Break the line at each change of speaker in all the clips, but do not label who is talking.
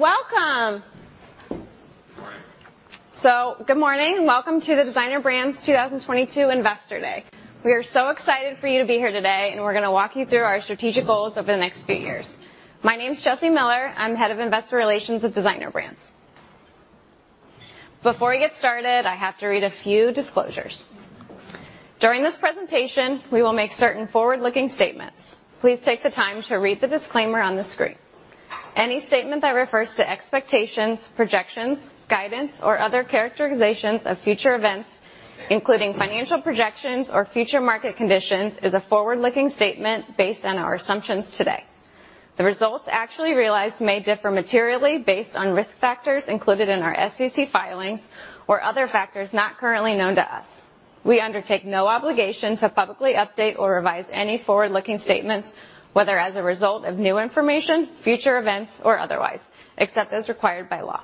Welcome.
Good morning.
Good morning. Welcome to the Designer Brands' 2022 Investor Day. We are so excited for you to be here today, and we're gonna walk you through our strategic goals over the next few years. My name's Laura Denk. I'm Head of Investor Relations with Designer Brands. Before we get started, I have to read a few disclosures. During this presentation, we will make certain forward-looking statements. Please take the time to read the disclaimer on the screen. Any statement that refers to expectations, projections, guidance, or other characterizations of future events, including financial projections or future market conditions, is a forward-looking statement based on our assumptions today. The results actually realized may differ materially based on risk factors included in our SEC filings or other factors not currently known to us. We undertake no obligation to publicly update or revise any forward-looking statements, whether as a result of new information, future events, or otherwise, except as required by law.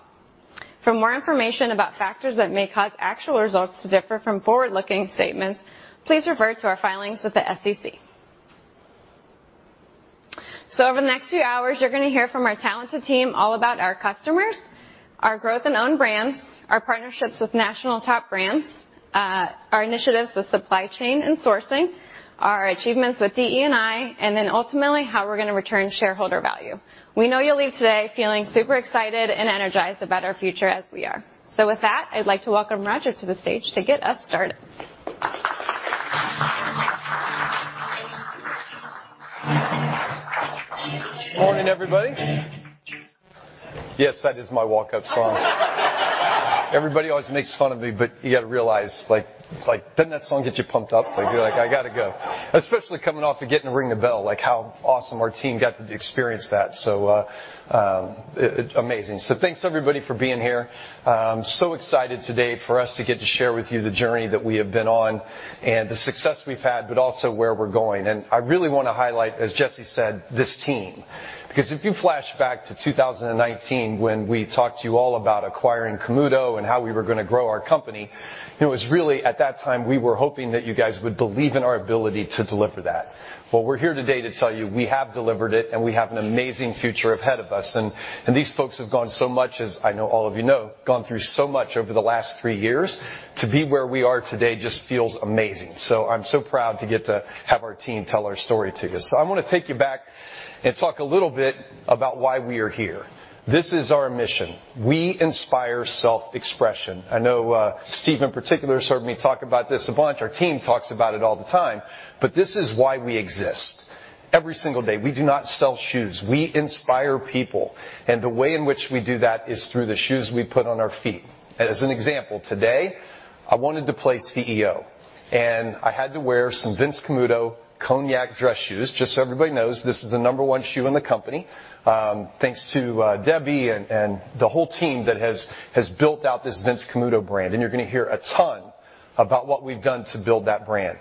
For more information about factors that may cause actual results to differ from forward-looking statements, please refer to our filings with the SEC. Over the next few hours, you're gonna hear from our talented team all about our customers, our growth in owned brands, our partnerships with national top brands, our initiatives with supply chain and sourcing, our achievements with DE&I, and then ultimately, how we're gonna return shareholder value. We know you'll leave today feeling super excited and energized about our future as we are. With that, I'd like to welcome Roger to the stage to get us started.
Morning, everybody. Yes, that is my walk-up song. Everybody always makes fun of me, but you gotta realize, like, doesn't that song get you pumped up? Like, you're like, "I gotta go." Especially coming off of getting to ring the bell, like, how awesome our team got to experience that. Amazing. Thanks everybody for being here. Excited today for us to get to share with you the journey that we have been on and the success we've had, but also where we're going. I really wanna highlight, as Jessie said, this team. Because if you flash back to 2019 when we talked to you all about acquiring Camuto and how we were gonna grow our company, it was really at that time we were hoping that you guys would believe in our ability to deliver that. Well, we're here today to tell you we have delivered it, and we have an amazing future ahead of us. These folks have gone through so much, as I know all of you know, over the last 3 years. To be where we are today just feels amazing. I'm so proud to get to have our team tell our story to you. I wanna take you back and talk a little bit about why we are here. This is our mission. We inspire self-expression. I know, Steve, in particular, has heard me talk about this a bunch. Our team talks about it all the time, but this is why we exist every single day. We do not sell shoes. We inspire people, and the way in which we do that is through the shoes we put on our feet. As an example, today I wanted to play CEO, and I had to wear some Vince Camuto cognac dress shoes. Just so everybody knows, this is the number one shoe in the company, thanks to Debbie and the whole team that has built out this Vince Camuto brand. You're gonna hear a ton about what we've done to build that brand.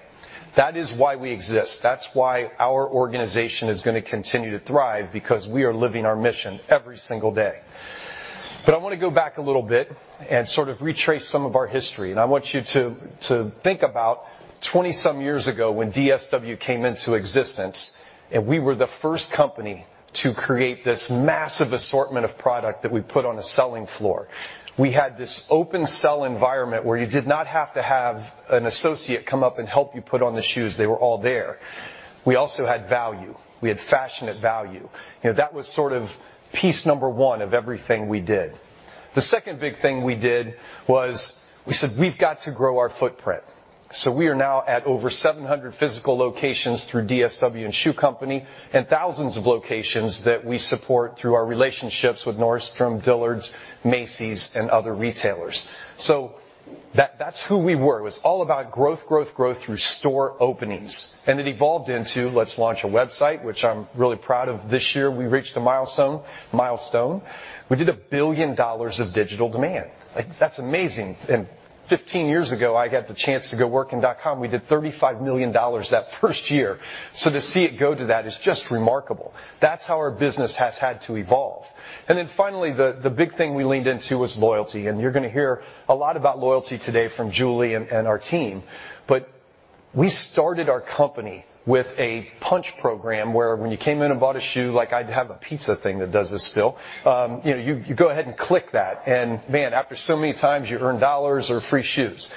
That is why we exist. That's why our organization is gonna continue to thrive because we are living our mission every single day. I wanna go back a little bit and sort of retrace some of our history. I want you to think about 20-some years ago when DSW came into existence, and we were the first company to create this massive assortment of product that we put on a selling floor. We had this open sell environment where you did not have to have an associate come up and help you put on the shoes. They were all there. We also had value. We had fashion at value. You know, that was sort of piece number one of everything we did. The second big thing we did was we said we've got to grow our footprint. We are now at over 700 physical locations through DSW and Shoe Company and thousands of locations that we support through our relationships with Nordstrom, Dillard's, Macy's, and other retailers. That, that's who we were. It was all about growth, growth through store openings, and it evolved into let's launch a website, which I'm really proud of. This year, we reached a milestone. We did $1 billion of digital demand. Like, that's amazing. Fifteen years ago, I got the chance to go work in dot-com. We did $35 million that first year. To see it go to that is just remarkable. That's how our business has had to evolve. Then finally, the big thing we leaned into was loyalty, and you're gonna hear a lot about loyalty today from Julie and our team. We started our company with a punch program where when you came in and bought a shoe, like I have a pizza thing that does this still, you know, you go ahead and click that. Man, after so many times, you earn dollars or free shoes.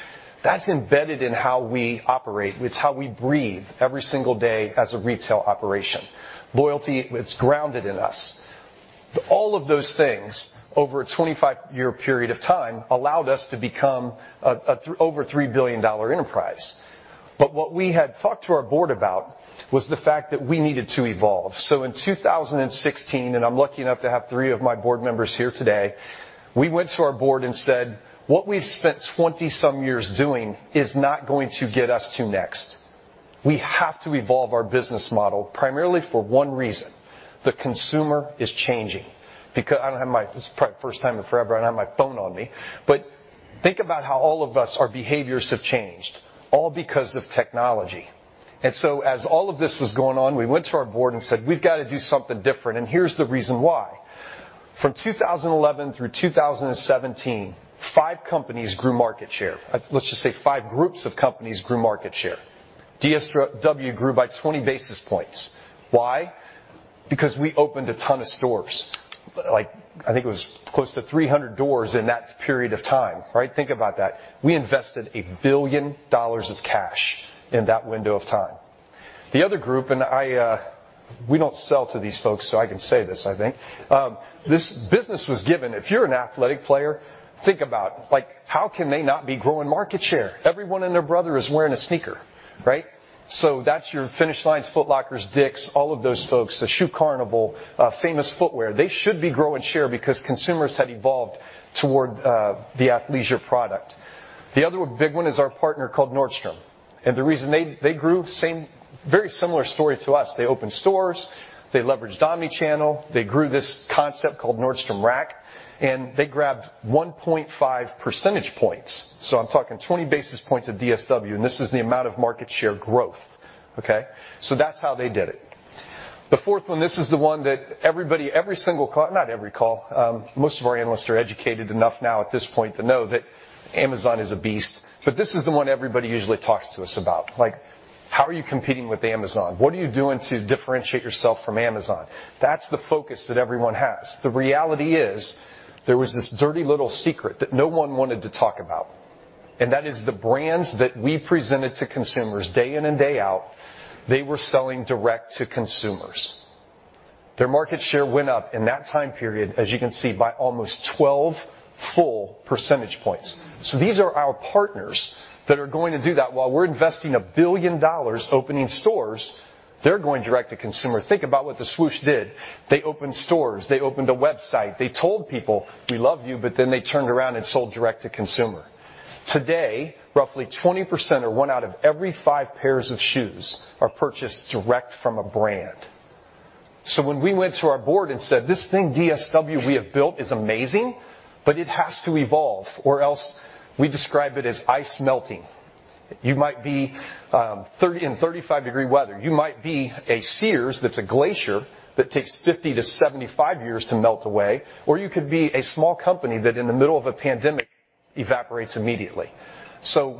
That's embedded in how we operate. It's how we breathe every single day as a retail operation. Loyalty, it's grounded in us. All of those things over a 25-year period of time allowed us to become a over $3 billion enterprise. What we had talked to our board about was the fact that we needed to evolve. In 2016, and I'm lucky enough to have three of my board members here today, we went to our board and said, "What we've spent 20-some years doing is not going to get us to next. We have to evolve our business model primarily for one reason. The consumer is changing." This is probably the first time in forever I don't have my phone on me. Think about how all of us, our behaviors have changed, all because of technology. As all of this was going on, we went to our board and said, "We've got to do something different, and here's the reason why." From 2011 through 2017, five companies grew market share. Let's just say five groups of companies grew market share. DSW grew by 20 basis points. Why? Because we opened a ton of stores. Like, I think it was close to 300 doors in that period of time, right? Think about that. We invested $1 billion of cash in that window of time. The other group, and I, we don't sell to these folks, so I can say this, I think. This business was given. If you're an athletic player, think about, like, how can they not be growing market share? Everyone and their brother is wearing a sneaker, right? That's your Finish Lines, Foot Lockers, Dick's, all of those folks, the Shoe Carnival, Famous Footwear. They should be growing share because consumers have evolved toward the athleisure product. The other big one is our partner called Nordstrom. The reason they grew very similar story to us. They opened stores. They leveraged omnichannel. They grew this concept called Nordstrom Rack, and they grabbed 1.5 percentage points. I'm talking 20 basis points at DSW, and this is the amount of market share growth, okay? That's how they did it. The fourth one, this is the one that everybody, every single not every call. Most of our analysts are educated enough now at this point to know that Amazon is a beast. This is the one everybody usually talks to us about. Like, how are you competing with Amazon? What are you doing to differentiate yourself from Amazon? That's the focus that everyone has. The reality is there was this dirty little secret that no one wanted to talk about, and that is the brands that we presented to consumers day in and day out, they were selling direct to consumers. Their market share went up in that time period, as you can see, by almost 12 full percentage points. These are our partners that are going to do that. While we're investing $1 billion opening stores, they're going direct to consumer. Think about what the Swoosh did. They opened stores. They opened a website. They told people, "We love you," but then they turned around and sold direct to consumer. Today, roughly 20% or one out of every five pairs of shoes are purchased direct from a brand. When we went to our board and said, "This thing DSW we have built is amazing, but it has to evolve or else we describe it as ice melting." You might be in 35-degree weather. You might be a Sears that's a glacier that takes 50-75 years to melt away, or you could be a small company that in the middle of a pandemic evaporates immediately.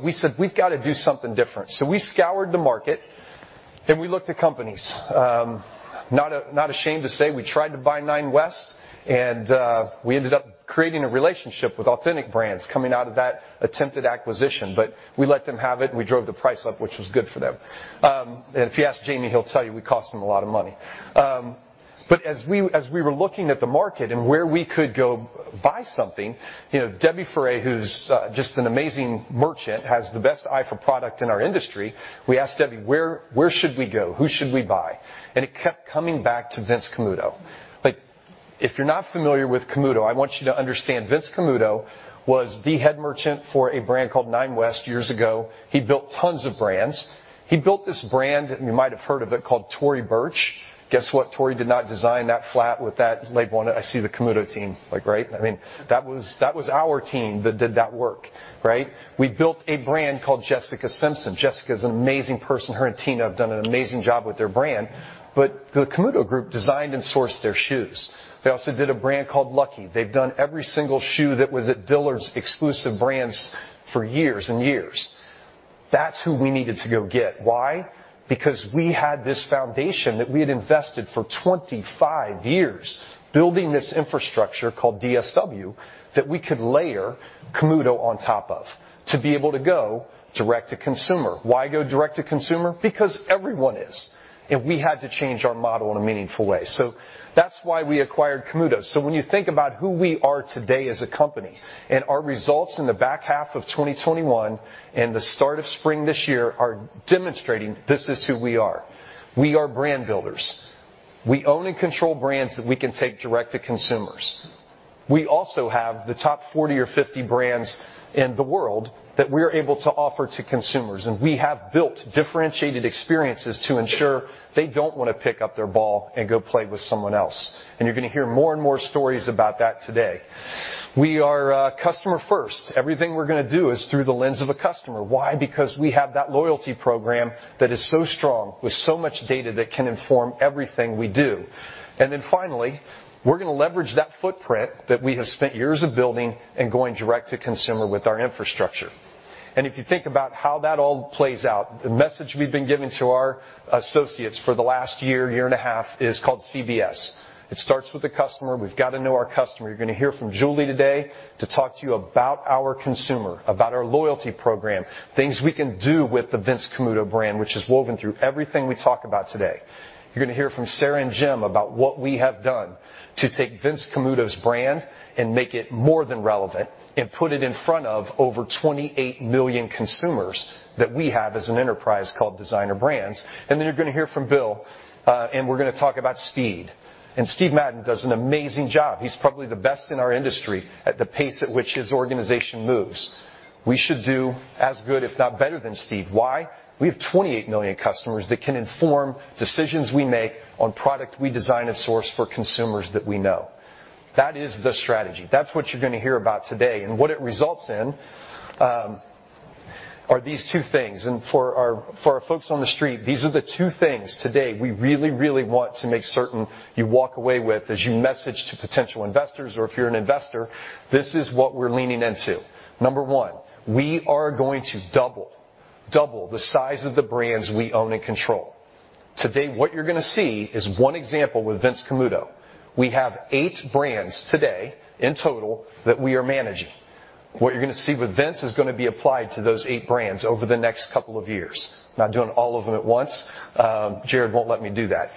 We said, "We've got to do something different." We scoured the market, and we looked at companies. Not ashamed to say we tried to buy Nine West, and we ended up creating a relationship with Authentic Brands coming out of that attempted acquisition. We let them have it, and we drove the price up, which was good for them. If you ask Jamie, he'll tell you we cost him a lot of money. But as we were looking at the market and where we could go buy something, you know, Debbie Ferrée, who's just an amazing merchant, has the best eye for product in our industry. We asked Debbie, "Where should we go? Who should we buy?" It kept coming back to Vince Camuto. Like, if you're not familiar with Camuto, I want you to understand Vince Camuto was the head merchant for a brand called Nine West years ago. He built tons of brands. He built this brand, you might have heard of it, called Tory Burch. Guess what? Tory did not design that flat with that label on it. I see the Camuto team. Like, right? I mean, that was our team that did that work, right? We built a brand called Jessica Simpson. Jessica is an amazing person. Her and Tina have done an amazing job with their brand. The Camuto Group designed and sourced their shoes. They also did a brand called Lucky. They've done every single-shoe that was at Dillard's exclusive brands for years and years. That's who we needed to go get. Why? Because we had this foundation that we had invested for 25 years building this infrastructure called DSW that we could layer Camuto on top of to be able to go direct to consumer. Why go direct to consumer? Because everyone is, and we had to change our model in a meaningful way. That's why we acquired Camuto. When you think about who we are today as a company and our results in the back half of 2021 and the start of spring this year are demonstrating this is who we are. We are brand builders. We own and control brands that we can take direct to consumers. We also have the top 40 or 50 brands in the world that we're able to offer to consumers, and we have built differentiated experiences to ensure they don't wanna pick up their ball and go play with someone else. You're gonna hear more and more stories about that today. We are customer first. Everything we're gonna do is through the lens of a customer. Why? Because we have that loyalty program that is so strong with so much data that can inform everything we do. Finally, we're gonna leverage that footprint that we have spent years of building and going direct to consumer with our infrastructure. If you think about how that all plays out, the message we've been giving to our associates for the last year and a half is called CBS. It starts with the customer. We've got to know our customer. You're gonna hear from Julie today to talk to you about our consumer, about our loyalty program, things we can do with the Vince Camuto brand, which is woven through everything we talk about today. You're gonna hear from Sarah and Jim about what we have done to take Vince Camuto's brand and make it more than relevant and put it in front of over 28 million consumers that we have as an enterprise called Designer Brands. Then you're gonna hear from Bill, and we're gonna talk about speed. Steve Madden does an amazing job. He's probably the best in our industry at the pace at which his organization moves. We should do as good, if not better, than Steve. Why? We have 28 million customers that can inform decisions we make on product we design and source for consumers that we know. That is the strategy. That's what you're gonna hear about today. What it results in are these two things, and for our folks on the street, these are the two things today we really want to make certain you walk away with as you message to potential investors or if you're an investor, this is what we're leaning into. Number one, we are going to double the size of the brands we own and control. Today, what you're gonna see is one example with Vince Camuto. We have eight brands today in total that we are managing. What you're gonna see with Vince is gonna be applied to those eight brands over the next couple of years. Not doing all of them at once. Jared won't let me do that.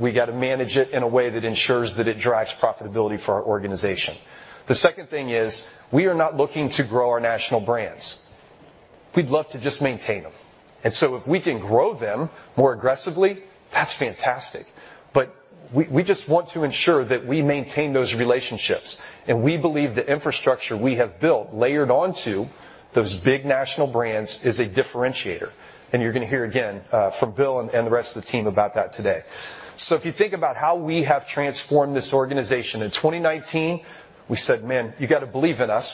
We gotta manage it in a way that ensures that it drives profitability for our organization. The second thing is, we are not looking to grow our national brands. We'd love to just maintain them. If we can grow them more aggressively, that's fantastic. We just want to ensure that we maintain those relationships. We believe the infrastructure we have built layered onto those big national brands is a differentiator. You're gonna hear again from Bill and the rest of the team about that today. If you think about how we have transformed this organization, in 2019, we said, "Man, you gotta believe in us."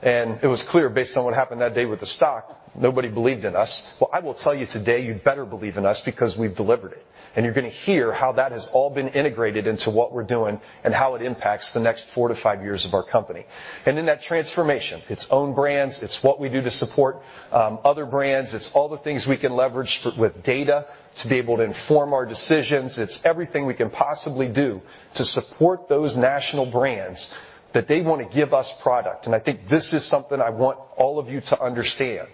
It was clear based on what happened that day with the stock, nobody believed in us. Well, I will tell you today, you'd better believe in us because we've delivered it, and you're gonna hear how that has all been integrated into what we're doing and how it impacts the next 4-5 years of our company. In that transformation, it's own brands, it's what we do to support, other brands, it's all the things we can leverage with data to be able to inform our decisions. It's everything we can possibly do to support those national brands that they wanna give us product. I think this is something I want all of you to understand.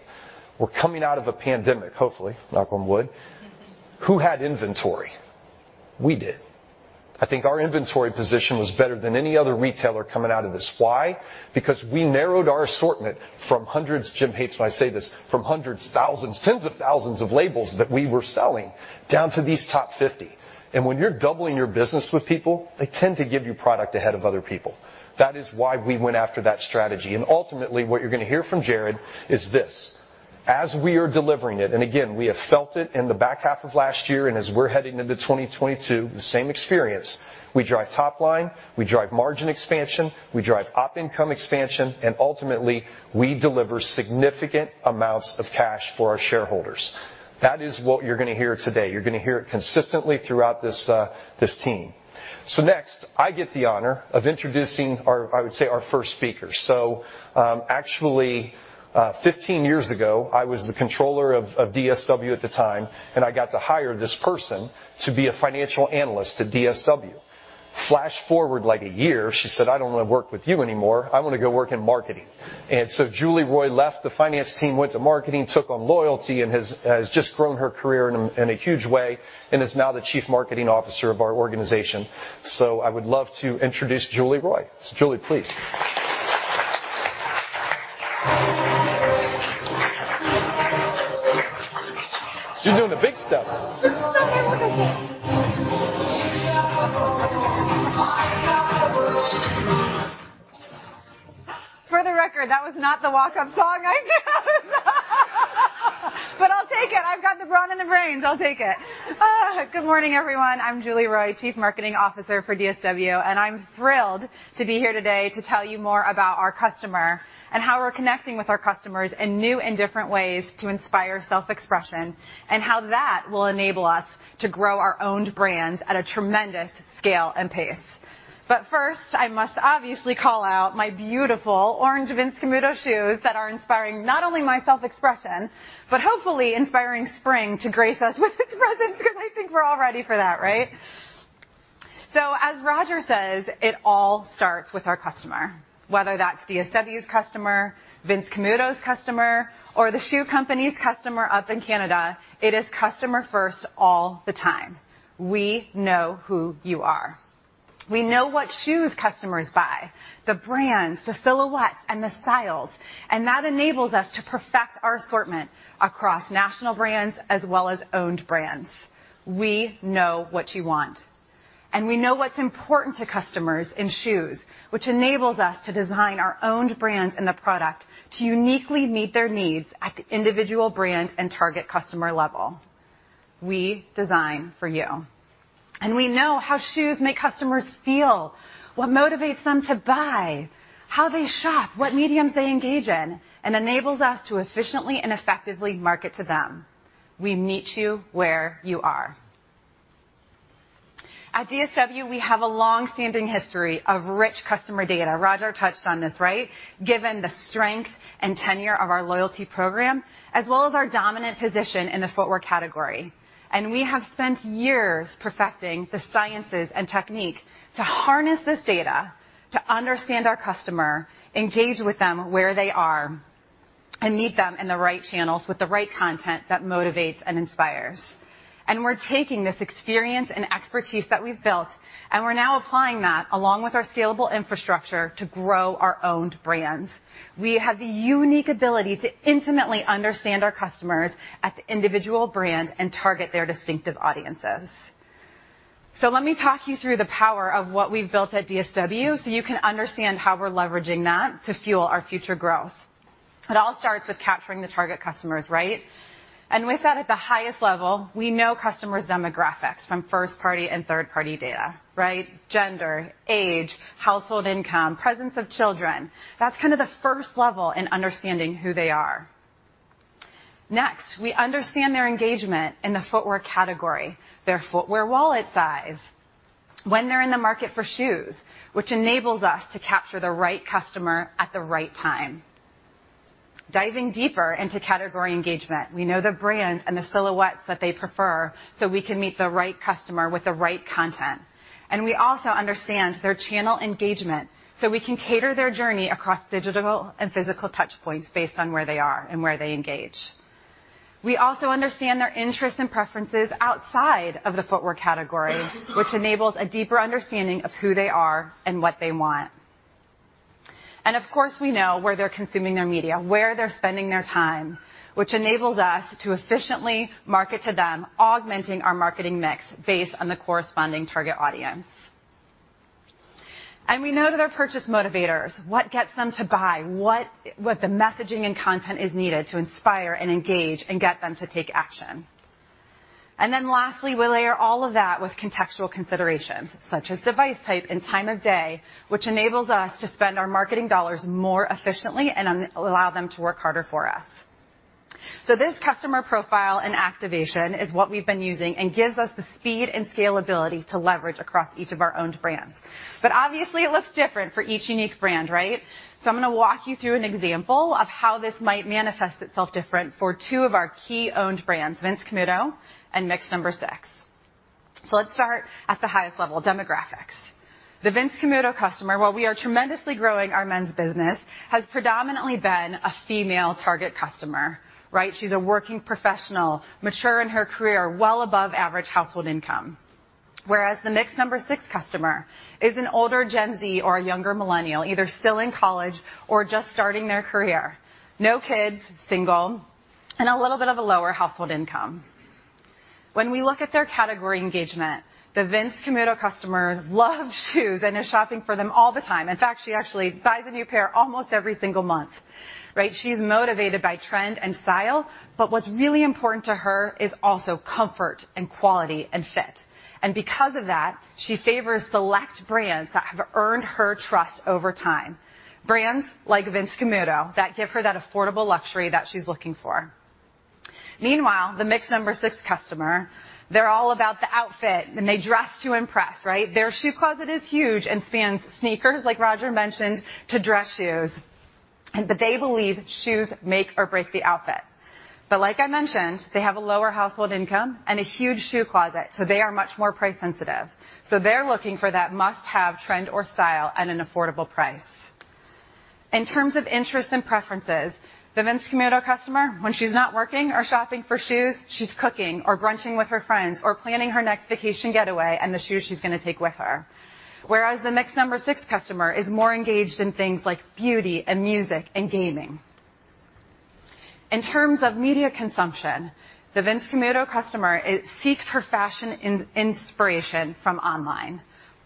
We're coming out of a pandemic, hopefully, knock on wood. Who had inventory? We did. I think our inventory position was better than any other retailer coming out of this. Why? Because we narrowed our assortment from hundreds. Jim hates when I say this, from hundreds, thousands, tens of thousands of labels that we were selling down to these top 50. When you're doubling your business with people, they tend to give you product ahead of other people. That is why we went after that strategy. Ultimately, what you're gonna hear from Jared is this, as we are delivering it, and again, we have felt it in the back half of last year, and as we're heading into 2022, the same experience, we drive top-line, we drive margin expansion, we drive op income expansion, and ultimately, we deliver significant amounts of cash for our shareholders. That is what you're gonna hear today. You're gonna hear it consistently throughout this time. Next, I get the honor of introducing our, I would say, our first speaker. Actually, 15 years ago, I was the controller of DSW at the time, and I got to hire this person to be a financial analyst at DSW. Flash forward, like a year, she said, "I don't wanna work with you anymore. I wanna go work in marketing." Julie Roy left the finance team, went to marketing, took on loyalty, and has just grown her career in a huge way, and is now the Chief Marketing Officer of our organization. I would love to introduce Julie Roy. Julie, please. She's doing the big step.
Okay, one more time. For the record, that was not the walk-up song I chose. But I'll take it. I've got the brawn and the brains. I'll take it. Good morning, everyone. I'm Julie Roy, Chief Marketing Officer for DSW, and I'm thrilled to be here today to tell you more about our customer and how we're connecting with our customers in new and different ways to inspire self-expression, and how that will enable us to grow our owned brands at a tremendous scale and pace. First, I must obviously call out my beautiful orange Vince Camuto shoes that are inspiring not only my self-expression, but hopefully inspiring spring to grace us with its presence 'cause I think we're all ready for that, right? As Roger says, it all starts with our customer. Whether that's DSW's customer, Vince Camuto's customer, or The Shoe Company's customer up in Canada, it is customer first all the time. We know who you are. We know what shoes customers buy, the brands, the silhouettes, and the styles, and that enables us to perfect our assortment across national brands as well as owned brands. We know what you want. We know what's important to customers in shoes, which enables us to design our owned brands and the product to uniquely meet their needs at the individual brand and target customer level. We design for you. We know how shoes make customers feel, what motivates them to buy, how they shop, what mediums they engage in, and enables us to efficiently and effectively market to them. We meet you where you are. At DSW, we have a long-standing history of rich customer data. Roger touched on this, right? Given the strength and tenure of our loyalty program, as well as our dominant position in the footwear category, we have spent years perfecting the sciences and technique to harness this data, to understand our customer, engage with them where they are, and meet them in the right channels with the right content that motivates and inspires. We're taking this experience and expertise that we've built, and we're now applying that, along with our scalable infrastructure, to grow our owned brands. We have the unique ability to intimately understand our customers at the individual brand and target their distinctive audiences. Let me talk you through the power of what we've built at DSW, so you can understand how we're leveraging that to fuel our future growth. It all starts with capturing the target customers, right? With that at the highest-level, we know customers' demographics from first-party and third-party data, right? Gender, age, household income, presence of children. That's kinda the first level in understanding who they are. Next, we understand their engagement in the footwear category, their footwear wallet size, when they're in the market for shoes, which enables us to capture the right customer at the right time. Diving deeper into category engagement, we know the brands and the silhouettes that they prefer, so we can meet the right customer with the right content. We also understand their channel engagement, so we can cater their journey across digital and physical touchpoints based on where they are and where they engage. We also understand their interests and preferences outside of the footwear category, which enables a deeper understanding of who they are and what they want. Of course, we know where they're consuming their media, where they're spending their time, which enables us to efficiently market to them, augmenting our marketing mix based on the corresponding target audience. We know their purchase motivators, what gets them to buy, what the messaging and content is needed to inspire and engage and get them to take action. Lastly, we layer all of that with contextual considerations such as device type and time of day, which enables us to spend our marketing dollars more efficiently and allow them to work harder for us. This customer profile and activation is what we've been using and gives us the speed and scalability to leverage across each of our owned brands. Obviously, it looks different for each unique brand, right? I'm gonna walk you through an example of how this might manifest itself different for two of our key owned brands, Vince Camuto and Mix No. 6. Let's start at the highest-level, demographics. The Vince Camuto customer, while we are tremendously growing our men's business, has predominantly been a female target customer, right? She's a working professional, mature in her career, well above average household income. Whereas the Mix No. 6 customer is an older Gen Z or a younger millennial, either still in college or just starting their career. No kids, single, and a little bit of a lower household income. When we look at their category engagement, the Vince Camuto customer loves shoes and is shopping for them all the time. In fact, she actually buys a new pair almost every single month, right? She's motivated by trend and style, but what's really important to her is also comfort and quality and fit. Because of that, she favors select brands that have earned her trust over time. Brands like Vince Camuto that give her that affordable luxury that she's looking for. Meanwhile, the Mix No. 6 customer, they're all about the outfit, and they dress to impress, right? Their shoe closet is huge and spans sneakers, like Roger mentioned, to dress shoes, and but they believe shoes make or break the outfit. Like I mentioned, they have a lower household income and a huge shoe closet, so they are much more price sensitive. They're looking for that must-have trend or style at an affordable price. In terms of interests and preferences, the Vince Camuto customer, when she's not working or shopping for shoes, she's cooking or brunching with her friends or planning her next vacation getaway and the shoes she's gonna take with her. Whereas the Mix No. 6 customer is more engaged in things like beauty and music and gaming. In terms of media consumption, the Vince Camuto customer seeks her fashion inspiration from online,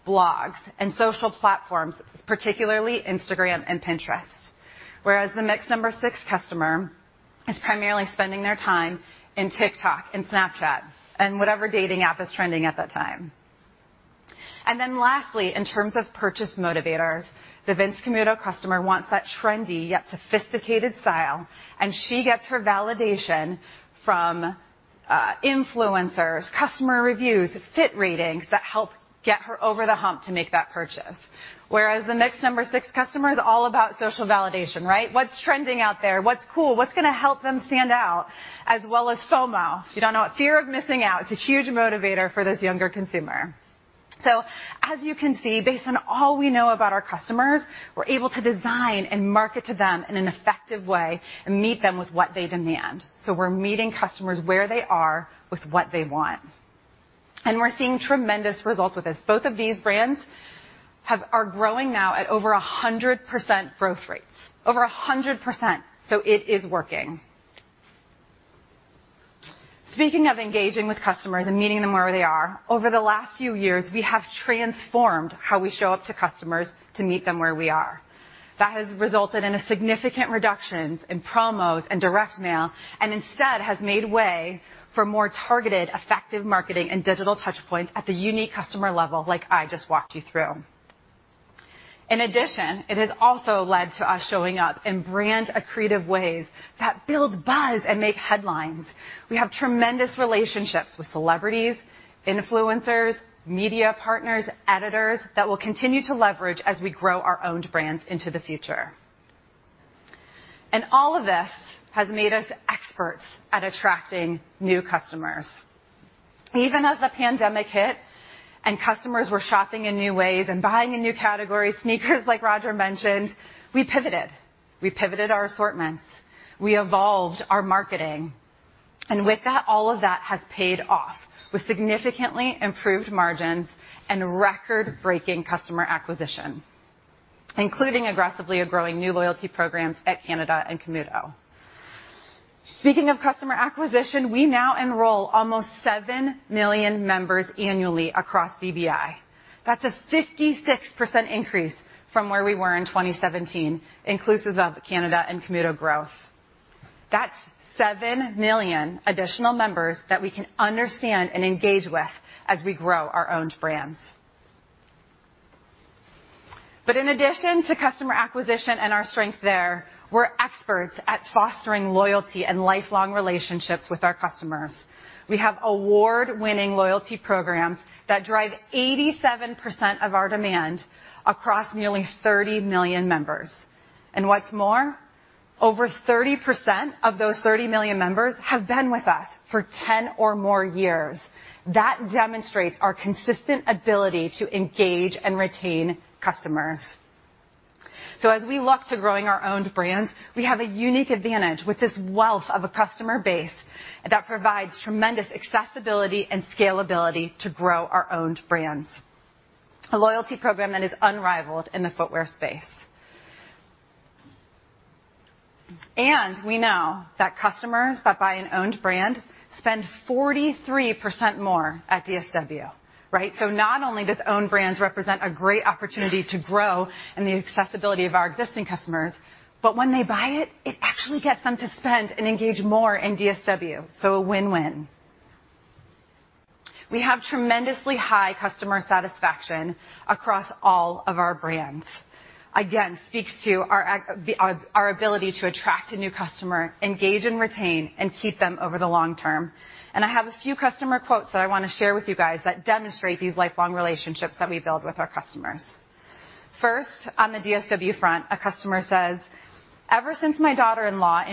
blogs, and social platforms, particularly Instagram and Pinterest. Whereas the Mix No. 6 customer is primarily spending their time in TikTok and Snapchat and whatever dating app is trending at that time. Then lastly, in terms of purchase motivators, the Vince Camuto customer wants that trendy yet sophisticated style, and she gets her validation from influencers, customer reviews, fit ratings that help get her over the hump to make that purchase. Whereas the Mix No. 6 customer is all about social validation, right? What's trending out there, what's cool, what's gonna help them stand out, as well as FOMO, fear of missing out. It's a huge motivator for this younger consumer. As you can see, based on all we know about our customers, we're able to design and market to them in an effective way and meet them with what they demand. We're meeting customers where they are with what they want. We're seeing tremendous results with this. Both of these brands are growing now at over 100% growth rates, over 100%. So it is working. Speaking of engaging with customers and meeting them where they are, over the last few years, we have transformed how we show up to customers to meet them where we are. That has resulted in significant reductions in promos and direct mail, and instead has made way for more targeted, effective marketing and digital touchpoints at the unique customer level, like I just walked you through. In addition, it has also led to us showing up in brand accretive ways that build buzz and make headlines. We have tremendous relationships with celebrities, influencers, media partners, editors that we'll continue to leverage as we grow our owned brands into the future. All of this has made us experts at attracting new customers. Even as the pandemic hit and customers were shopping in new ways and buying in new categories, sneakers, like Roger mentioned, we pivoted. We pivoted our assortments, we evolved our marketing, and with that, all of that has paid off with significantly improved margins and record-breaking customer acquisition, including aggressively growing new loyalty programs at Canada and Camuto. Speaking of customer acquisition, we now enroll almost 7 million members annually across CBS. That's a 56% increase from where we were in 2017, inclusive of Canada and Camuto growth. That's 7 million additional members that we can understand and engage with as we grow our owned brands. In addition to customer acquisition and our strength there, we're experts at fostering loyalty and lifelong relationships with our customers. We have award-winning loyalty programs that drive 87% of our demand across nearly 30 million members. What's more, over 30% of those 30 million members have been with us for 10 or more years. That demonstrates our consistent ability to engage and retain customers. As we look to growing our own brands, we have a unique advantage with this wealth of a customer base that provides tremendous accessibility and scalability to grow our owned brands. A loyalty program that is unrivaled in the footwear space. We know that customers that buy an owned brand spend 43% more at DSW, right? Not only does owned brands represent a great opportunity to grow in the accessibility of our existing customers, but when they buy it actually gets them to spend and engage more in DSW. A win-win. We have tremendously high customer satisfaction across all of our brands. Again, speaks to our ability to attract a new customer, engage and retain, and keep them over the long-term. I have a few customer quotes that I wanna share with you guys that demonstrate these lifelong relationships that we build with our customers. First, on the DSW front, a customer says, "Ever since my daughter-in-law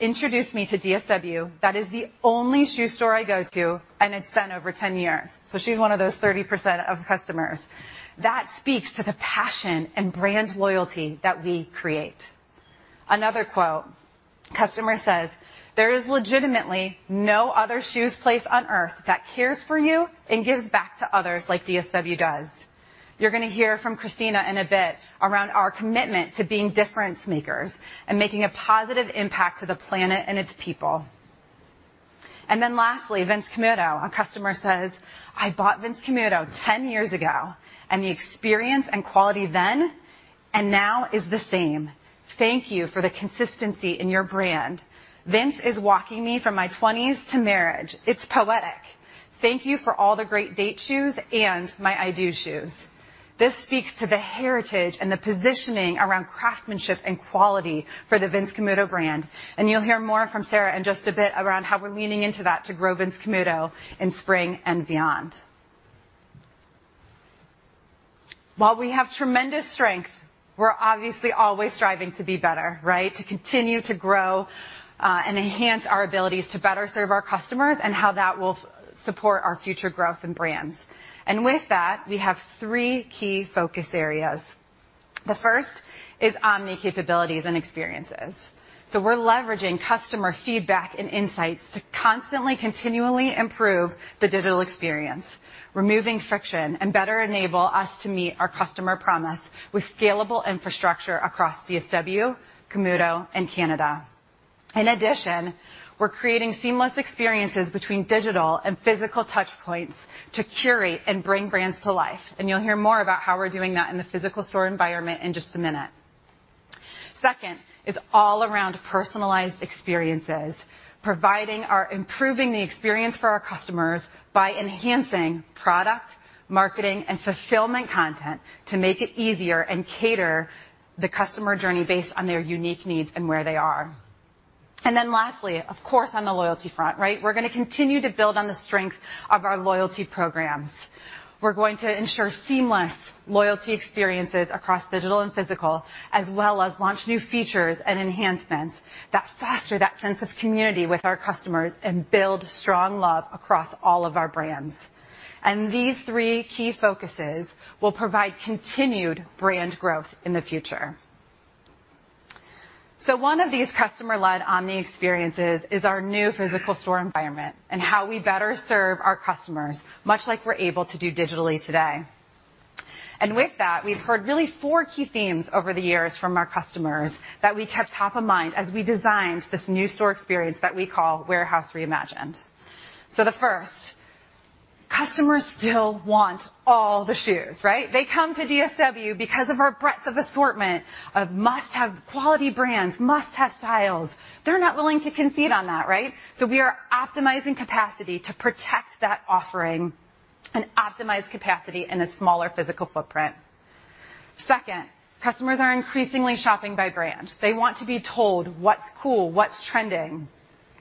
introduced me to DSW, that is the only shoe store I go to, and it's been over 10 years." She's one of those 30% of customers. That speaks to the passion and brand loyalty that we create. Another quote, customer says, "There is legitimately no other shoes place on Earth that cares for you and gives back to others like DSW does." You're gonna hear from Christina in a bit around our commitment to being difference makers and making a positive impact to the planet and its people. Then lastly, Vince Camuto. A customer says, "I bought Vince Camuto 10 years ago, and the experience and quality then and now is the same. Thank you for the consistency in your brand. Vince is walking me from my twenties to marriage. It's poetic. Thank you for all the great date shoes and my I do shoes." This speaks to the heritage and the positioning around craftsmanship and quality for the Vince Camuto brand. You'll hear more from Sarah in just a bit around how we're leaning into that to grow Vince Camuto in spring and beyond. While we have tremendous strength, we're obviously always striving to be better, right? To continue to grow, and enhance our abilities to better serve our customers, and how that will support our future growth and brands. With that, we have three key focus areas. The first is omni capabilities and experiences. We're leveraging customer feedback and insights to continually improve the digital experience, removing friction, and better enable us to meet our customer promise with scalable infrastructure across DSW, Camuto, and Canada. In addition, we're creating seamless experiences between digital and physical touch points to curate and bring brands to life, and you'll hear more about how we're doing that in the physical store environment in just a minute. Second is all around personalized experiences, providing or improving the experience for our customers by enhancing product, marketing, and fulfillment content to make it easier and cater the customer journey based on their unique needs and where they are. Lastly, of course, on the loyalty front, right? We're gonna continue to build on the strength of our loyalty programs. We're going to ensure seamless loyalty experiences across digital and physical, as well as launch new features and enhancements that foster that sense of community with our customers and build strong love across all of our brands. These three key focuses will provide continued brand growth in the future. One of these customer-led omni experiences is our new physical store environment and how we better serve our customers, much like we're able to do digitally today. With that, we've heard really four key themes over the years from our customers that we kept top of mind as we designed this new store experience that we call Warehouse Reimagined. The first, customers still want all the shoes, right? They come to DSW because of our breadth of assortment of must-have quality brands, must-have styles. They're not willing to concede on that, right? We are optimizing capacity to protect that offering and optimize capacity in a smaller physical footprint. Second, customers are increasingly shopping by brand. They want to be told what's cool, what's trending.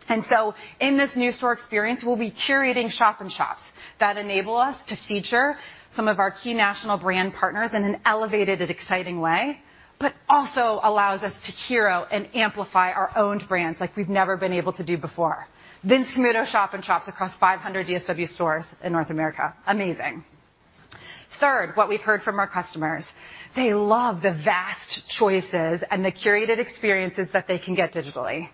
In this new store experience, we'll be curating shop in shops that enable us to feature some of our key national brand partners in an elevated and exciting way, but also allows us to hero and amplify our owned brands like we've never been able to do before. Vince Camuto shop-in-shops across 500 DSW stores in North America. Amazing. Third, what we've heard from our customers, they love the vast choices and the curated experiences that they can get digitally.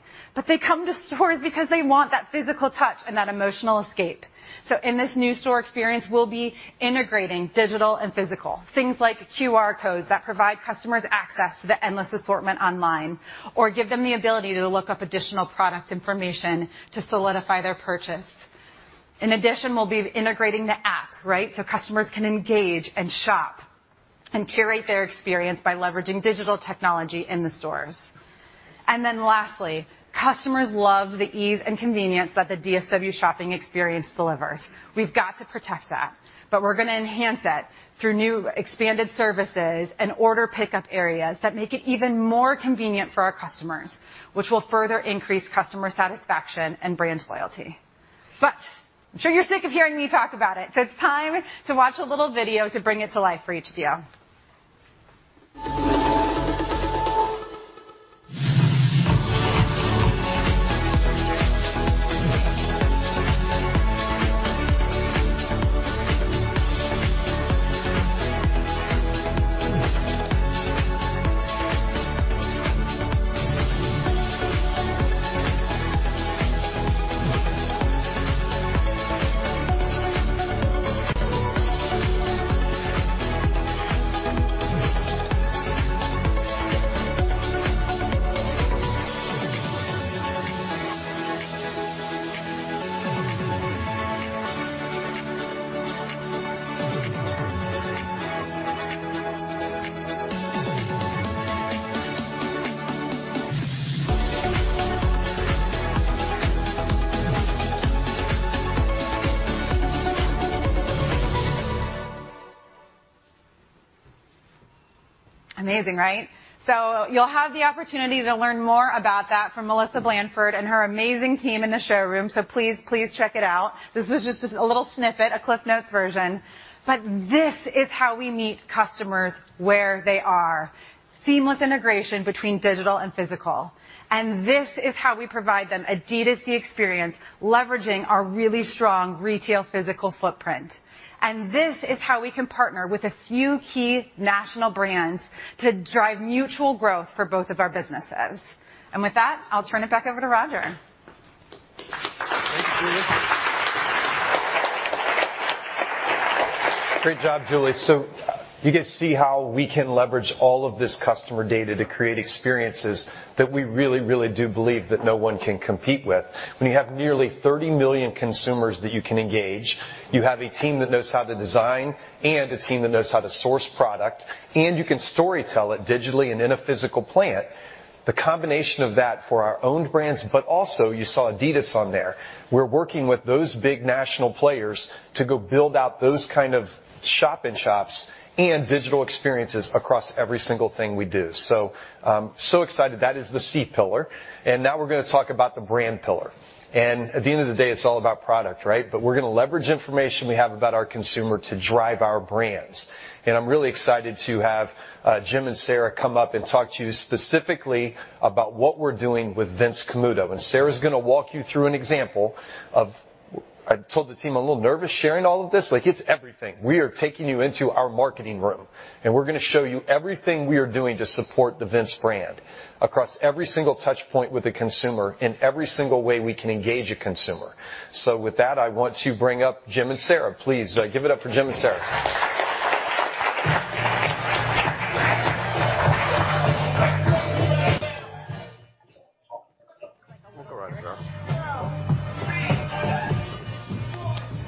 They come to stores because they want that physical touch and that emotional escape. In this new store experience, we'll be integrating digital and physical. Things like QR codes that provide customers access to the endless assortment online or give them the ability to look up additional product information to solidify their purchase. In addition, we'll be integrating the app, right? Customers can engage and shop and curate their experience by leveraging digital technology in the stores. Then lastly, customers love the ease and convenience that the DSW shopping experience delivers. We've got to protect that, but we're gonna enhance that through new expanded services and order pickup areas that make it even more convenient for our customers, which will further increase customer satisfaction and brand loyalty. I'm sure you're sick of hearing me talk about it, so it's time to watch a little video to bring it to life for each of you. Amazing, right? You'll have the opportunity to learn more about that from Melissa Blandford and her amazing team in the showroom. Please, please check it out. This is just a little snippet, a CliffsNotes version. This is how we meet customers where they are. Seamless integration between digital and physical. This is how we provide them Adidas experience, leveraging our really strong retail physical footprint. This is how we can partner with a few key national brands to drive mutual growth for both of our businesses. With that, I'll turn it back over to Roger.
Thank you, Julie. Great job, Julie. You can see how we can leverage all of this customer data to create experiences that we really, really do believe that no one can compete with. When you have nearly 30 million consumers that you can engage, you have a team that knows how to design and a team that knows how to source product, and you can storytell it digitally and in a physical plane. The combination of that for our own brands, but also you saw Adidas on there. We're working with those big national players to go build out those kind of shop in shops and digital experiences across every single thing we do. So excited. That is the C pillar. Now we're gonna talk about the brand pillar. At the end of the day, it's all about product, right? We're gonna leverage information we have about our consumer to drive our brands. I'm really excited to have Jim and Sarah come up and talk to you specifically about what we're doing with Vince Camuto. Sarah's gonna walk you through. I told the team I'm a little nervous sharing all of this. Like, it's everything. We are taking you into our marketing room, and we're gonna show you everything we are doing to support the Vince brand across every single touch point with the consumer in every single way we can engage a consumer. With that, I want to bring up Jim and Sarah. Please, give it up for Jim and Sarah.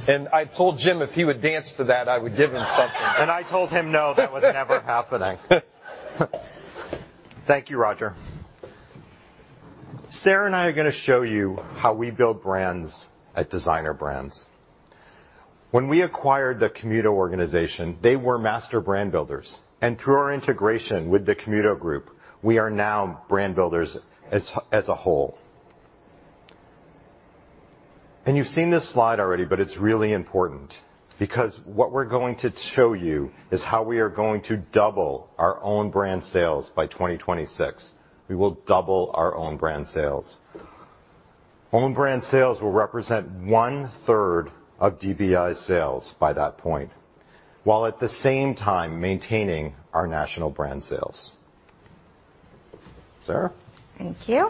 I told Jim if he would dance to that, I would give him something.
I told him no, that was never happening. Thank you, Roger. Sarah and I are gonna show you how we build brands at Designer Brands. When we acquired the Camuto Group, they were master brand builders, and through our integration with the Camuto Group, we are now brand builders as a whole. You've seen this slide already, but it's really important because what we're going to show you is how we are going to double our own brand sales by 2026. We will double our own brand sales. Own brand sales will represent one-third of DBI's sales by that point, while at the same time maintaining our national brand sales. Sarah.
Thank you.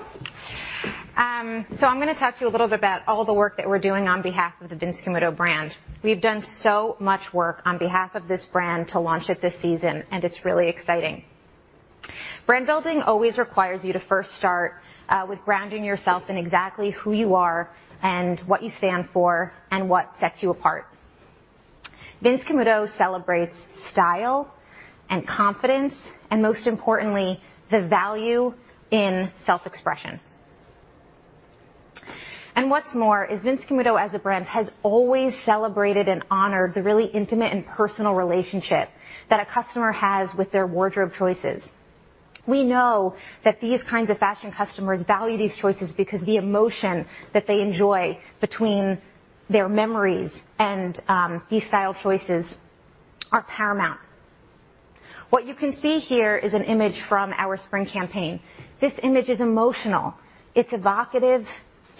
I'm gonna talk to you a little bit about all the work that we're doing on behalf of the Vince Camuto brand. We've done so much work on behalf of this brand to launch it this season, and it's really exciting. Brand building always requires you to first start with grounding yourself in exactly who you are and what you stand for and what sets you apart. Vince Camuto celebrates style and confidence, and most importantly, the value in self-expression. What's more is Vince Camuto, as a brand, has always celebrated and honored the really intimate and personal relationship that a customer has with their wardrobe choices. We know that these kinds of fashion customers value these choices because the emotion that they enjoy between their memories and these style choices are paramount. What you can see here is an image from our spring campaign. This image is emotional. It's evocative.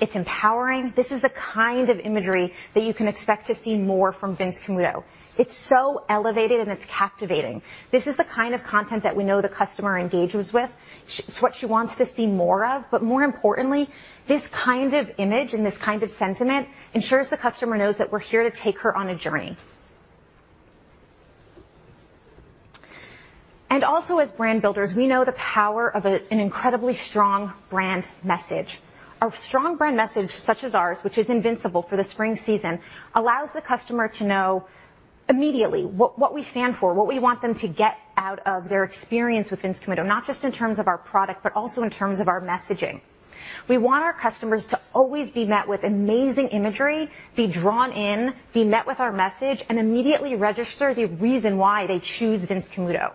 It's empowering. This is the kind of imagery that you can expect to see more from Vince Camuto. It's so elevated, and it's captivating. This is the kind of content that we know the customer engages with. It's what she wants to see more of. But more importantly, this kind of image and this kind of sentiment ensures the customer knows that we're here to take her on a journey. As brand builders, we know the power of an incredibly strong brand message. A strong brand message such as ours, which is invincible for the spring season, allows the customer to know immediately what we stand for, what we want them to get out of their experience with Vince Camuto, not just in terms of our product, but also in terms of our messaging. We want our customers to always be met with amazing imagery, be drawn in, be met with our message, and immediately register the reason why they choose Vince Camuto.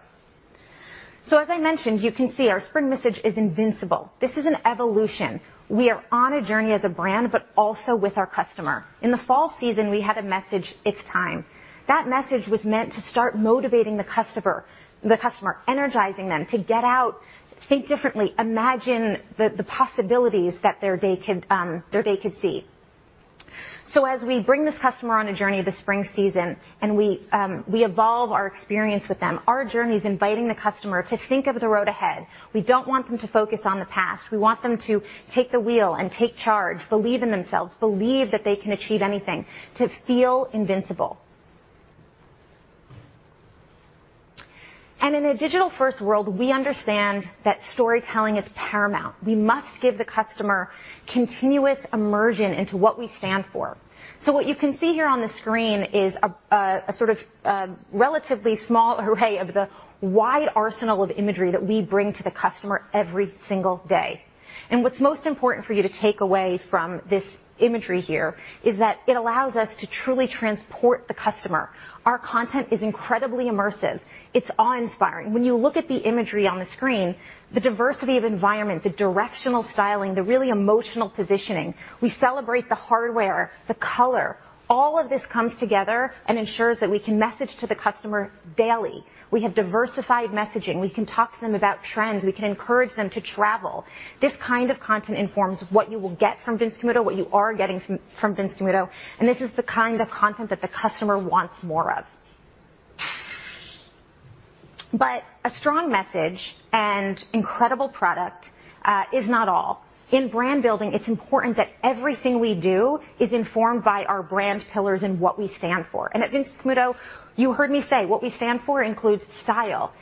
As I mentioned, you can see our spring message is invincible. This is an evolution. We are on a journey as a brand, but also with our customer. In the fall season, we had a message, it's time. That message was meant to start motivating the customer, energizing them to get out, think differently, imagine the possibilities that their day could see. As we bring this customer on a journey this spring season, and we evolve our experience with them, our journey is inviting the customer to think of the road ahead. We don't want them to focus on the past. We want them to take the wheel and take charge, believe in themselves, believe that they can achieve anything, to feel invincible. In a digital-first world, we understand that storytelling is paramount. We must give the customer continuous immersion into what we stand for. What you can see here on the screen is a sort of relatively small array of the wide arsenal of imagery that we bring to the customer every single day. What's most important for you to take away from this imagery here is that it allows us to truly transport the customer. Our content is incredibly immersive. It's awe-inspiring. When you look at the imagery on the screen, the diversity of environment, the directional styling, the really emotional positioning, we celebrate the hardware, the color. All of this comes together and ensures that we can message to the customer daily. We have diversified messaging. We can talk to them about trends. We can encourage them to travel. This kind of content informs what you will get from Vince Camuto, what you are getting from Vince Camuto, and this is the kind of content that the customer wants more of. A strong message and incredible product is not all. In brand building, it's important that everything we do is informed by our brand pillars and what we stand for. At Vince Camuto, you heard me say, what we stand for includes style,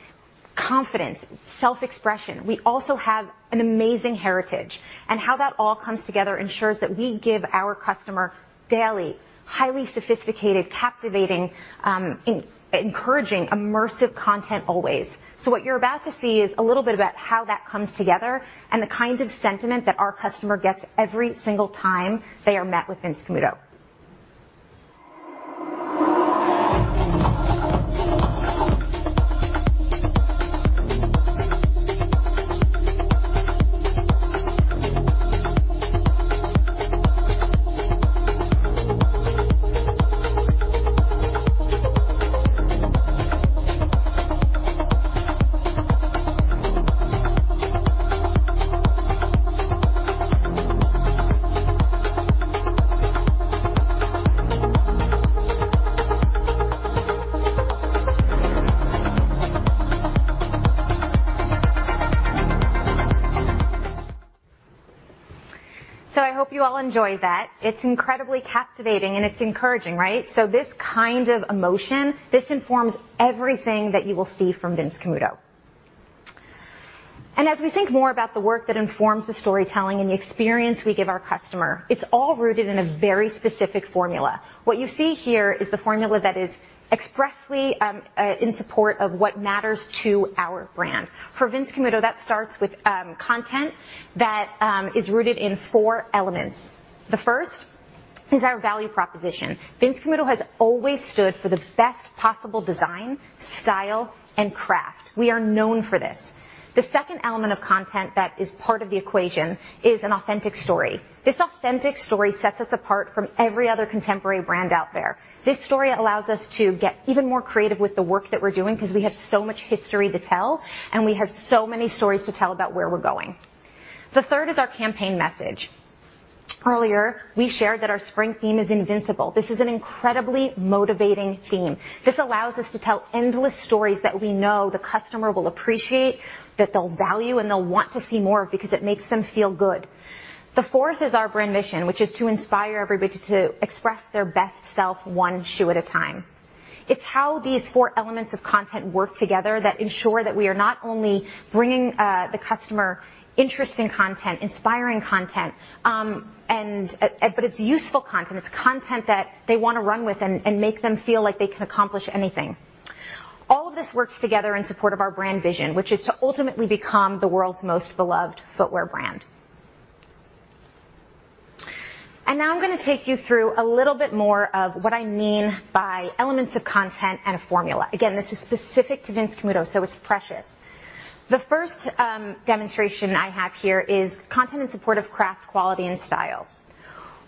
confidence, self-expression. We also have an amazing heritage. How that all comes together ensures that we give our customer daily, highly-sophisticated, captivating, encouraging, immersive content always. What you're about to see is a little bit about how that comes together and the kind of sentiment that our customer gets every single time they are met with Vince Camuto. I hope you all enjoyed that. It's incredibly captivating, and it's encouraging, right? This kind of emotion informs everything that you will see from Vince Camuto. As we think more about the work that informs the storytelling and the experience we give our customer, it's all rooted in a very specific formula. What you see here is the formula that is expressly in support of what matters to our brand. For Vince Camuto, that starts with content that is rooted in four elements. The first is our value proposition. Vince Camuto has always stood for the best possible design, style, and craft. We are known for this. The second element of content that is part of the equation is an authentic story. This authentic story sets us apart from every other contemporary brand out there. This story allows us to get even more creative with the work that we're doing because we have so much history to tell, and we have so many stories to tell about where we're going. The third is our campaign message. Earlier, we shared that our spring theme is invincible. This is an incredibly motivating theme. This allows us to tell endless stories that we know the customer will appreciate, that they'll value, and they'll want to see more of because it makes them feel good. The fourth is our brand mission, which is to inspire everybody to express their best self one shoe at a time. It's how these four elements of content work together that ensure that we are not only bringing the customer interesting content, inspiring content, but it's useful content. It's content that they wanna run with and make them feel like they can accomplish anything. All of this works together in support of our brand vision, which is to ultimately become the world's most beloved footwear brand. Now I'm gonna take you through a little bit more of what I mean by elements of content and a formula. Again, this is specific to Vince Camuto, so it's precious. The first demonstration I have here is content in support of craft, quality, and style.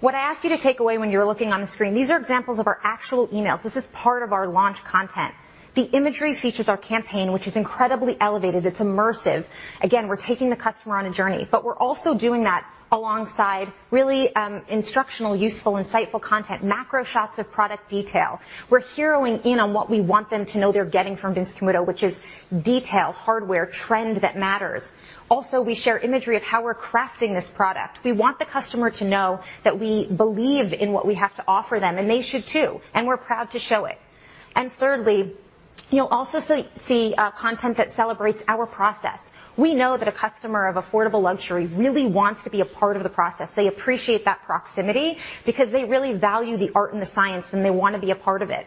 What I ask you to take away when you're looking on the screen, these are examples of our actual emails. This is part of our launch content. The imagery features our campaign, which is incredibly elevated. It's immersive. Again, we're taking the customer on a journey, but we're also doing that alongside really instructional, useful, insightful content, macro shots of product detail. We're zeroing in on what we want them to know they're getting from Vince Camuto, which is detail, hardware, trend that matters. Also, we share imagery of how we're crafting this product. We want the customer to know that we believe in what we have to offer them, and they should too, and we're proud to show it. Thirdly, you'll also see content that celebrates our process. We know that a customer of affordable luxury really wants to be a part of the process. They appreciate that proximity because they really value the art and the science, and they wanna be a part of it.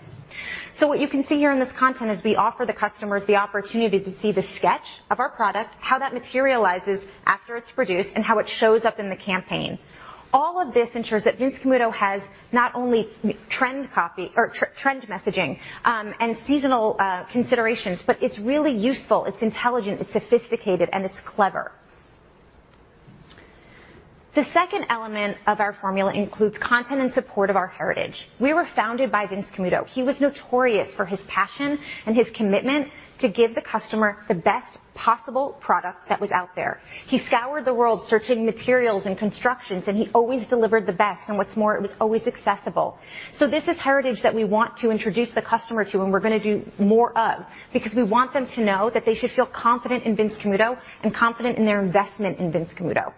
So what you can see here in this content is we offer the customers the opportunity to see the sketch of our product, how that materializes after it's produced, and how it shows up in the campaign. All of this ensures that Vince Camuto has not only trend copy or trend messaging, and seasonal considerations, but it's really useful, it's intelligent, it's sophisticated, and it's clever. The second element of our formula includes content and support of our heritage. We were founded by Vince Camuto. He was notorious for his passion and his commitment to give the customer the best possible product that was out there. He scoured the world searching materials and constructions, and he always delivered the best. What's more, it was always accessible. This is heritage that we want to introduce the customer to, and we're gonna do more of because we want them to know that they should feel confident in Vince Camuto and confident in their investment in Vince Camuto.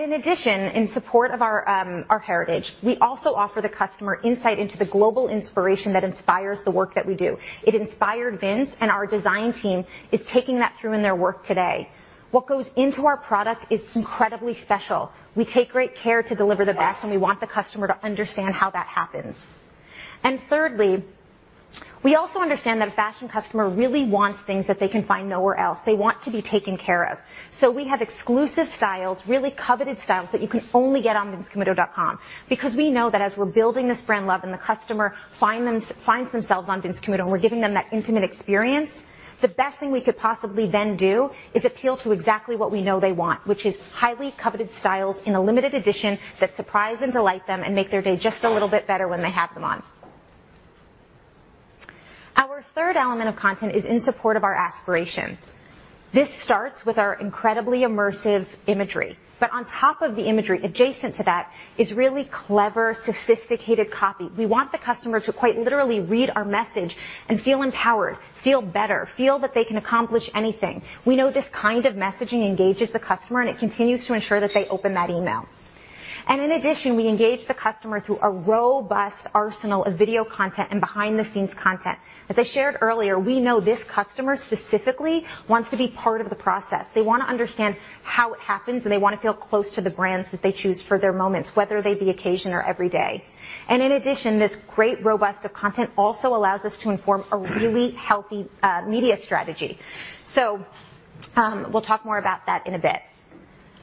In addition, in support of our heritage, we also offer the customer insight into the global inspiration that inspires the work that we do. It inspired Vince, and our design team is taking that through in their work today. What goes into our product is incredibly special. We take great care to deliver the best, and we want the customer to understand how that happens. Thirdly, we also understand that a fashion customer really wants things that they can find nowhere else. They want to be taken care of. We have exclusive styles, really coveted styles that you can only get on vincecamuto.com. Because we know that as we're building this brand love and the customer finds themselves on Vince Camuto, and we're giving them that intimate experience, the best thing we could possibly then do is appeal to exactly what we know they want, which is highly-coveted styles in a limited edition that surprise and delight them and make their day just a little bit better when they have them on. Our third element of content is in support of our aspiration. This starts with our incredibly immersive imagery, but on top of the imagery, adjacent to that is really clever, sophisticated copy. We want the customer to quite literally read our message and feel empowered, feel better, feel that they can accomplish anything. We know this kind of messaging engages the customer, and it continues to ensure that they open that email. In addition, we engage the customer through a robust arsenal of video content and behind-the-scenes content. As I shared earlier, we know this customer specifically wants to be part of the process. They wanna understand how it happens, and they wanna feel close to the brands that they choose for their moments, whether they be occasion or every day. In addition, this great robust of content also allows us to inform a really healthy media strategy. We'll talk more about that in a bit.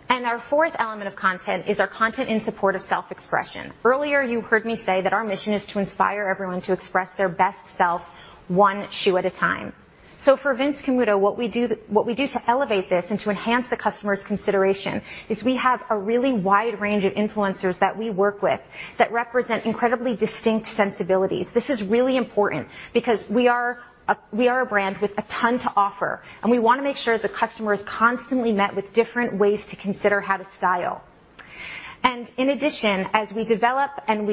Our fourth element of content is our content in support of self-expression. Earlier, you heard me say that our mission is to inspire everyone to express their best self one shoe at a time. For Vince Camuto, what we do th What we do to elevate this and to enhance the customer's consideration is we have a really wide range of influencers that we work with that represent incredibly distinct sensibilities. This is really important because we are a brand with a ton to offer, and we wanna make sure the customer is constantly met with different ways to consider how to style. In addition, as we develop and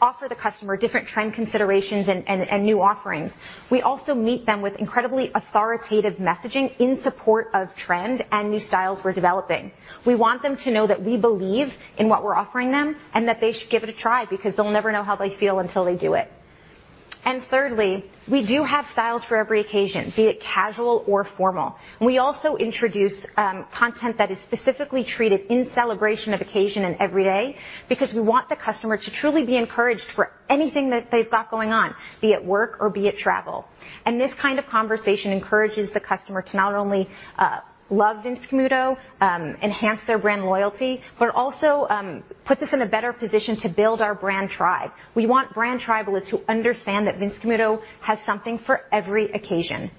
offer the customer different trend considerations and new offerings, we also meet them with incredibly authoritative messaging in support of trend and new styles we're developing. We want them to know that we believe in what we're offering them and that they should give it a try because they'll never know how they feel until they do it. Thirdly, we do have styles for every occasion, be it casual or formal. We also introduce content that is specifically treated in celebration of occasion and every day because we want the customer to truly be encouraged for anything that they've got going on, be it work or be it travel. This kind of conversation encourages the customer to not only love Vince Camuto, enhance their brand loyalty, but also puts us in a better position to build our brand tribe. We want brand tribalists who understand that Vince Camuto has something for every occasion,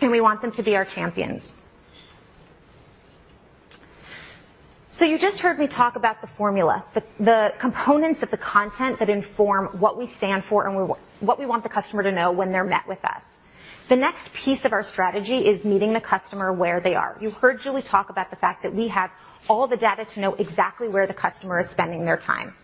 and we want them to be our champions. You just heard me talk about the formula, the components of the content that inform what we stand for and what we want the customer to know when they're met with us. The next piece of our strategy is meeting the customer where they are. You heard Julie talk about the fact that we have all the data to know exactly where the customer is spending their time.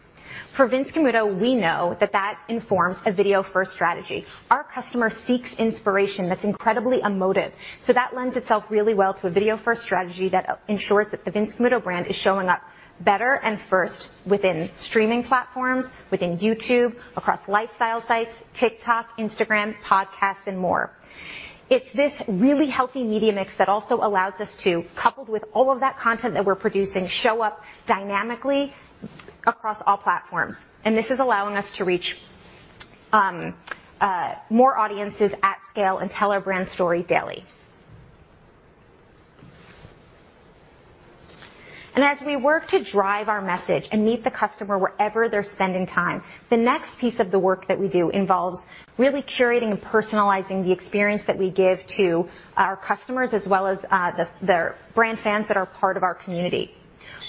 For Vince Camuto, we know that that informs a video-first strategy. Our customer seeks inspiration that's incredibly emotive, so that lends itself really well to a video-first strategy that ensures that the Vince Camuto brand is showing up better and first within streaming platforms, within YouTube, across lifestyle sites, TikTok, Instagram, podcasts, and more. It's this really healthy media mix that also allows us to, coupled with all of that content that we're producing, show up dynamically across all platforms, and this is allowing us to reach more audiences at scale and tell our brand story daily. As we work to drive our message and meet the customer wherever they're spending time, the next piece of the work that we do involves really curating and personalizing the experience that we give to our customers as well as their brand fans that are part of our community.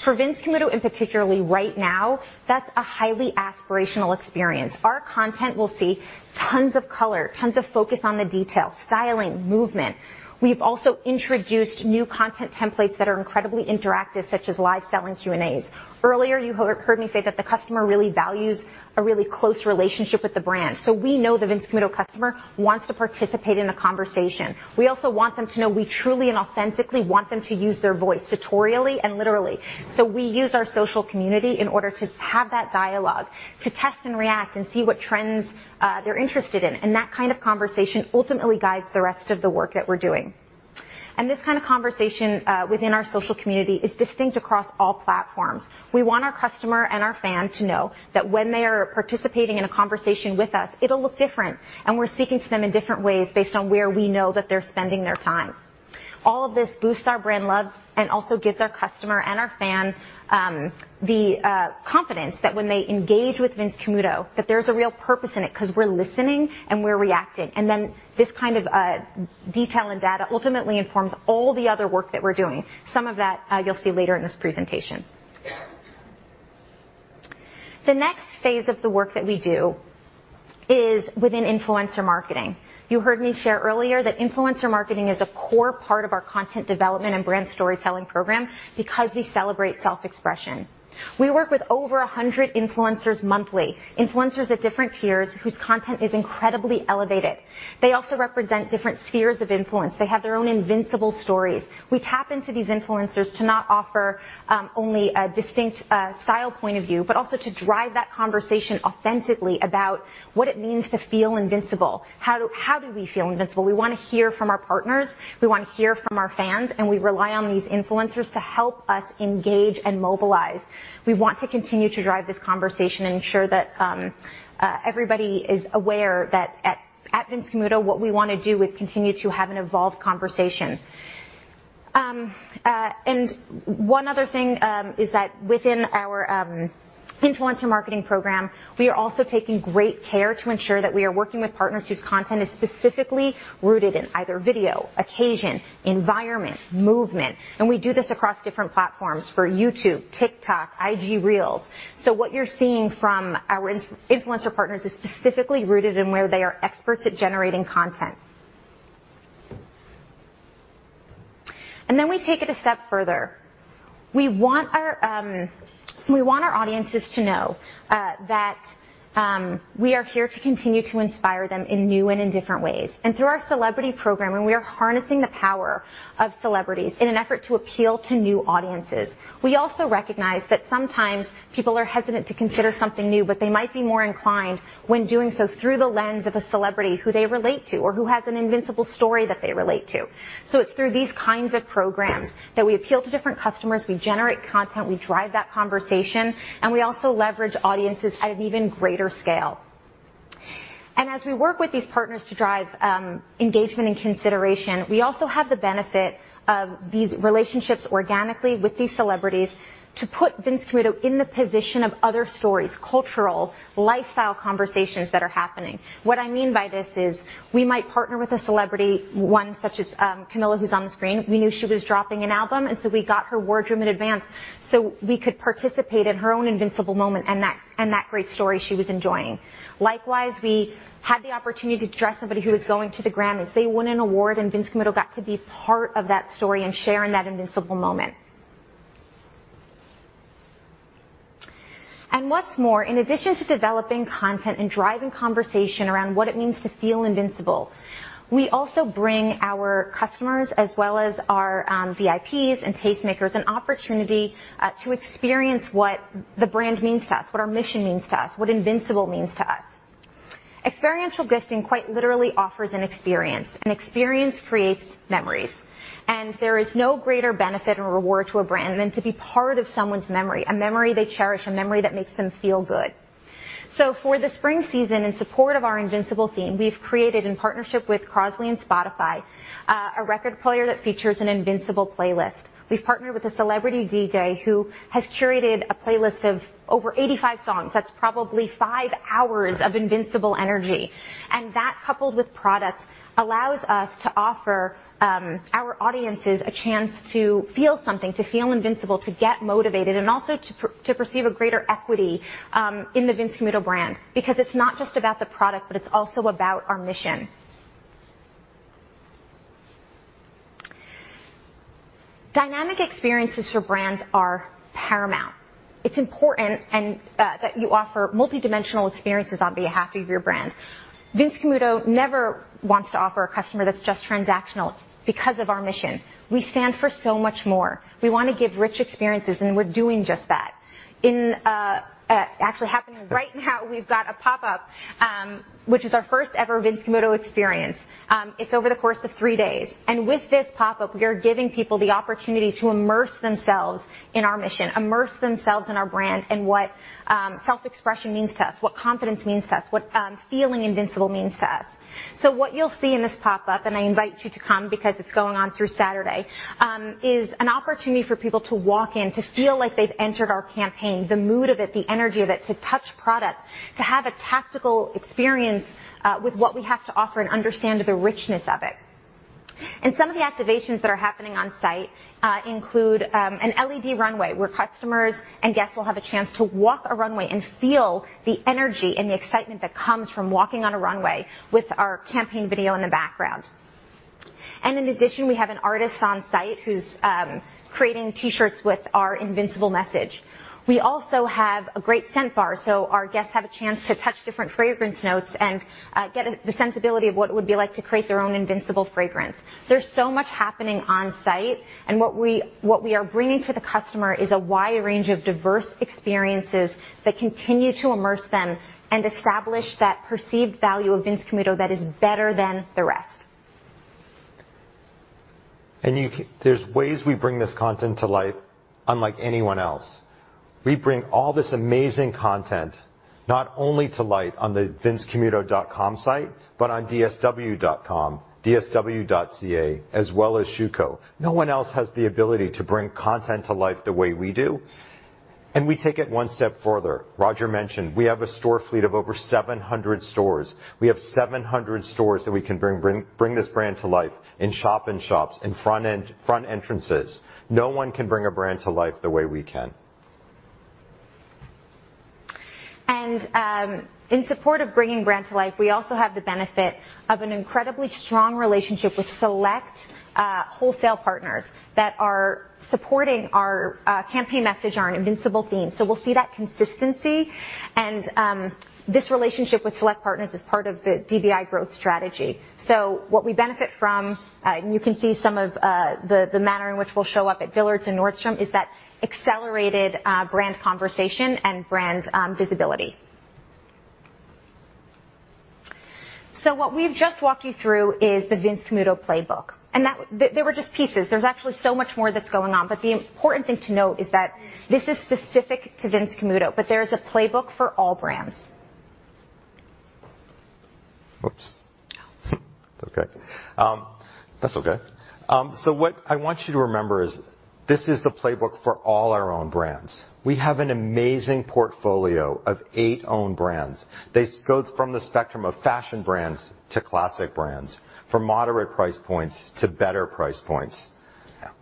For Vince Camuto, particularly right now, that's a highly-aspirational experience. Our content will see tons of color, tons of focus on the detail, styling, movement. We've also introduced new content templates that are incredibly interactive, such as live selling Q&As. Earlier, you heard me say that the customer really values a really close relationship with the brand, so we know the Vince Camuto customer wants to participate in a conversation. We also want them to know we truly and authentically want them to use their voice, editorially and literally. We use our social community in order to have that dialogue, to test and react and see what trends they're interested in, and that kind of conversation ultimately guides the rest of the work that we're doing. This kind of conversation within our social community is distinct across all platforms. We want our customer and our fan to know that when they are participating in a conversation with us, it'll look different, and we're speaking to them in different ways based on where we know that they're spending their time. All of this boosts our brand love and also gives our customer and our fan the confidence that when they engage with Vince Camuto, that there's a real purpose in it 'cause we're listening and we're reacting. Then this kind of detail and data ultimately informs all the other work that we're doing. Some of that, you'll see later in this presentation. The next phase of the work that we do is within influencer marketing. You heard me share earlier that influencer marketing is a core part of our content development and brand storytelling program because we celebrate self-expression. We work with over 100 influencers monthly, influencers at different tiers whose content is incredibly elevated. They also represent different spheres of influence. They have their own invincible stories. We tap into these influencers to not offer only a distinct style point of view, but also to drive that conversation authentically about what it means to feel invincible. How do we feel invincible? We wanna hear from our partners, we want to hear from our fans, and we rely on these influencers to help us engage and mobilize. We want to continue to drive this conversation and ensure that everybody is aware that at Vince Camuto, what we wanna do is continue to have an evolved conversation. One other thing is that within our influencer marketing program, we are also taking great care to ensure that we are working with partners whose content is specifically rooted in either video, occasion, environment, movement, and we do this across different platforms for YouTube, TikTok, IG Reels. What you're seeing from our influencer partners is specifically rooted in where they are experts at generating content. We take it a step further. We want our audiences to know that we are here to continue to inspire them in new and different ways. Through our celebrity program, and we are harnessing the power of celebrities in an effort to appeal to new audiences. We also recognize that sometimes people are hesitant to consider something new, but they might be more inclined when doing so through the lens of a celebrity who they relate to or who has an incredible story that they relate to. It's through these kinds of programs that we appeal to different customers, we generate content, we drive that conversation, and we also leverage audiences at an even greater scale. As we work with these partners to drive engagement and consideration, we also have the benefit of these relationships organically with these celebrities to put Vince Camuto in the position of other stories, cultural, lifestyle conversations that are happening. What I mean by this is, we might partner with a celebrity, one such as Camila, who's on the screen. We knew she was dropping an album, and so we got her wardrobe in advance, so we could participate in her own invincible moment and that great story she was enjoying. Likewise, we had the opportunity to dress somebody who was going to the Grammys. They won an award, and Vince Camuto got to be part of that story and share in that invincible moment. What's more, in addition to developing content and driving conversation around what it means to feel invincible, we also bring our customers as well as our VIPs and tastemakers an opportunity to experience what the brand means to us, what our mission means to us, what invincible means to us. Experiential gifting quite literally offers an experience. An experience creates memories, and there is no greater benefit and reward to a brand than to be part of someone's memory, a memory they cherish, a memory that makes them feel good. For the spring season, in support of our invincible theme, we've created in partnership with Crosley and Spotify, a record player that features an invincible playlist. We've partnered with a celebrity DJ who has curated a playlist of over 85 songs. That's probably 5 hours of invincible energy. That, coupled with products, allows us to offer our audiences a chance to feel something, to feel invincible, to get motivated, and also to perceive a greater equity in the Vince Camuto brand because it's not just about the product, but it's also about our mission. Dynamic experiences for brands are paramount. It's important. that you offer multidimensional experiences on behalf of your brand. Vince Camuto never wants to offer a customer that's just transactional because of our mission. We stand for so much more. We wanna give rich experiences, and we're doing just that. Actually happening right now, we've got a pop-up, which is our first ever Vince Camuto experience. It's over the course of three days, and with this pop-up, we are giving people the opportunity to immerse themselves in our mission, immerse themselves in our brand and what self-expression means to us, what confidence means to us, what feeling invincible means to us. What you'll see in this pop-up, and I invite you to come because it's going on through Saturday, is an opportunity for people to walk in, to feel like they've entered our campaign, the mood of it, the energy of it, to touch product, to have a tactical experience, with what we have to offer and understand the richness of it. Some of the activations that are happening on site, include, an LED runway where customers and guests will have a chance to walk a runway and feel the energy and the excitement that comes from walking on a runway with our campaign video in the background. In addition, we have an artist on site who's, creating T-shirts with our invincible message. We also have a great scent bar, so our guests have a chance to touch different fragrance notes and get the sensibility of what it would be like to create their own individual fragrance. There's so much happening on site, and what we are bringing to the customer is a wide range of diverse experiences that continue to immerse them and establish that perceived value of Vince Camuto that is better than the rest.
There's ways we bring this content to life unlike anyone else. We bring all this amazing content not only to life on the vincecamuto.com site, but on dsw.com, dsw.ca, as well as the Shoe Company. No one else has the ability to bring content to life the way we do. We take it one step further. Roger mentioned we have a store fleet of over 700 stores. We have 700 stores that we can bring this brand to life in shop-in-shops, in front entrances. No one can bring a brand to life the way we can.
In support of bringing brand to life, we also have the benefit of an incredibly strong relationship with select wholesale partners that are supporting our campaign message, our invincible theme. We'll see that consistency and this relationship with select partners is part of the DBI growth strategy. What we benefit from and you can see some of the manner in which we'll show up at Dillard's and Nordstrom is that accelerated brand conversation and brand visibility. What we've just walked you through is the Vince Camuto playbook. That they were just pieces. There's actually so much more that's going on, but the important thing to note is that this is specific to Vince Camuto, but there is a playbook for all brands.
What I want you to remember is this is the playbook for all our own brands. We have an amazing portfolio of eight own brands. They go from the spectrum of fashion brands to classic brands, from moderate price points to better price points.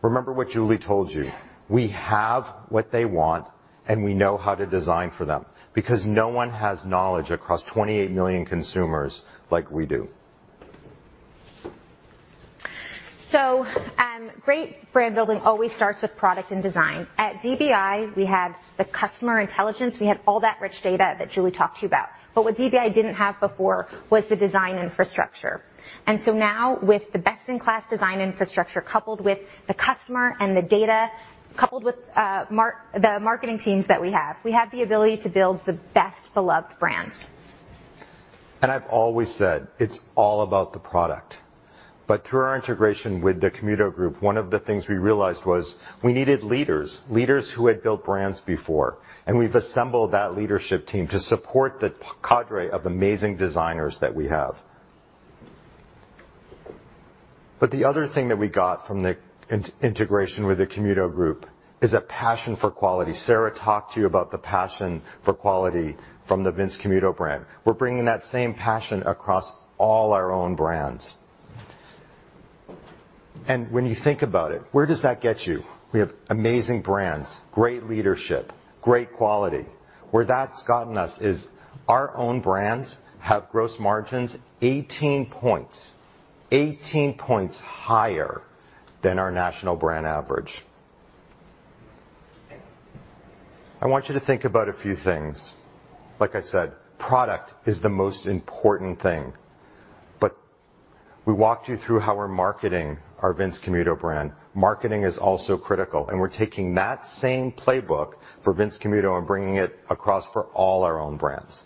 Remember what Julie told you. We have what they want, and we know how to design for them because no one has knowledge across 28 million consumers like we do.
Great brand building always starts with product and design. At DBI, we have the customer intelligence. We have all that rich data that Julie talked to you about. What DBI didn't have before was the design infrastructure. Now with the best-in-class design infrastructure coupled with the customer and the data, coupled with the marketing teams that we have, we have the ability to build the best beloved brands.
I've always said, it's all about the product. Through our integration with the Camuto Group, one of the things we realized was we needed leaders. Leaders who had built brands before. We've assembled that leadership team to support the cadre of amazing designers that we have. The other thing that we got from the integration with the Camuto Group is a passion for quality. Sarah talked to you about the passion for quality from the Vince Camuto brand. We're bringing that same passion across all our own brands. When you think about it, where does that get you? We have amazing brands, great leadership, great quality. Where that's gotten us is our own brands have gross margins 18 points higher than our national brand average. I want you to think about a few things. Like I said, product is the most important thing. We walked you through how we're marketing our Vince Camuto brand. Marketing is also critical, and we're taking that same playbook for Vince Camuto and bringing it across for all our own brands.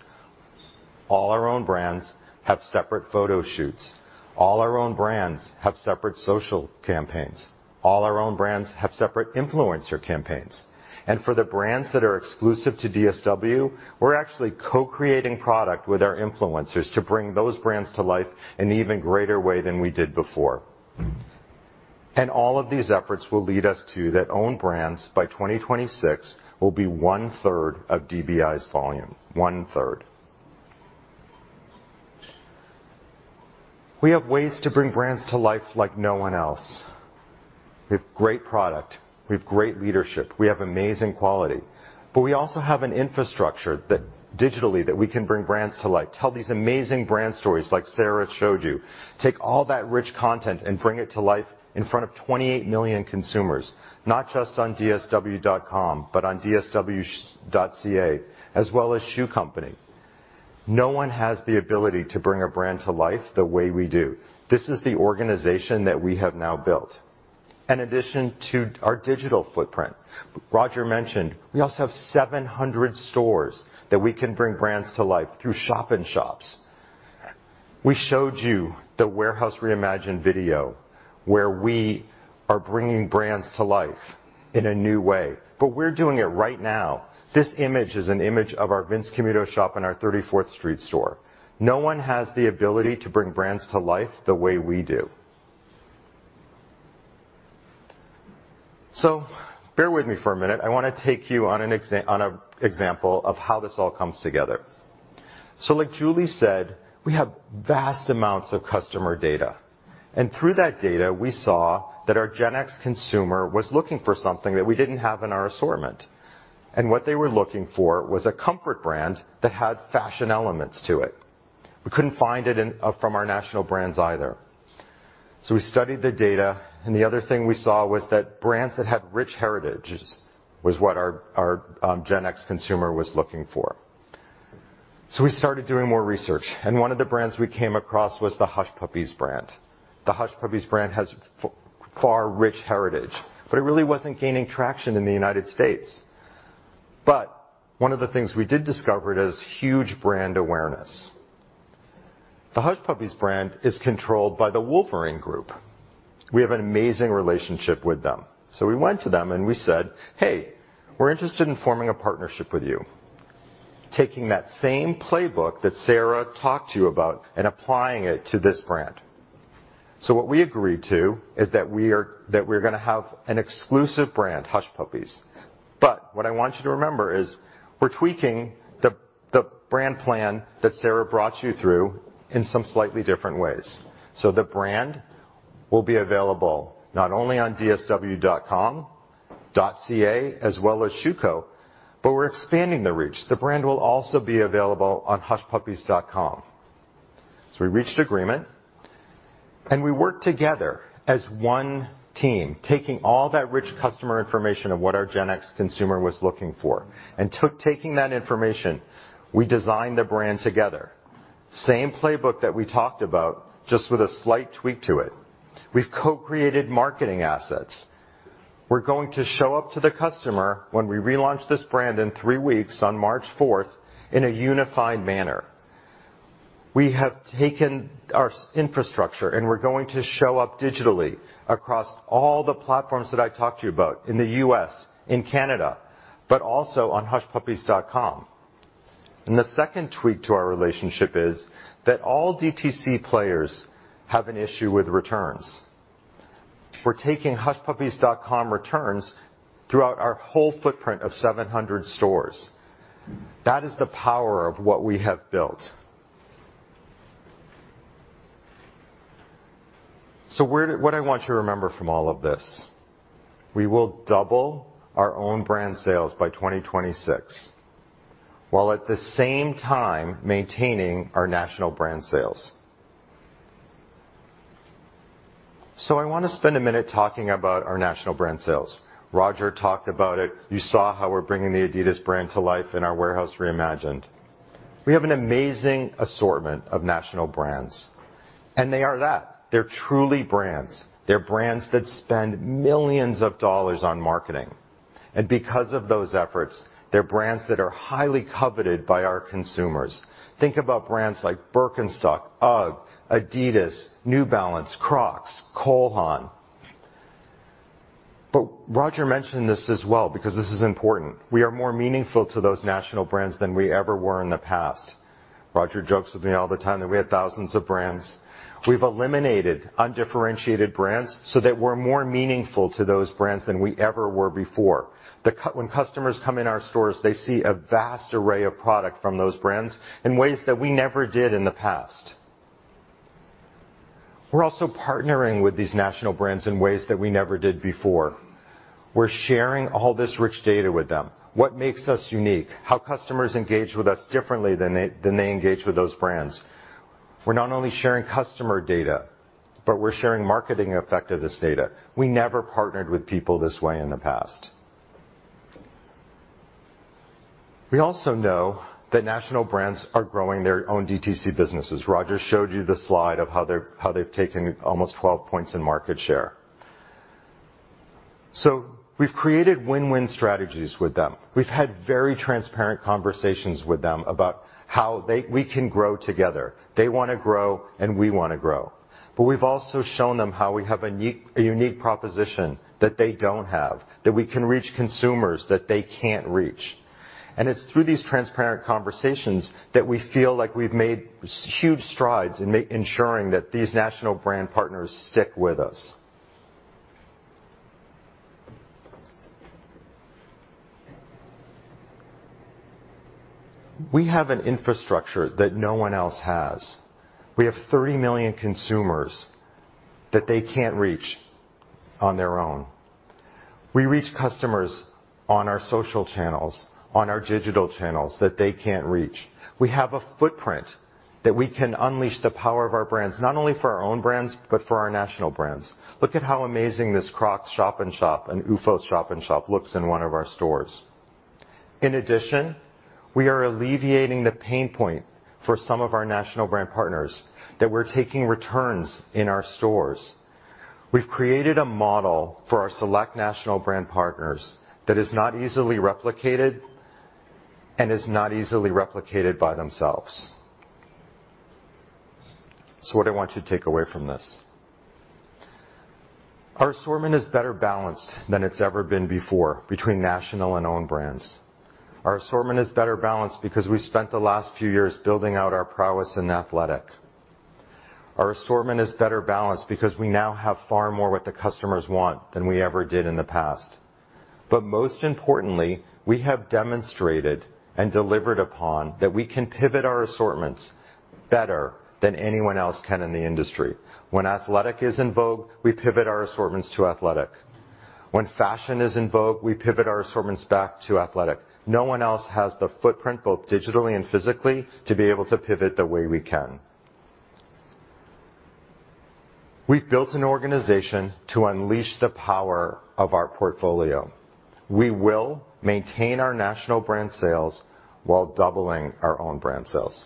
All our own brands have separate photo shoots. All our own brands have separate social campaigns. All our own brands have separate influencer campaigns. For the brands that are exclusive to DSW, we're actually co-creating product with our influencers to bring those brands to life in even greater way than we did before. All of these efforts will lead us so that our own brands by 2026 will be 1/3 of DBI's volume. 1/3. We have ways to bring brands to life like no one else. We have great product. We have great leadership. We have amazing quality, but we also have an infrastructure that digitally that we can bring brands to life, tell these amazing brand stories like Sarah showed you. Take all that rich content and bring it to life in front of 28 million consumers, not just on dsw.com, but on dsw.ca, as well as Shoe Company. No one has the ability to bring a brand to life the way we do. This is the organization that we have now built. In addition to our digital footprint, Roger mentioned we also have 700 stores that we can bring brands to life through shop in shops. We showed you the Warehouse Reimagined video where we are bringing brands to life in a new way, but we're doing it right now. This image is an image of our Vince Camuto shop in our Thirty-Fourth Street store. No one has the ability to bring brands to life the way we do. Bear with me for a minute. I wanna take you on an example of how this all comes together. Like Julie said, we have vast amounts of customer data, and through that data, we saw that our Gen X consumer was looking for something that we didn't have in our assortment. What they were looking for was a comfort brand that had fashion elements to it. We couldn't find it from our national brands either. We studied the data, and the other thing we saw was that brands that had rich heritages was what our Gen X consumer was looking for. We started doing more research, and one of the brands we came across was the Hush Puppies brand. The Hush Puppies brand has far rich heritage, but it really wasn't gaining traction in the United States. One of the things we did discover is huge brand awareness. The Hush Puppies brand is controlled by the Wolverine Group. We have an amazing relationship with them. We went to them and we said, "Hey, we're interested in forming a partnership with you, taking that same playbook that Sarah talked to you about and applying it to this brand." What we agreed to is that we're gonna have an exclusive brand, Hush Puppies. What I want you to remember is we're tweaking the brand plan that Sarah brought you through in some slightly different ways. The brand will be available not only on dsw.com, dsw.ca, as well as Shoe Co., but we're expanding the reach. The brand will also be available on hushpuppies.com. We reached agreement, and we worked together as one team, taking all that rich customer information of what our Gen X consumer was looking for, and taking that information, we designed the brand together. Same playbook that we talked about, just with a slight tweak to it. We've co-created marketing assets. We're going to show up to the customer when we relaunch this brand in three weeks on March fourth in a unified manner. We have taken our store infrastructure, and we're going to show up digitally across all the platforms that I talked to you about in the US., in Canada, but also on hushpuppies.com. The second tweak to our relationship is that all DTC players have an issue with returns. We're taking hushpuppies.com returns throughout our whole footprint of 700 stores. That is the power of what we have built. What I want you to remember from all of this, we will double our own brand sales by 2026, while at the same time maintaining our national brand sales. I wanna spend a minute talking about our national brand sales. Roger talked about it. You saw how we're bringing the Adidas brand to life in our Warehouse Reimagined. We have an amazing assortment of national brands, and they are that. They're truly brands. They're brands that spend millions of dollars on marketing. Because of those efforts, they're brands that are highly-coveted by our consumers. Think about brands like Birkenstock, UGG, Adidas, New Balance, Crocs, Cole Haan. Roger mentioned this as well because this is important. We are more meaningful to those national brands than we ever were in the past. Roger jokes with me all the time that we have thousands of brands. We've eliminated undifferentiated brands so that we're more meaningful to those brands than we ever were before. When customers come in our stores, they see a vast array of product from those brands in ways that we never did in the past. We're also partnering with these national brands in ways that we never did before. We're sharing all this rich data with them. What makes us unique? How customers engage with us differently than they engage with those brands. We're not only sharing customer data, but we're sharing marketing effectiveness data. We never partnered with people this way in the past. We also know that national brands are growing their own DTC businesses. Roger showed you the slide of how they've taken almost 12 points in market share. We've created win-win strategies with them. We've had very transparent conversations with them about how they can grow together. They wanna grow, and we wanna grow. We've also shown them how we have a unique proposition that they don't have, that we can reach consumers that they can't reach. It's through these transparent conversations that we feel like we've made huge strides in ensuring that these national brand partners stick with us. We have an infrastructure that no one else has. We have 30 million consumers that they can't reach on their own. We reach customers on our social channels, on our digital channels that they can't reach. We have a footprint that we can unleash the power of our brands, not only for our own brands, but for our national brands. Look at how amazing this Crocs shop in shop and OOFOS shop in shop looks in one of our stores. In addition, we are alleviating the pain point for some of our national brand partners that we're taking returns in our stores. We've created a model for our select national brand partners that is not easily replicated by themselves. What I want you to take away from this. Our assortment is better balanced than it's ever been before between national and own brands. Our assortment is better balanced because we spent the last few years building out our prowess in athletic. Our assortment is better balanced because we now have far more what the customers want than we ever did in the past. Most importantly, we have demonstrated and delivered upon that we can pivot our assortments better than anyone else can in the industry. When athletic is in vogue, we pivot our assortments to athletic. When fashion is in vogue, we pivot our assortments to fashion. No one else has the footprint, both digitally and physically, to be able to pivot the way we can. We've built an organization to unleash the power of our portfolio. We will maintain our national brand sales while doubling our own brand sales.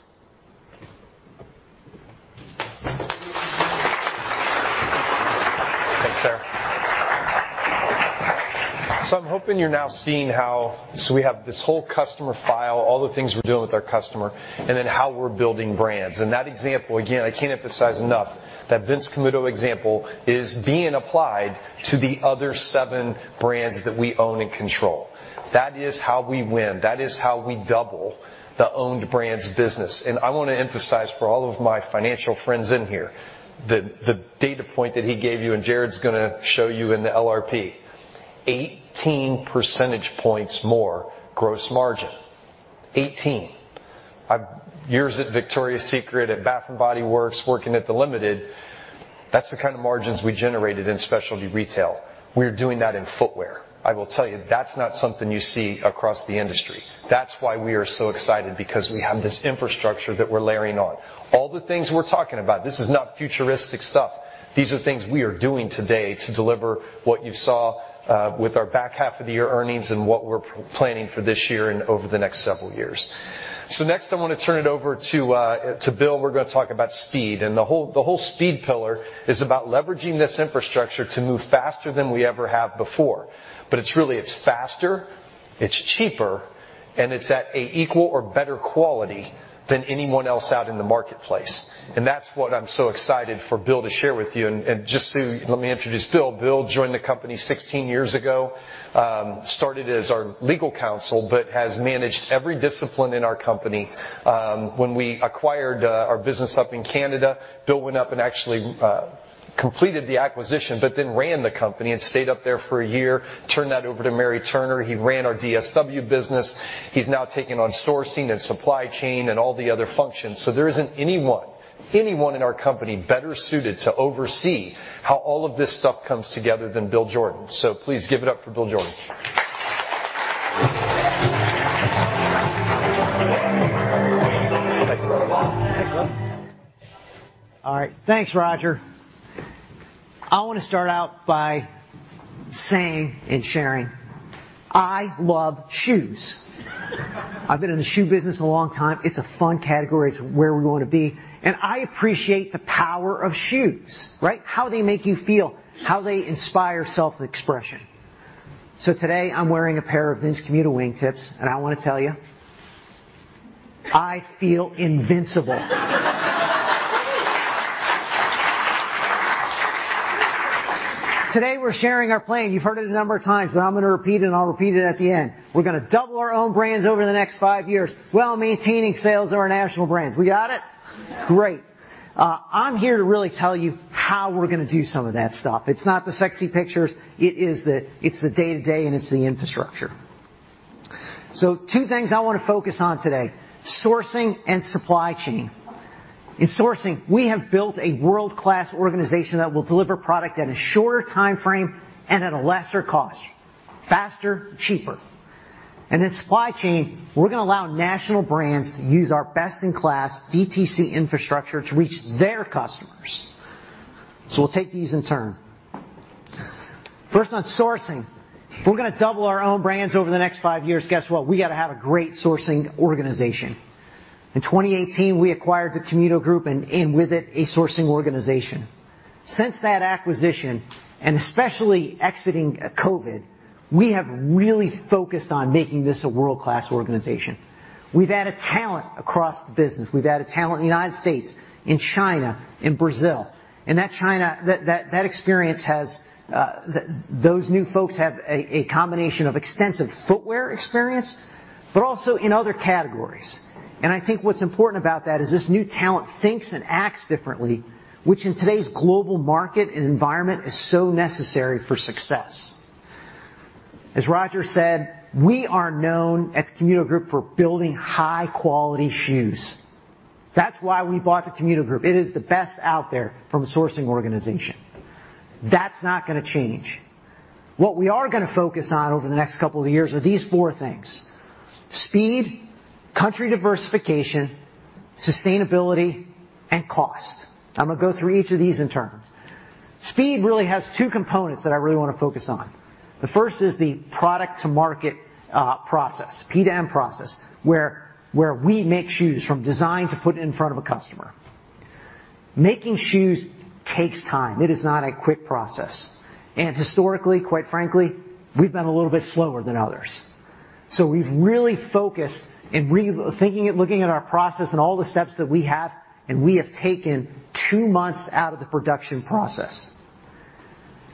I'm hoping you're now seeing how we have this whole customer file, all the things we're doing with our customer, and then how we're building brands. That example, again, I can't emphasize enough that Vince Camuto example is being applied to the other seven brands that we own and control. That is how we win. That is how we double the owned brands business. I wanna emphasize for all of my financial friends in here that the data point that he gave you, and Jared's gonna show you in the LRP, 18 percentage points more gross margin. 18 years at Victoria's Secret, at Bath & Body Works, working at The Limited, that's the kind of margins we generated in specialty retail. We're doing that in footwear. I will tell you, that's not something you see across the industry. That's why we are so excited because we have this infrastructure that we're layering on. All the things we're talking about, this is not futuristic stuff. These are things we are doing today to deliver what you saw with our back half of the year earnings and what we're planning for this year and over the next several years. Next, I wanna turn it over to Bill. We're gonna talk about speed. The whole speed pillar is about leveraging this infrastructure to move faster than we ever have before. It's really faster, it's cheaper, and it's at a equal or better quality than anyone else out in the marketplace. That's what I'm so excited for Bill to share with you. Let me introduce Bill. Bill joined the company 16 years ago. Started as our legal counsel, but has managed every discipline in our company. When we acquired our business up in Canada, Bill went up and actually completed the acquisition, but then ran the company and stayed up there for a year, turned that over to Mary Turner. He ran our DSW business. He's now taken on sourcing and supply chain and all the other functions. There isn't anyone in our company better suited to oversee how all of this stuff comes together than Bill Jordan. Please give it up for Bill Jordan.
Thanks a lot. All right. Thanks, Roger. I wanna start out by saying and sharing I love shoes. I've been in the shoe business a long time. It's a fun category. It's where we wanna be. I appreciate the power of shoes, right? How they make you feel, how they inspire self-expression. Today, I'm wearing a pair of Vince Camuto wingtips, and I wanna tell you I feel invincible. Today, we're sharing our plan. You've heard it a number of times, but I'm gonna repeat it, and I'll repeat it at the end. We're gonna double our own brands over the next 5 years while maintaining sales of our national brands. We got it?
Yeah.
Great. I'm here to really tell you how we're gonna do some of that stuff. It's not the sexy pictures. It is the day-to-day, and it's the infrastructure. Two things I wanna focus on today, sourcing and supply chain. In sourcing, we have built a world-class organization that will deliver product at a shorter timeframe and at a lesser cost. Faster, cheaper. In supply chain, we're gonna allow national brands to use our best-in-class DTC infrastructure to reach their customers. We'll take these in turn. First, on sourcing. If we're gonna double our own brands over the next 5 years, guess what? We gotta have a great sourcing organization. In 2018, we acquired the Camuto Group and with it, a sourcing organization. Since that acquisition, and especially exiting COVID, we have really focused on making this a world-class organization. We've added talent across the business. We've added talent in the United States, in China, in Brazil. Those new folks have a combination of extensive footwear experience, but also in other categories. I think what's important about that is this new talent thinks and acts differently, which in today's global market and environment is so necessary for success. As Roger said, we are known at the Camuto Group for building high-quality shoes. That's why we bought the Camuto Group. It is the best out there from a sourcing organization. That's not gonna change. What we are gonna focus on over the next couple of years are these four things, speed, country diversification, sustainability, and cost. I'm gonna go through each of these in turn. Speed really has two components that I really wanna focus on. The first is the product-to-market process, P2M process, where we make shoes from design to put in front of a customer. Making shoes takes time. It is not a quick process. Historically, quite frankly, we've been a little bit slower than others. We've really focused in re-thinking and looking at our process and all the steps that we have, and we have taken 2 months out of the production process.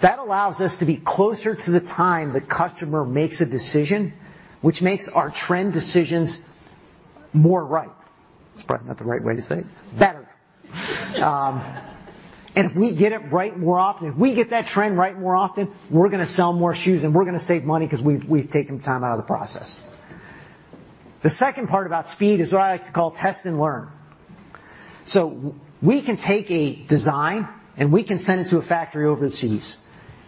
That allows us to be closer to the time the customer makes a decision, which makes our trend decisions more right. It's probably not the right way to say it. Better. If we get it right more often, if we get that trend right more often, we're gonna sell more shoes, and we're gonna save money 'cause we've taken time out of the process. The second part about speed is what I like to call test and learn. We can take a design, and we can send it to a factory overseas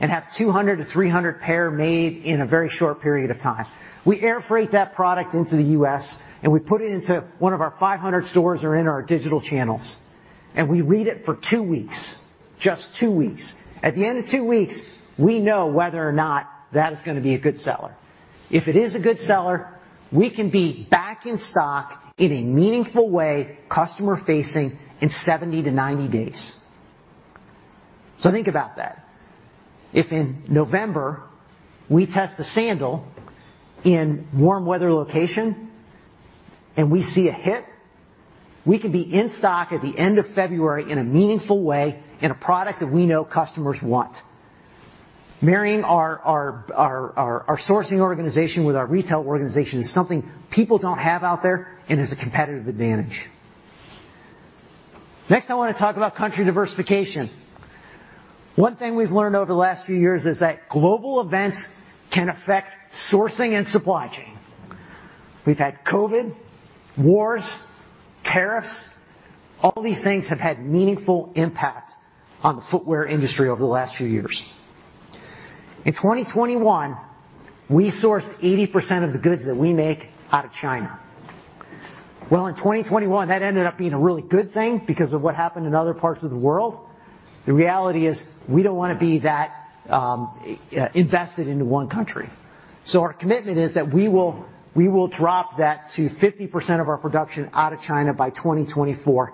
and have 200-300 pairs made in a very short period of time. We air freight that product into the US., and we put it into one of our 500 stores or in our digital channels, and we read it for two weeks, just two weeks. At the end of two weeks, we know whether or not that is gonna be a good seller. If it is a good seller, we can be back in stock in a meaningful way, customer-facing in 70-90 days. Think about that. If in November we test a sandal in warm weather location and we see a hit, we could be in stock at the end of February in a meaningful way in a product that we know customers want. Marrying our sourcing organization with our retail organization is something people don't have out there and is a competitive advantage. Next, I wanna talk about country diversification. One thing we've learned over the last few years is that global events can affect sourcing and supply chain. We've had COVID, wars, tariffs. All these things have had meaningful impact on the footwear industry over the last few years. In 2021, we sourced 80% of the goods that we make out of China. Well, in 2021, that ended up being a really good thing because of what happened in other parts of the world. The reality is we don't wanna be that invested into one country. Our commitment is that we will drop that to 50% of our production out of China by 2024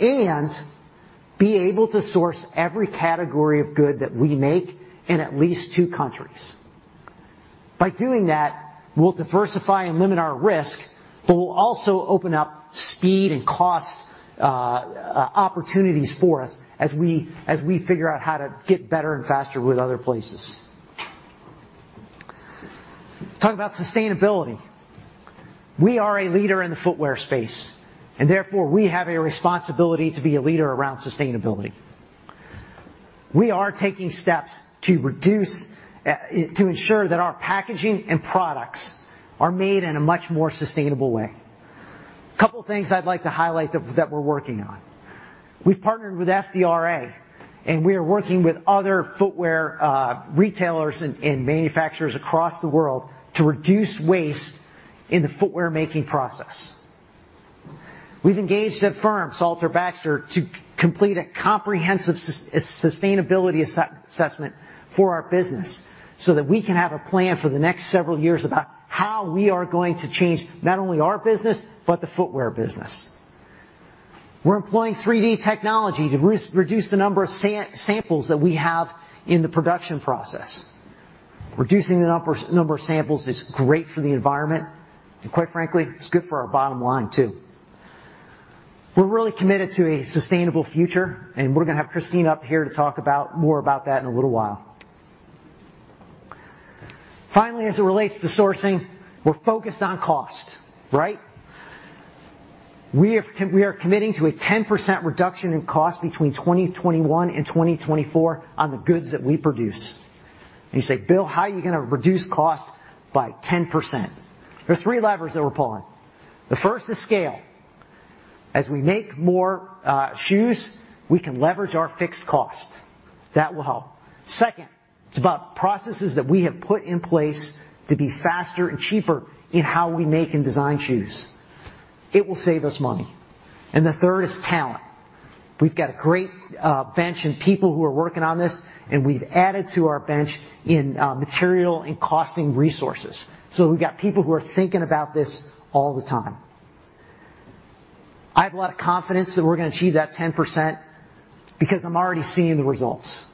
and be able to source every category of good that we make in at least two countries. By doing that, we'll diversify and limit our risk, but we'll also open up speed and cost opportunities for us as we figure out how to get better and faster with other places. Talk about sustainability. We are a leader in the footwear space, and therefore, we have a responsibility to be a leader around sustainability. We are taking steps to ensure that our packaging and products are made in a much more sustainable way. A couple of things I'd like to highlight that we're working on. We've partnered with FDRA, and we are working with other footwear retailers and manufacturers across the world to reduce waste in the footwear-making process. We've engaged a firm, Salterbaxter, to complete a comprehensive sustainability assessment for our business so that we can have a plan for the next several years about how we are going to change not only our business, but the footwear business. We're employing 3D technology to reduce the number of samples that we have in the production process. Reducing the number of samples is great for the environment, and quite frankly, it's good for our bottom-line, too. We're really committed to a sustainable future, and we're gonna have Christine up here to talk about more about that in a little while. Finally, as it relates to sourcing, we're focused on cost, right? We are committing to a 10% reduction in cost between 2021 and 2024 on the goods that we produce. You say, "Bill, how are you gonna reduce cost by 10%?" There are three levers that we're pulling. The first is scale. As we make more shoes, we can leverage our fixed costs. That will help. Second, it's about processes that we have put in place to be faster and cheaper in how we make and design shoes. It will save us money. The third is talent. We've got a great bench in people who are working on this, and we've added to our bench in material and costing resources. We've got people who are thinking about this all the time. I have a lot of confidence that we're gonna achieve that 10% because I'm already seeing the results.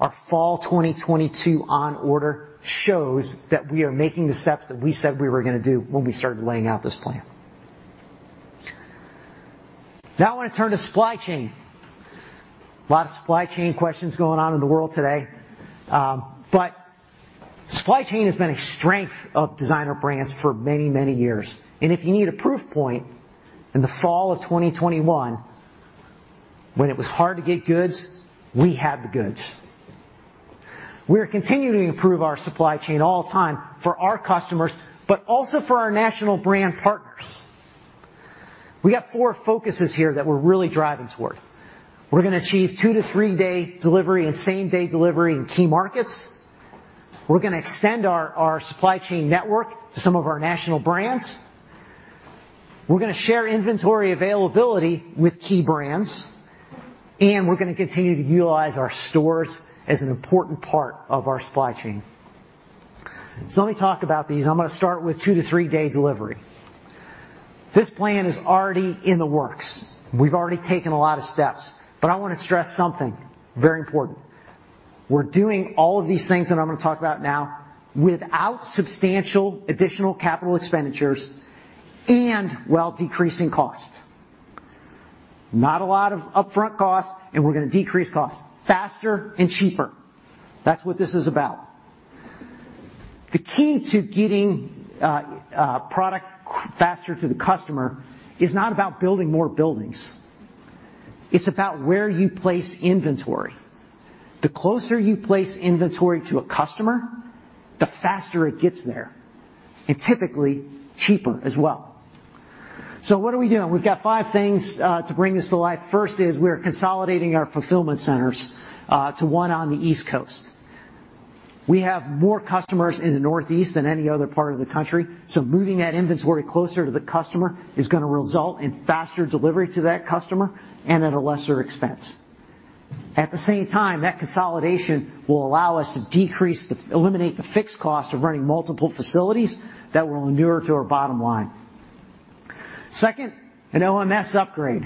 Our fall 2022 on order shows that we are making the steps that we said we were gonna do when we started laying out this plan. Now I wanna turn to supply chain. A lot of supply chain questions going on in the world today. Supply chain has been a strength of Designer Brands for many, many years. If you need a proof point, in the fall of 2021, when it was hard to get goods, we had the goods. We are continuing to improve our supply chain all the time for our customers, but also for our national brand partners. We got four focuses here that we're really driving toward. We're gonna achieve 2-3-day delivery and same-day delivery in key markets. We're gonna extend our supply chain network to some of our national brands. We're gonna share inventory availability with key brands, and we're gonna continue to utilize our stores as an important part of our supply chain. Let me talk about these. I'm gonna start with 2-3-day delivery. This plan is already in the works. We've already taken a lot of steps, but I wanna stress something very important. We're doing all of these things that I'm gonna talk about now without substantial additional capital expenditures and while decreasing costs. Not a lot of upfront costs, and we're gonna decrease costs. Faster and cheaper. That's what this is about. The key to getting product faster to the customer is not about building more buildings. It's about where you place inventory. The closer you place inventory to a customer, the faster it gets there, and typically cheaper as well. What are we doing? We've got five things to bring this to life. First is we're consolidating our fulfillment centers to one on the East Coast. We have more customers in the Northeast than any other part of the country, so moving that inventory closer to the customer is gonna result in faster delivery to that customer and at a lesser expense. At the same time, that consolidation will allow us to eliminate the fixed cost of running multiple facilities that will inure to our bottom-line. Second, an OMS upgrade.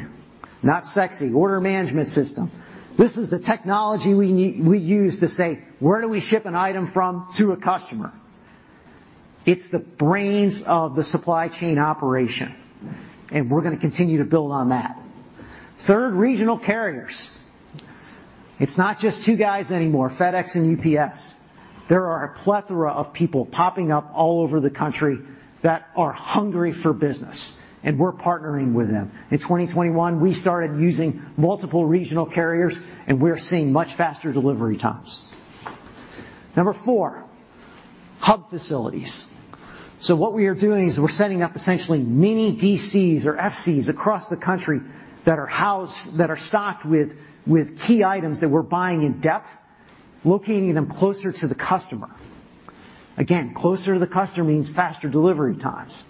Not sexy. Order management system. This is the technology we use to say, where do we ship an item from to a customer? It's the brains of the supply chain operation, and we're gonna continue to build on that. Third, regional carriers. It's not just two guys anymore, FedEx and UPS. There are a plethora of people popping up all over the country that are hungry for business, and we're partnering with them. In 2021, we started using multiple regional carriers, and we're seeing much faster delivery times. Number four, hub facilities. What we are doing is we're setting up essentially mini DCs or FCs across the country that are stocked with key items that we're buying in-depth, locating them closer to the customer. Again, closer to the customer means faster delivery times.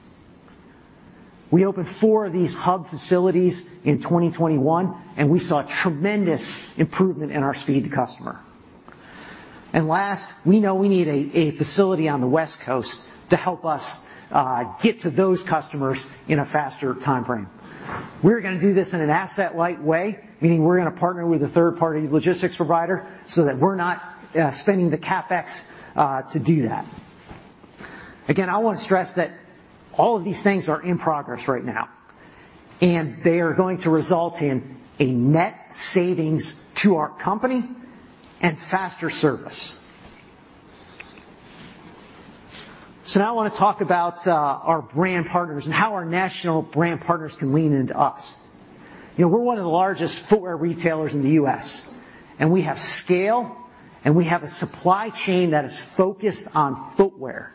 We opened four of these hub facilities in 2021, and we saw tremendous improvement in our speed to customer. Last, we know we need a facility on the West Coast to help us get to those customers in a faster timeframe. We're gonna do this in an asset-light way, meaning we're gonna partner with a third-party logistics provider so that we're not spending the CapEx to do that. Again, I wanna stress that all of these things are in progress right now, and they are going to result in a net savings to our company and faster service. Now I wanna talk about our brand partners and how our national brand partners can lean into us. You know, we're one of the largest footwear retailers in the US., and we have scale, and we have a supply chain that is focused on footwear.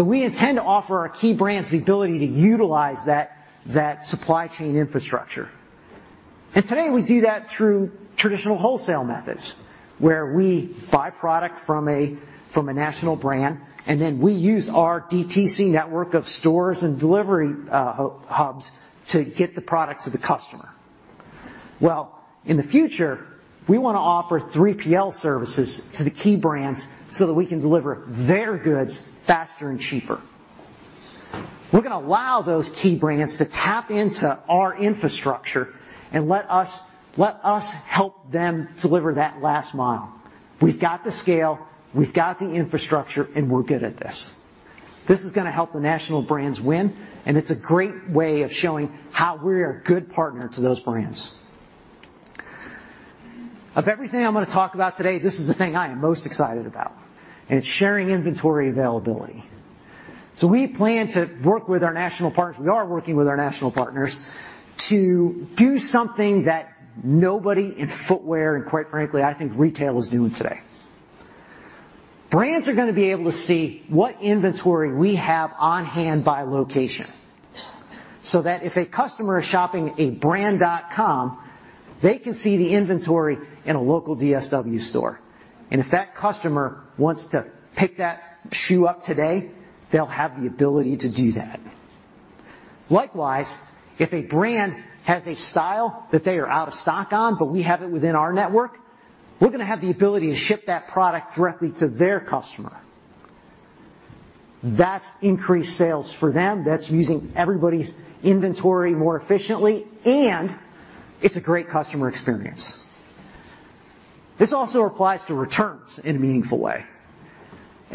We intend to offer our key brands the ability to utilize that supply chain infrastructure. Today, we do that through traditional wholesale methods, where we buy product from a national brand, and then we use our DTC network of stores and delivery hubs to get the product to the customer. In the future, we wanna offer 3PL services to the key brands so that we can deliver their goods faster and cheaper. We're gonna allow those key brands to tap into our infrastructure and let us help them deliver that last mile. We've got the scale, we've got the infrastructure, and we're good at this. This is gonna help the national brands win, and it's a great way of showing how we're a good partner to those brands. Of everything I'm gonna talk about today, this is the thing I am most excited about, and it's sharing inventory availability. We plan to work with our national partners. We are working with our national partners to do something that nobody in footwear, and quite frankly, I think retail is doing today. Brands are gonna be able to see what inventory we have on hand by location, so that if a customer is shopping a brand.com, they can see the inventory in a local DSW store. If that customer wants to pick that shoe up today, they'll have the ability to do that. Likewise, if a brand has a style that they are out of stock on, but we have it within our network, we're gonna have the ability to ship that product directly to their customer. That's increased sales for them. That's using everybody's inventory more efficiently, and it's a great customer experience. This also applies to returns in a meaningful way.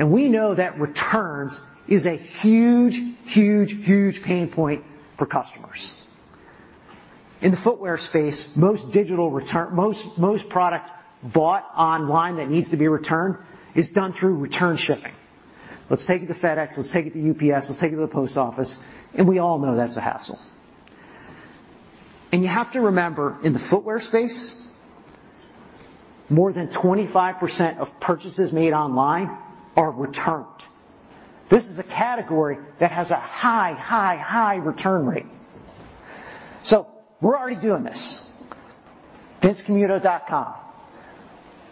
We know that returns is a huge pain point for customers. In the footwear space, most product bought online that needs to be returned is done through return shipping. Let's take it to FedEx, let's take it to UPS, let's take it to the post office, and we all know that's a hassle. You have to remember, in the footwear space, more than 25% of purchases made online are returned. This is a category that has a high return rate. We're already doing this. vincecamuto.com.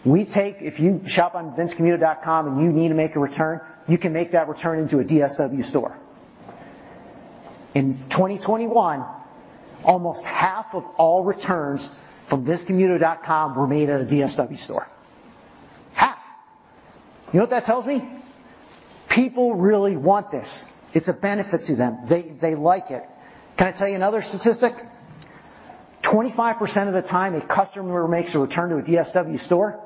If you shop on vincecamuto.com and you need to make a return, you can make that return into a DSW store. In 2021, almost half of all returns from vincecamuto.com were made at a DSW store. Half. You know what that tells me? People really want this. It's a benefit to them. They like it. Can I tell you another statistic? 25% of the time a customer makes a return to a DSW store,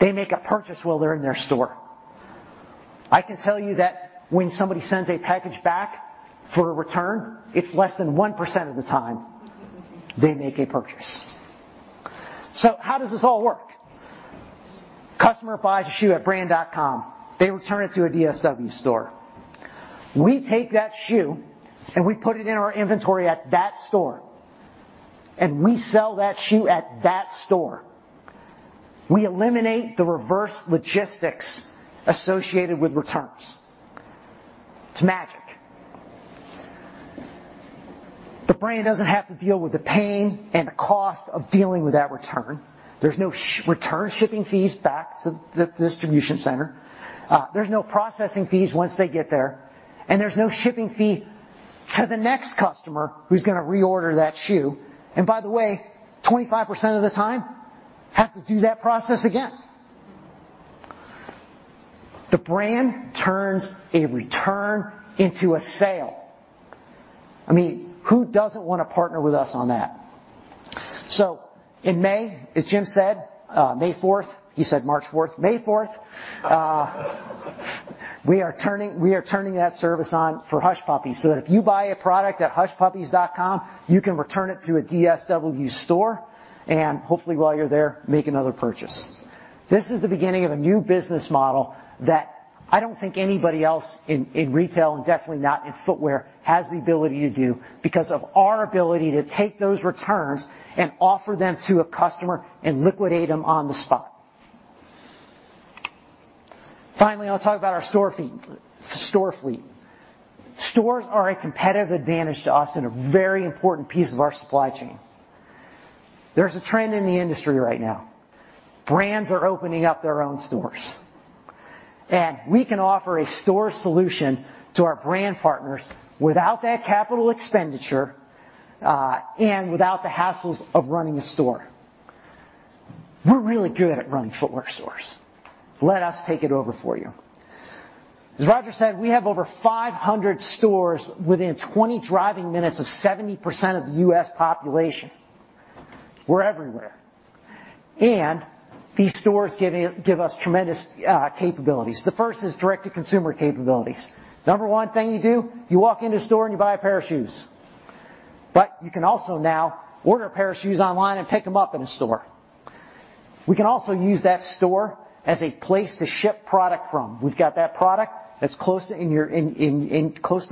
they make a purchase while they're in their store. I can tell you that when somebody sends a package back for a return, it's less than 1% of the time they make a purchase. How does this all work? Customer buys a shoe at brand.com. They return it to a DSW store. We take that shoe, and we put it in our inventory at that store, and we sell that shoe at that store. We eliminate the reverse logistics associated with returns. It's magic. The brand doesn't have to deal with the pain and the cost of dealing with that return. There's no return shipping fees back to the distribution center. There's no processing fees once they get there, and there's no shipping fee to the next customer who's gonna reorder that shoe, and by the way, 25% of the time have to do that process again. The brand turns a return into a sale. I mean, who doesn't wanna partner with us on that? In May, as Jim said, May fourth. He said March fourth. May fourth. We are turning that service on for Hush Puppies, so that if you buy a product at hushpuppies.com, you can return it to a DSW store and hopefully while you're there, make another purchase. This is the beginning of a new business model that I don't think anybody else in retail and definitely not in footwear has the ability to do because of our ability to take those returns and offer them to a customer and liquidate them on the spot. Finally, I'll talk about our store fleet. Stores are a competitive advantage to us and a very important piece of our supply chain. There's a trend in the industry right now. Brands are opening up their own stores, and we can offer a store solution to our brand partners without that capital expenditure and without the hassles of running a store. We're really good at running footwear stores. Let us take it over for you. As Roger said, we have over 500 stores within 20 driving minutes of 70% of the US. population. We're everywhere. These stores give us tremendous capabilities. The first is direct-to-consumer capabilities. Number one thing you do, you walk into a store and you buy a pair of shoes. But you can also now order a pair of shoes online and pick them up in a store. We can also use that store as a place to ship product from. We've got that product that's close to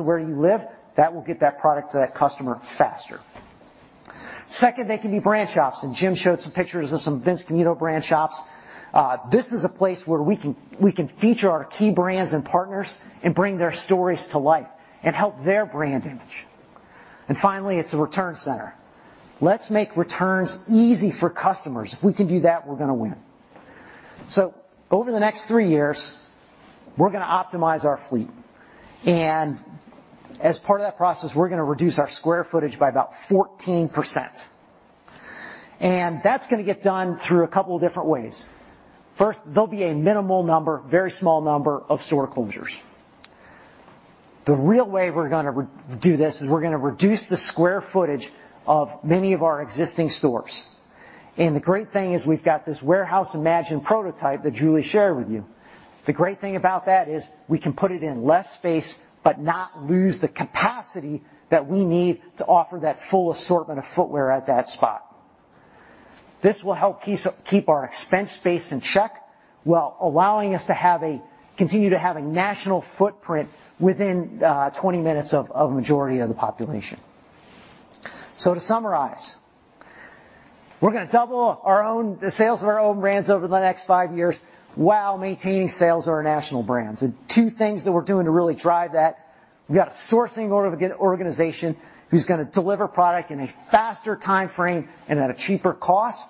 where you live, that will get that product to that customer faster. Second, they can be brand shops, and Jim showed some pictures of some Vince Camuto brand shops. This is a place where we can feature our key brands and partners and bring their stories to life and help their brand image. Finally, it's a return center. Let's make returns easy for customers. If we can do that, we're gonna win. Over the next 3 years, we're gonna optimize our fleet. As part of that process, we're gonna reduce our square footage by about 14%. That's gonna get done through a couple different ways. First, there'll be a minimal number, very small number of store closures. The real way we're gonna do this is we're gonna reduce the square footage of many of our existing stores. The great thing is we've got this Warehouse Reimagined prototype that Julie shared with you. The great thing about that is we can put it in less space but not lose the capacity that we need to offer that full assortment of footwear at that spot. This will help keep our expenses in check while allowing us to have a... Continue to have a national footprint within 20 minutes of a majority of the population. To summarize, we're gonna double the sales of our own brands over the next 5 years while maintaining sales of our national brands. The two things that we're doing to really drive that, we've got a sourcing organization who's gonna deliver product in a faster timeframe and at a cheaper cost,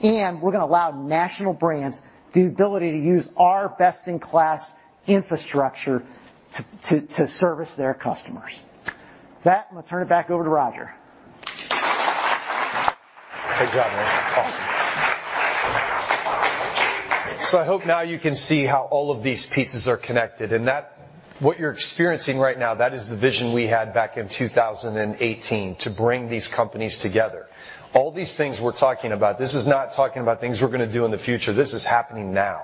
and we're gonna allow national brands the ability to use our best-in-class infrastructure to service their customers. With that, I'm gonna turn it back over to Roger.
Great job, man. Awesome. I hope now you can see how all of these pieces are connected. That what you're experiencing right now, that is the vision we had back in 2018 to bring these companies together. All these things we're talking about, this is not talking about things we're gonna do in the future. This is happening now.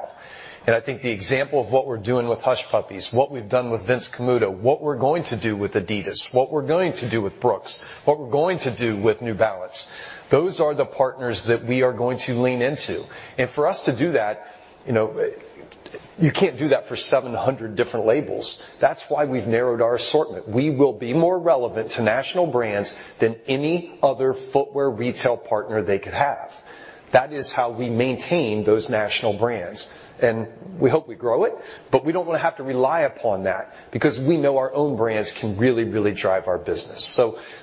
I think the example of what we're doing with Hush Puppies, what we've done with Vince Camuto, what we're going to do with Adidas, what we're going to do with Brooks, what we're going to do with New Balance, those are the partners that we are going to lean into. For us to do that, you know, you can't do that for 700 different labels. That's why we've narrowed our assortment. We will be more relevant to national brands than any other footwear retail partner they could have. That is how we maintain those national brands. We hope we grow it, but we don't wanna have to rely upon that because we know our own brands can really, really drive our business.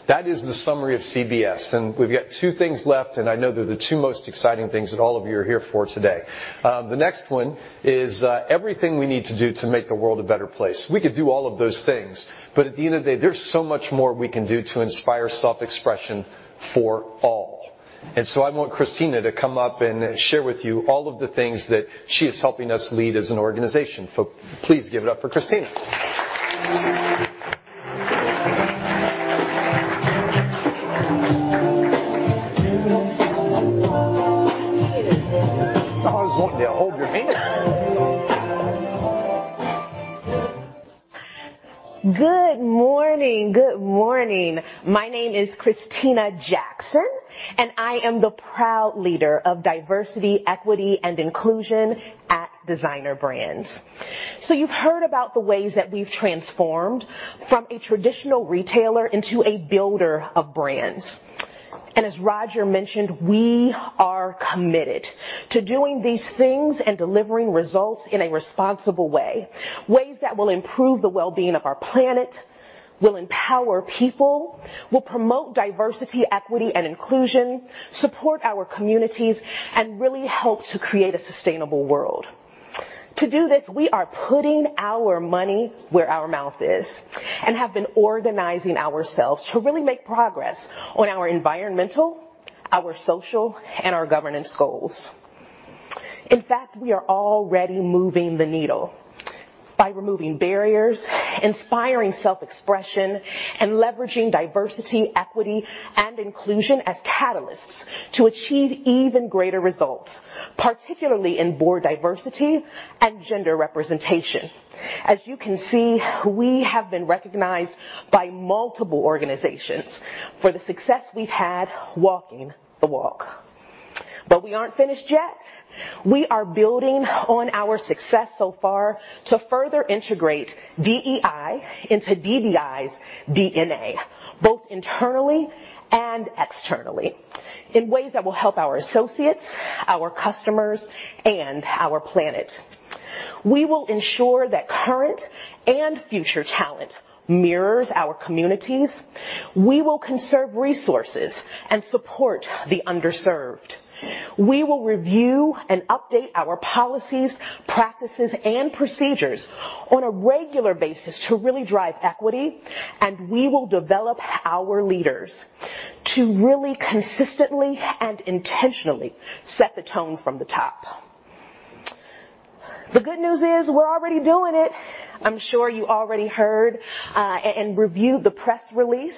That is the summary of CBS. We've got two things left, and I know they're the two most exciting things that all of you are here for today. The next one is everything we need to do to make the world a better place. We could do all of those things, but at the end of the day, there's so much more we can do to inspire self-expression for all. I want Christina to come up and share with you all of the things that she is helping us lead as an organization. Please give it up for Christina.
I was wanting to hold your hand.
Good morning. Good morning. My name is Christina Jackson, and I am the proud Leader of Diversity, Equity, and Inclusion at Designer Brands. You've heard about the ways that we've transformed from a traditional retailer into a builder of brands. As Roger mentioned, we are committed to doing these things and delivering results in a responsible way, ways that will improve the wellbeing of our planet, will empower people, will promote diversity, equity, and inclusion, support our communities, and really help to create a sustainable world. To do this, we are putting our money where our mouth is and have been organizing ourselves to really make progress on our environmental, social, and governance goals. In fact, we are already moving the needle by removing barriers, inspiring self-expression, and leveraging diversity, equity, and inclusion as catalysts to achieve even greater results, particularly in board diversity and gender representation. As you can see, we have been recognized by multiple organizations for the success we've had walking the walk. We aren't finished yet. We are building on our success so far to further integrate DEI into DBI's DNA, both internally and externally, in ways that will help our associates, our customers, and our planet. We will ensure that current and future talent mirrors our communities. We will conserve resources and support the underserved. We will review and update our policies, practices, and procedures on a regular basis to really drive equity, and we will develop our leaders to really consistently and intentionally set the tone from the top. The good news is we're already doing it. I'm sure you already heard and reviewed the press release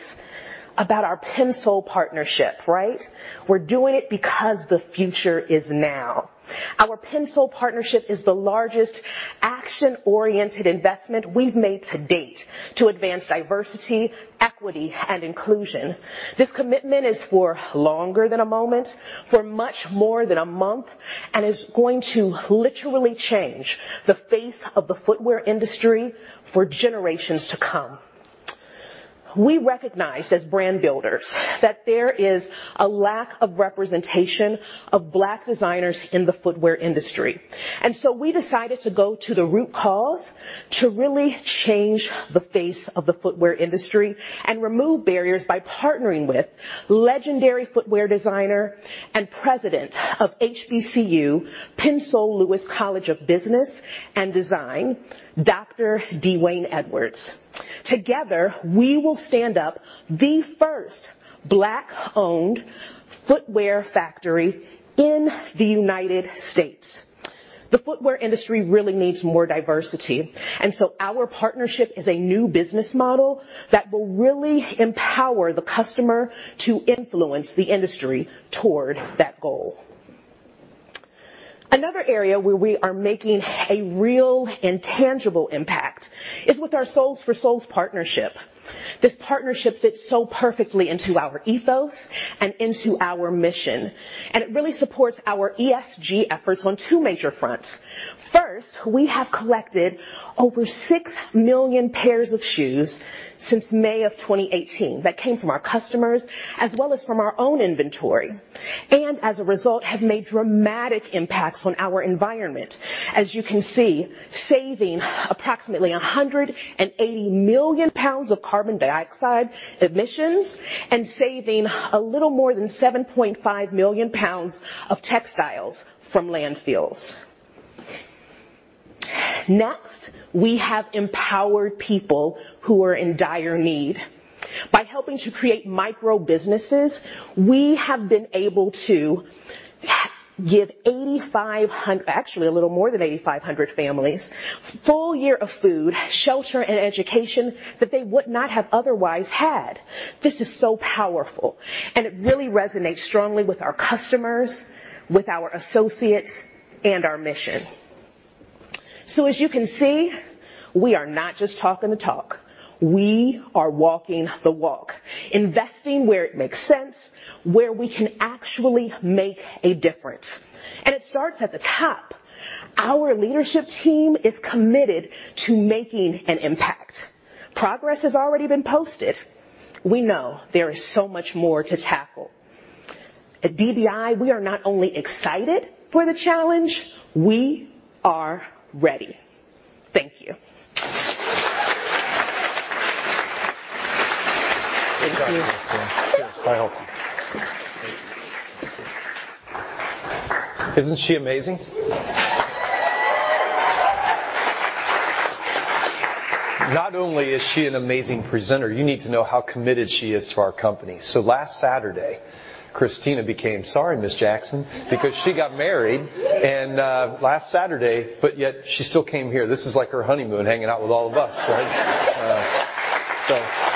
about our Pensole partnership, right? We're doing it because the future is now. Our Pensole partnership is the largest action-oriented investment we've made to date to advance diversity, equity, and inclusion. This commitment is for longer than a moment, for much more than a month, and is going to literally change the face of the footwear industry for generations to come. We recognized as brand builders that there is a lack of representation of Black designers in the footwear industry. We decided to go to the root cause to really change the face of the footwear industry and remove barriers by partnering with legendary footwear designer and president of HBCU Pensole Lewis College of Business and Design, Dr. D'Wayne Edwards. Together, we will stand up the first Black-owned footwear factory in the United States. The footwear industry really needs more diversity, and our partnership is a new business model that will really empower the customer to influence the industry toward that goal. Another area where we are making a real and tangible impact is with our Soles4Souls partnership. This partnership fits so perfectly into our ethos and into our mission, and it really supports our ESG efforts on two major fronts. First, we have collected over 6 million pairs of shoes since May of 2018 that came from our customers as well as from our own inventory, and as a result, have made dramatic impacts on our environment, saving approximately 180 million pounds of carbon dioxide emissions and saving a little more than 7.5 million pounds of textiles from landfills. Next, we have empowered people who are in dire need. By helping to create micro-businesses, we have been able to give actually a little more than 8,500 families full-year of food, shelter, and education that they would not have otherwise had. This is so powerful, and it really resonates strongly with our customers, with our associates, and our mission. As you can see, we are not just talking the talk. We are walking the walk, investing where it makes sense, where we can actually make a difference, and it starts at the top. Our leadership team is committed to making an impact. Progress has already been posted. We know there is so much more to tackle. At DBI, we are not only excited for the challenge, we are ready. Thank you. Thank you.
Good job.
Thank you.
I hope. Isn't she amazing? Not only is she an amazing presenter, you need to know how committed she is to our company. Last Saturday, Christina became Ms. Jackson because she got married, but yet she still came here. This is like her honeymoon, hanging out with all of us, right?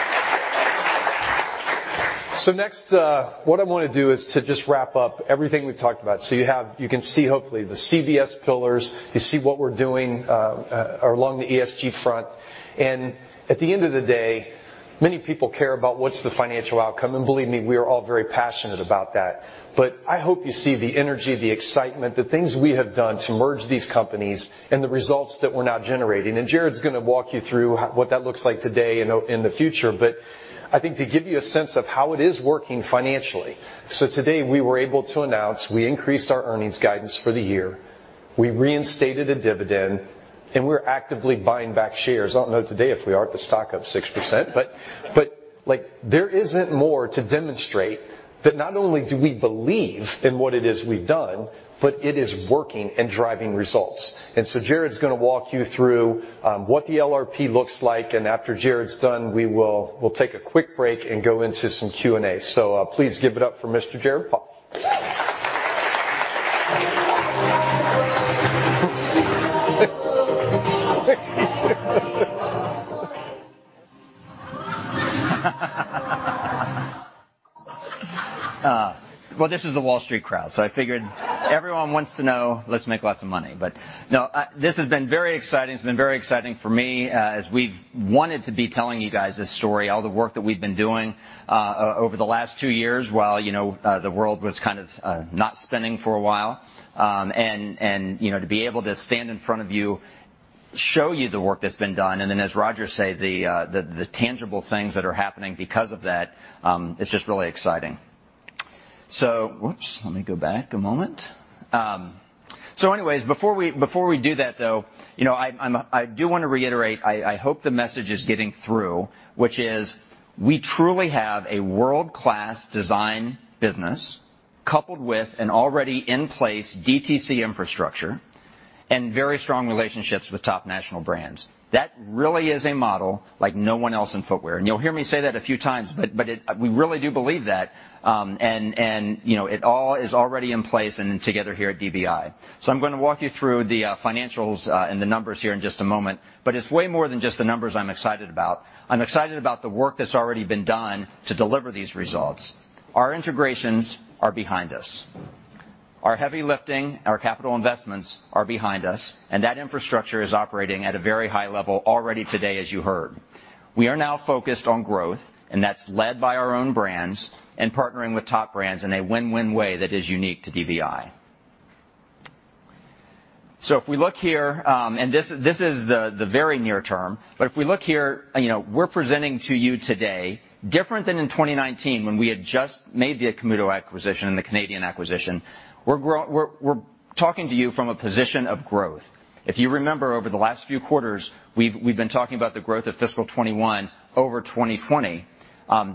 Next, what I wanna do is to just wrap up everything we've talked about. You can see hopefully the CBS pillars. You see what we're doing along the ESG front. At the end of the day, many people care about what's the financial outcome, and believe me, we are all very passionate about that. I hope you see the energy, the excitement, the things we have done to merge these companies and the results that we're now generating. Jared's gonna walk you through what that looks like today and in the future, but I think to give you a sense of how it is working financially. Today, we were able to announce we increased our earnings guidance for the year, we reinstated a dividend, and we're actively buying back shares. I don't know if the stock is up 6% today. Like, there isn't more to demonstrate that not only do we believe in what it is we've done, but it is working and driving results. Jared's gonna walk you through what the LRP looks like. After Jared's done, we'll take a quick break and go into some Q&A. Please give it up for Mr. Jared Poff.
Well, this is the Wall Street crowd, so I figured everyone wants to know, let's make lots of money. No, this has been very exciting. It's been very exciting for me, as we've wanted to be telling you guys this story, all the work that we've been doing over the last two years, while you know the world was kind of not spinning for a while. And you know, to be able to stand in front of you, show you the work that's been done, and then as Roger say, the tangible things that are happening because of that is just really exciting. Whoops. Let me go back a moment. Anyways, before we do that, though, you know, I do wanna reiterate, I hope the message is getting through, which is we truly have a world-class design business coupled with an already in place DTC infrastructure and very strong relationships with top national brands. That really is a model like no one else in footwear. You'll hear me say that a few times, but it, we really do believe that. You know, it all is already in place and together here at DBI. I'm gonna walk you through the financials and the numbers here in just a moment, but it's way more than just the numbers I'm excited about. I'm excited about the work that's already been done to deliver these results. Our integrations are behind us. Our heavy lifting, our capital investments are behind us, and that infrastructure is operating at a very high level already today, as you heard. We are now focused on growth, and that's led by our own brands and partnering with top brands in a win-win way that is unique to DBI. If we look here, and this is the very near term, but if we look here, you know, we're presenting to you today different than in 2019 when we had just made the Camuto acquisition and the Canadian acquisition. We're talking to you from a position of growth. If you remember over the last few quarters, we've been talking about the growth of fiscal 2021 over 2020.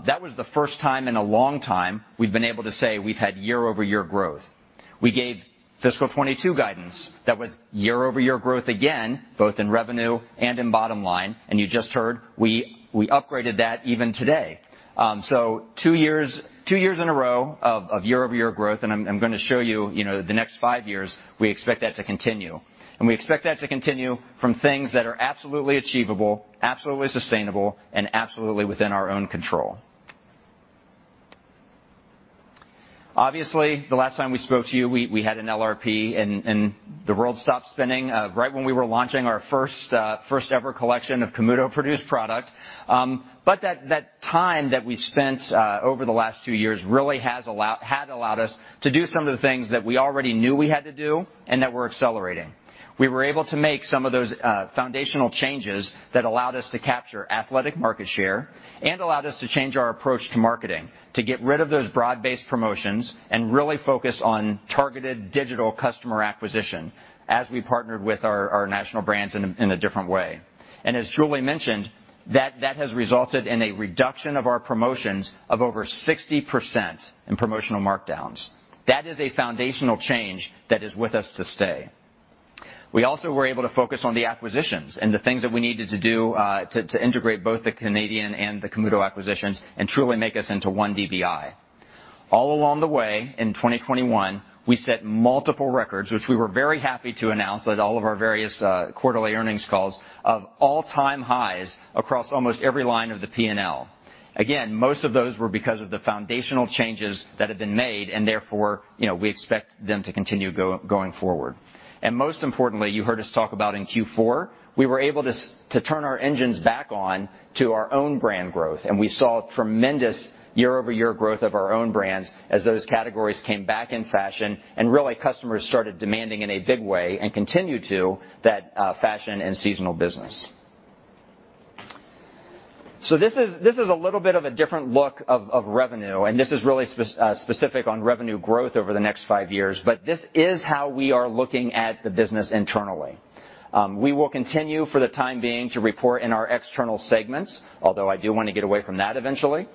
That was the first time in a long time we've been able to say we've had year-over-year growth. We gave fiscal 2022 guidance that was year-over-year growth again, both in revenue and in bottom-line, and you just heard we upgraded that even today. So two years in a row of year-over-year growth, and I'm gonna show you know, the next five years, we expect that to continue. We expect that to continue from things that are absolutely achievable, absolutely sustainable, and absolutely within our own control. Obviously, the last time we spoke to you, we had an LRP and the world stopped spinning right when we were launching our first first ever collection of Camuto produced product. But that time that we spent over the last two years really had allowed us to do some of the things that we already knew we had to do and that we're accelerating. We were able to make some of those foundational changes that allowed us to capture athletic market share and allowed us to change our approach to marketing, to get rid of those broad-based promotions and really focus on targeted digital customer acquisition as we partnered with our national brands in a different way. As Julie mentioned, that has resulted in a reduction of our promotions of over 60% in promotional markdowns. That is a foundational change that is with us to stay. We also were able to focus on the acquisitions and the things that we needed to do to integrate both the Canadian and the Camuto acquisitions and truly make us into one DBI. All along the way in 2021, we set multiple records, which we were very happy to announce at all of our various quarterly earnings calls, of all-time highs across almost every line of the P&L. Again, most of those were because of the foundational changes that had been made, and therefore, you know, we expect them to continue going forward. Most importantly, you heard us talk about in Q4, we were able to to turn our engines back on to our own brand growth, and we saw tremendous year-over-year growth of our own brands as those categories came back in fashion and really customers started demanding in a big way, and continue to, that, fashion and seasonal business. This is a little bit of a different look of revenue, and this is really specific on revenue growth over the next 5 years, but this is how we are looking at the business internally. We will continue for the time being to report in our external segments, although I do wanna get away from that eventually.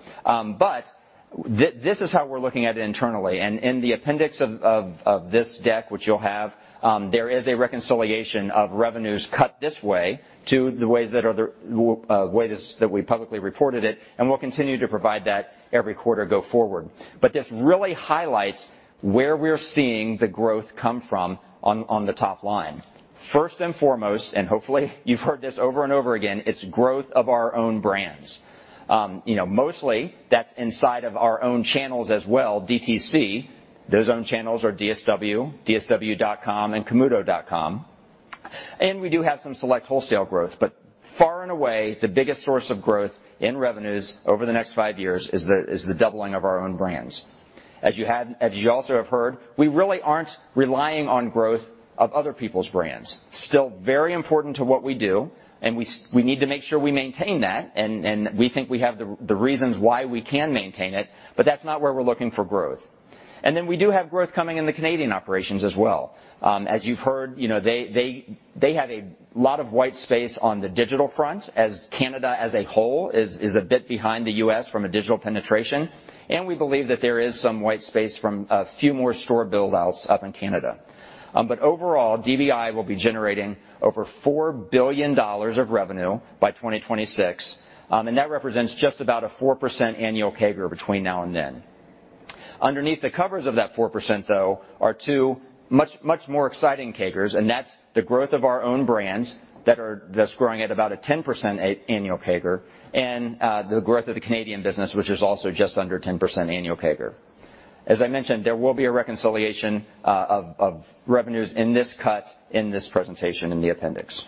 This is how we're looking at it internally. In the appendix of this deck, which you'll have, there is a reconciliation of revenues cut this way to the ways that we publicly reported it, and we'll continue to provide that every quarter going forward. This really highlights where we're seeing the growth come from on the top-line. First and foremost, and hopefully you've heard this over and over again, it's growth of our own brands. You know, mostly that's inside of our own channels as well, DTC. Those own channels are DSW, dsw.com, and camuto.com. We do have some select wholesale growth, but far and away, the biggest source of growth in revenues over the next five years is the doubling of our own brands. As you also have heard, we really aren't relying on growth of other people's brands. Still very important to what we do, and we need to make sure we maintain that, and we think we have the reasons why we can maintain it, but that's not where we're looking for growth. We do have growth coming in the Canadian operations as well. As you've heard, you know, they have a lot of white space on the digital front, as Canada as a whole is a bit behind the US. from a digital penetration, and we believe that there is some white space from a few more store build outs up in Canada. Overall, DBI will be generating over $4 billion of revenue by 2026, and that represents just about a 4% annual CAGR between now and then. Underneath the covers of that 4%, though, are two much more exciting CAGRs, and that's the growth of our own brands that's growing at about a 10% annual CAGR, and the growth of the Canadian business, which is also just under 10% annual CAGR. As I mentioned, there will be a reconciliation of revenues in this deck, in this presentation in the appendix.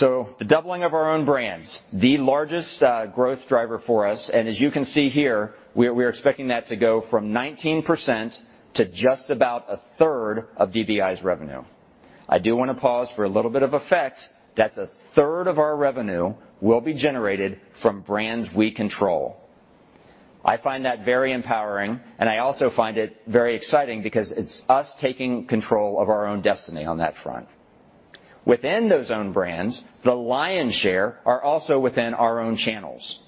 The doubling of our own brands, the largest growth driver for us, and as you can see here, we are expecting that to go from 19% to just about a third of DBI's revenue. I do wanna pause for a little bit of effect. That's a third of our revenue will be generated from brands we control. I find that very empowering, and I also find it very exciting because it's us taking control of our own destiny on that front. Within those own brands, the lion's share are also within our own channels.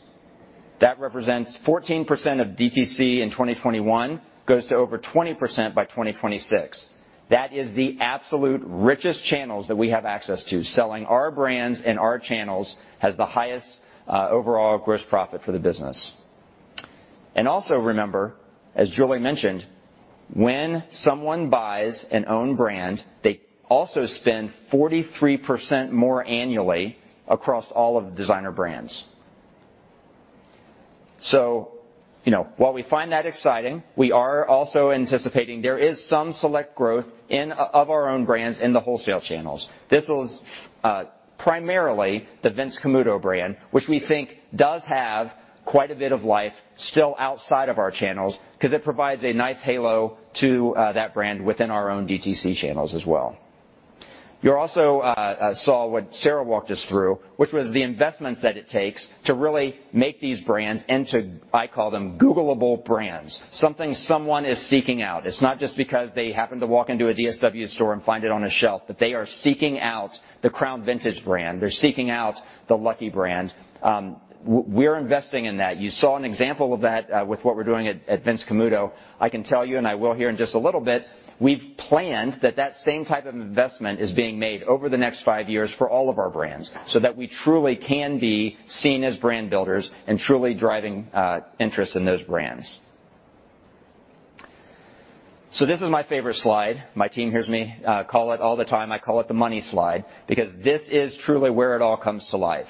That represents 14% of DTC in 2021, goes to over 20% by 2026. That is the absolute richest channels that we have access to. Selling our brands in our channels has the highest overall gross profit for the business. Also remember, as Julie mentioned, when someone buys an own brand, they also spend 43% more annually across all of the Designer Brands. You know, while we find that exciting, we are also anticipating there is some select growth of our own brands in the wholesale channels. This was primarily the Vince Camuto brand, which we think does have quite a bit of life still outside of our channels 'cause it provides a nice halo to that brand within our own DTC channels as well. You also saw what Sarah walked us through, which was the investments that it takes to really make these brands into, I call them, Googleable brands, something someone is seeking out. It's not just because they happen to walk into a DSW store and find it on a shelf, but they are seeking out the Crown Vintage brand. They're seeking out the Lucky Brand. We're investing in that. You saw an example of that, with what we're doing at Vince Camuto. I can tell you, and I will here in just a little bit, we've planned that same type of investment is being made over the next five years for all of our brands, so that we truly can be seen as brand builders and truly driving interest in those brands. This is my favorite slide. My team hears me call it all the time. I call it the money slide because this is truly where it all comes to life.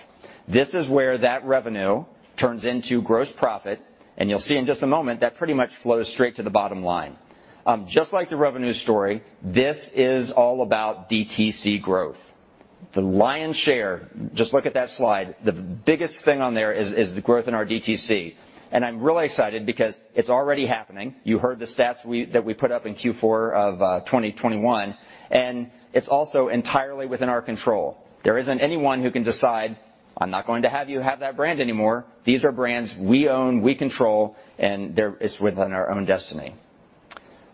This is where that revenue turns into gross profit, and you'll see in just a moment that pretty much flows straight to the bottom-line. Just like the revenue story, this is all about DTC growth. The lion's share, just look at that slide. The biggest thing on there is the growth in our DTC, and I'm really excited because it's already happening. You heard the stats that we put up in Q4 of 2021, and it's also entirely within our control. There isn't anyone who can decide, "I'm not going to have you have that brand anymore." These are brands we own, we control, and it's within our own destiny.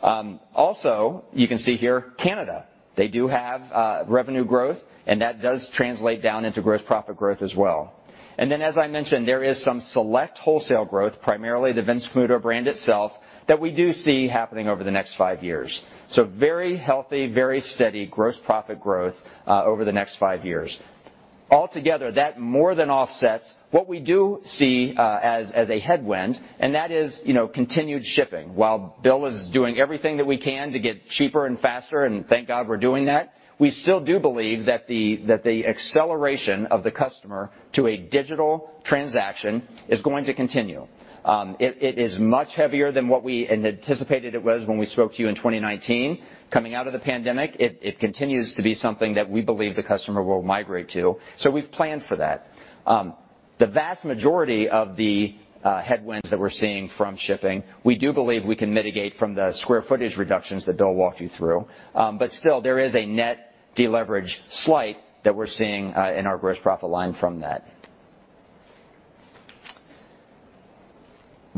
Also, you can see here, Canada, they do have revenue growth, and that does translate down into gross profit growth as well. As I mentioned, there is some select wholesale growth, primarily the Vince Camuto brand itself, that we do see happening over the next five years. Very healthy, very steady gross profit growth over the next five years. Altogether, that more than offsets what we do see as a headwind, and that is, you know, continued shipping. While Bill is doing everything that we can to get cheaper and faster, and thank God we're doing that, we still do believe that the acceleration of the customer to a digital transaction is going to continue. It is much heavier than what we had anticipated it was when we spoke to you in 2019. Coming out of the pandemic, it continues to be something that we believe the customer will migrate to, so we've planned for that. The vast majority of the headwinds that we're seeing from shifting, we do believe we can mitigate from the square footage reductions that Bill walked you through. Still, there is a net deleverage slight that we're seeing in our gross profit line from that.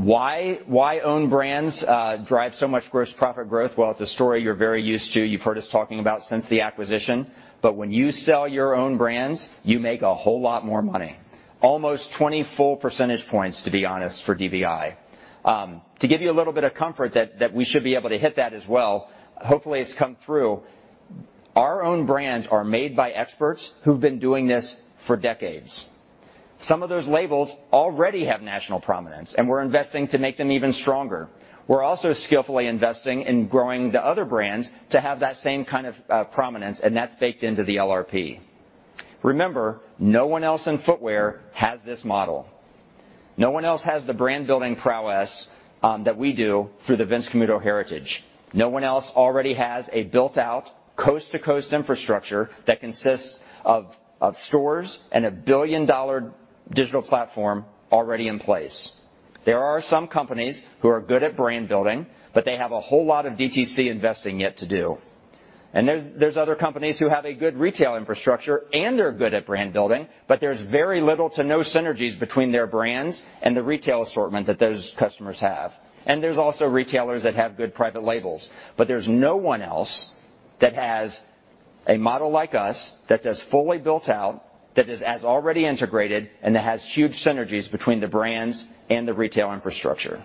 Why own brands drive so much gross profit growth? Well, it's a story you're very used to. You've heard us talking about since the acquisition. When you sell your own brands, you make a whole lot more money, almost 20 full percentage points, to be honest, for DBI. To give you a little bit of comfort that we should be able to hit that as well, hopefully it's come through, our own brands are made by experts who've been doing this for decades. Some of those labels already have national prominence, and we're investing to make them even stronger. We're also skillfully investing in growing the other brands to have that same kind of prominence, and that's baked into the LRP. Remember, no one else in footwear has this model. No one else has the brand-building prowess that we do through the Vince Camuto heritage. No one else already has a built-out coast-to-coast infrastructure that consists of stores and a billion-dollar digital platform already in place. There are some companies who are good at brand building, but they have a whole lot of DTC investing yet to do. There are other companies who have a good retail infrastructure, and they're good at brand building, but there's very little to no synergies between their brands and the retail assortment that those customers have. There's also retailers that have good private labels, but there's no one else that has a model like us, that is fully built out, that is as already integrated, and that has huge synergies between the brands and the retail infrastructure.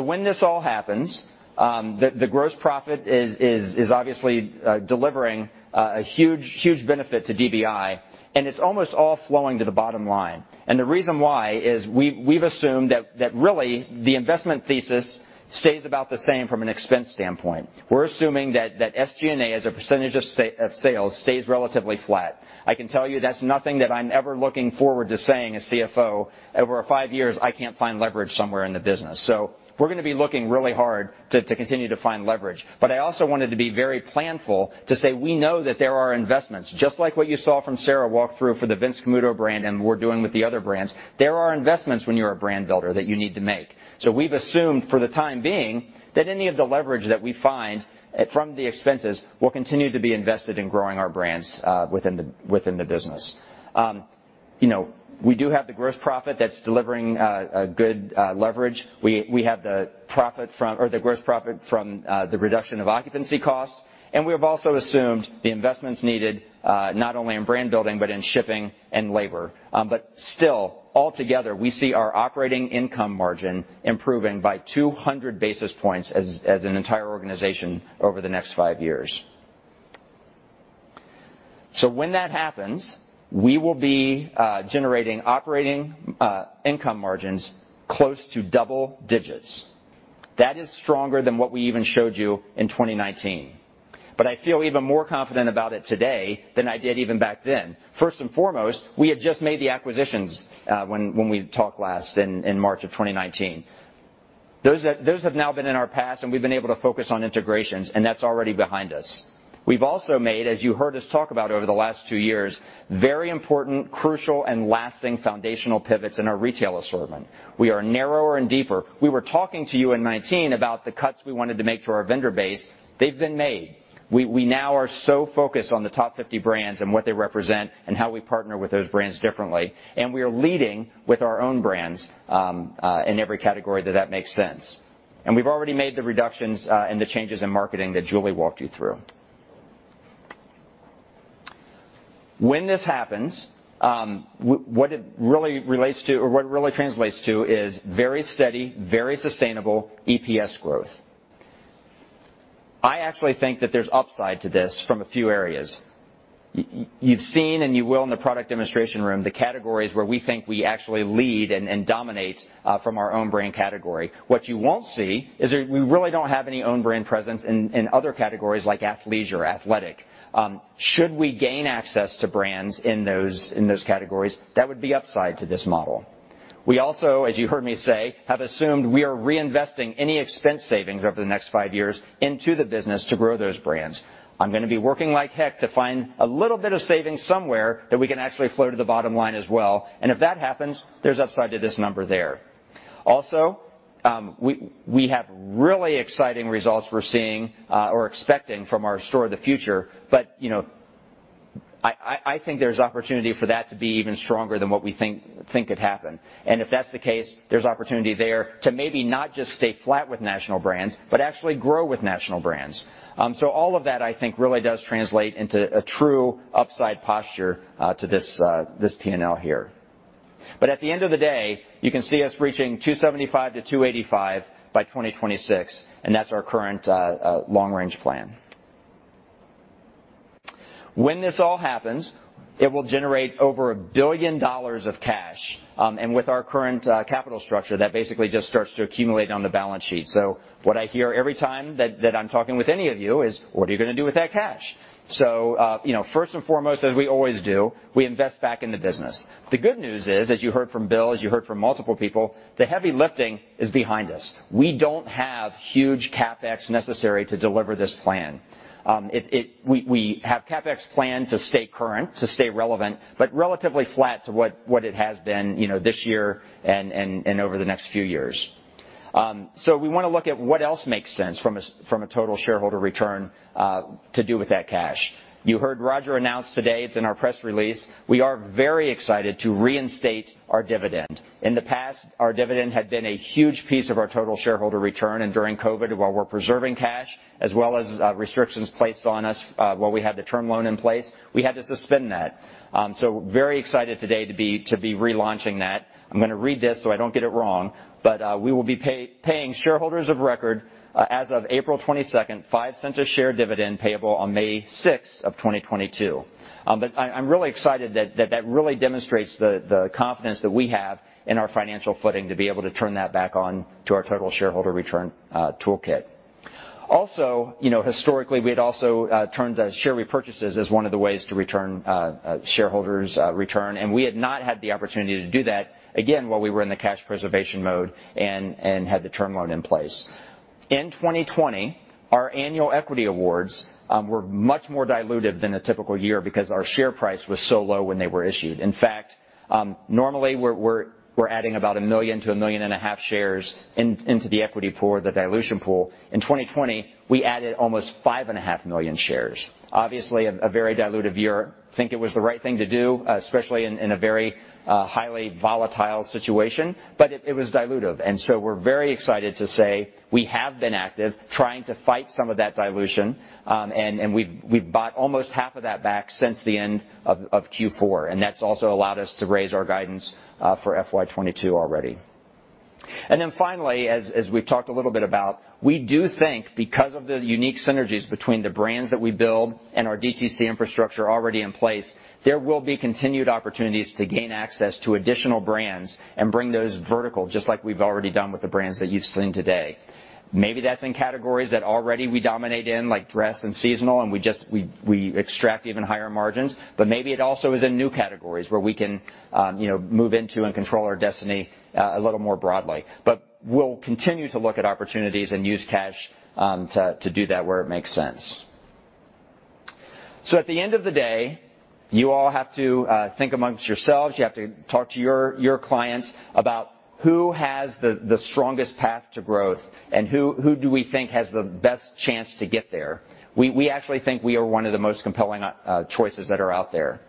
When this all happens, the gross profit is obviously delivering a huge benefit to DBI, and it's almost all flowing to the bottom-line. The reason why is we've assumed that really the investment thesis stays about the same from an expense standpoint. We're assuming that SG&A, as a percentage of sales, stays relatively flat. I can tell you that's nothing that I'm ever looking forward to saying as CFO over five years, I can't find leverage somewhere in the business. We're gonna be looking really hard to continue to find leverage. I also wanted to be very planful to say we know that there are investments. Just like what you saw from Sarah walk through for the Vince Camuto brand and we're doing with the other brands, there are investments when you're a brand builder that you need to make. We've assumed for the time being that any of the leverage that we find from the expenses will continue to be invested in growing our brands within the business. You know, we do have the gross profit that's delivering a good leverage. We have the gross profit from the reduction of occupancy costs, and we have also assumed the investments needed not only in brand building but in shipping and labor. Still, altogether, we see our operating income margin improving by 200 basis points as an entire organization over the next 5 years. When that happens, we will be generating operating income margins close to double-digits. That is stronger than what we even showed you in 2019. I feel even more confident about it today than I did even back then. First and foremost, we had just made the acquisitions when we talked last in March of 2019. Those have now been in our past, and we've been able to focus on integrations, and that's already behind us. We've also made, as you heard us talk about over the last 2 years, very important, crucial, and lasting foundational pivots in our retail assortment. We are narrower and deeper. We were talking to you in 2019 about the cuts we wanted to make to our vendor base. They've been made. We now are so focused on the top 50 brands and what they represent and how we partner with those brands differently, and we are leading with our own brands in every category that makes sense. We've already made the reductions and the changes in marketing that Julie walked you through. When this happens, what it really relates to or what it really translates to is very steady, very sustainable EPS growth. I actually think that there's upside to this from a few areas. You've seen and you will in the product demonstration room, the categories where we think we actually lead and dominate from our own brand category. What you won't see is that we really don't have any own brand presence in other categories like athleisure, athletic. Should we gain access to brands in those categories, that would be upside to this model. We also, as you heard me say, have assumed we are reinvesting any expense savings over the next five years into the business to grow those brands. I'm gonna be working like heck to find a little bit of savings somewhere that we can actually flow to the bottom-line as well. If that happens, there's upside to this number there. Also, we have really exciting results we're seeing or expecting from our Store of the Future. You know, I think there's opportunity for that to be even stronger than what we think could happen. If that's the case, there's opportunity there to maybe not just stay flat with national brands, but actually grow with national brands. All of that I think really does translate into a true upside posture to this P&L here. At the end of the day, you can see us reaching $275-$285 by 2026, and that's our current long-range plan. When this all happens, it will generate over $1 billion of cash. With our current capital structure, that basically just starts to accumulate on the balance sheet. What I hear every time that I'm talking with any of you is, "What are you gonna do with that cash?" You know, first and foremost, as we always do, we invest back in the business. The good news is, as you heard from Bill, as you heard from multiple people, the heavy lifting is behind us. We don't have huge CapEx necessary to deliver this plan. We have CapEx plan to stay current, to stay relevant, but relatively flat to what it has been, you know, this year and over the next few years. We wanna look at what else makes sense from a total shareholder return to do with that cash. You heard Roger announce today, it's in our press release, we are very excited to reinstate our dividend. In the past, our dividend had been a huge piece of our total shareholder return. During COVID, while we're preserving cash, as well as restrictions placed on us, while we had the term loan in place, we had to suspend that. Very excited today to be relaunching that. I'm gonna read this so I don't get it wrong. We will be paying shareholders of record as of April 22nd, $0.05 per share dividend payable on May 6th, 2022. I'm really excited that that really demonstrates the confidence that we have in our financial footing to be able to turn that back on to our total shareholder return toolkit. You know, historically, we had also turned to share repurchases as one of the ways to return to shareholders, and we had not had the opportunity to do that, again, while we were in the cash preservation mode and had the term loan in place. In 2020, our annual equity awards were much more diluted than a typical year because our share price was so low when they were issued. In fact, normally we're adding about 1 million to 1.5 million shares into the equity pool or the dilution pool. In 2020, we added almost 5.5 million shares. Obviously a very dilutive year. Think it was the right thing to do, especially in a very highly-volatile situation, but it was dilutive. We're very excited to say we have been active trying to fight some of that dilution, and we've bought almost half of that back since the end of Q4, and that's also allowed us to raise our guidance for FY 2022 already. Then finally, as we've talked a little bit about, we do think because of the unique synergies between the brands that we build and our DTC infrastructure already in place, there will be continued opportunities to gain access to additional brands and bring those vertical, just like we've already done with the brands that you've seen today. Maybe that's in categories that already we dominate in, like dress and seasonal, and we just extract even higher-margins. Maybe it also is in new categories where we can, you know, move into and control our destiny, a little more broadly. We'll continue to look at opportunities and use cash, to do that where it makes sense. At the end of the day, you all have to think amongst yourselves. You have to talk to your clients about who has the strongest path to growth and who do we think has the best chance to get there. We actually think we are one of the most compelling choices that are out there.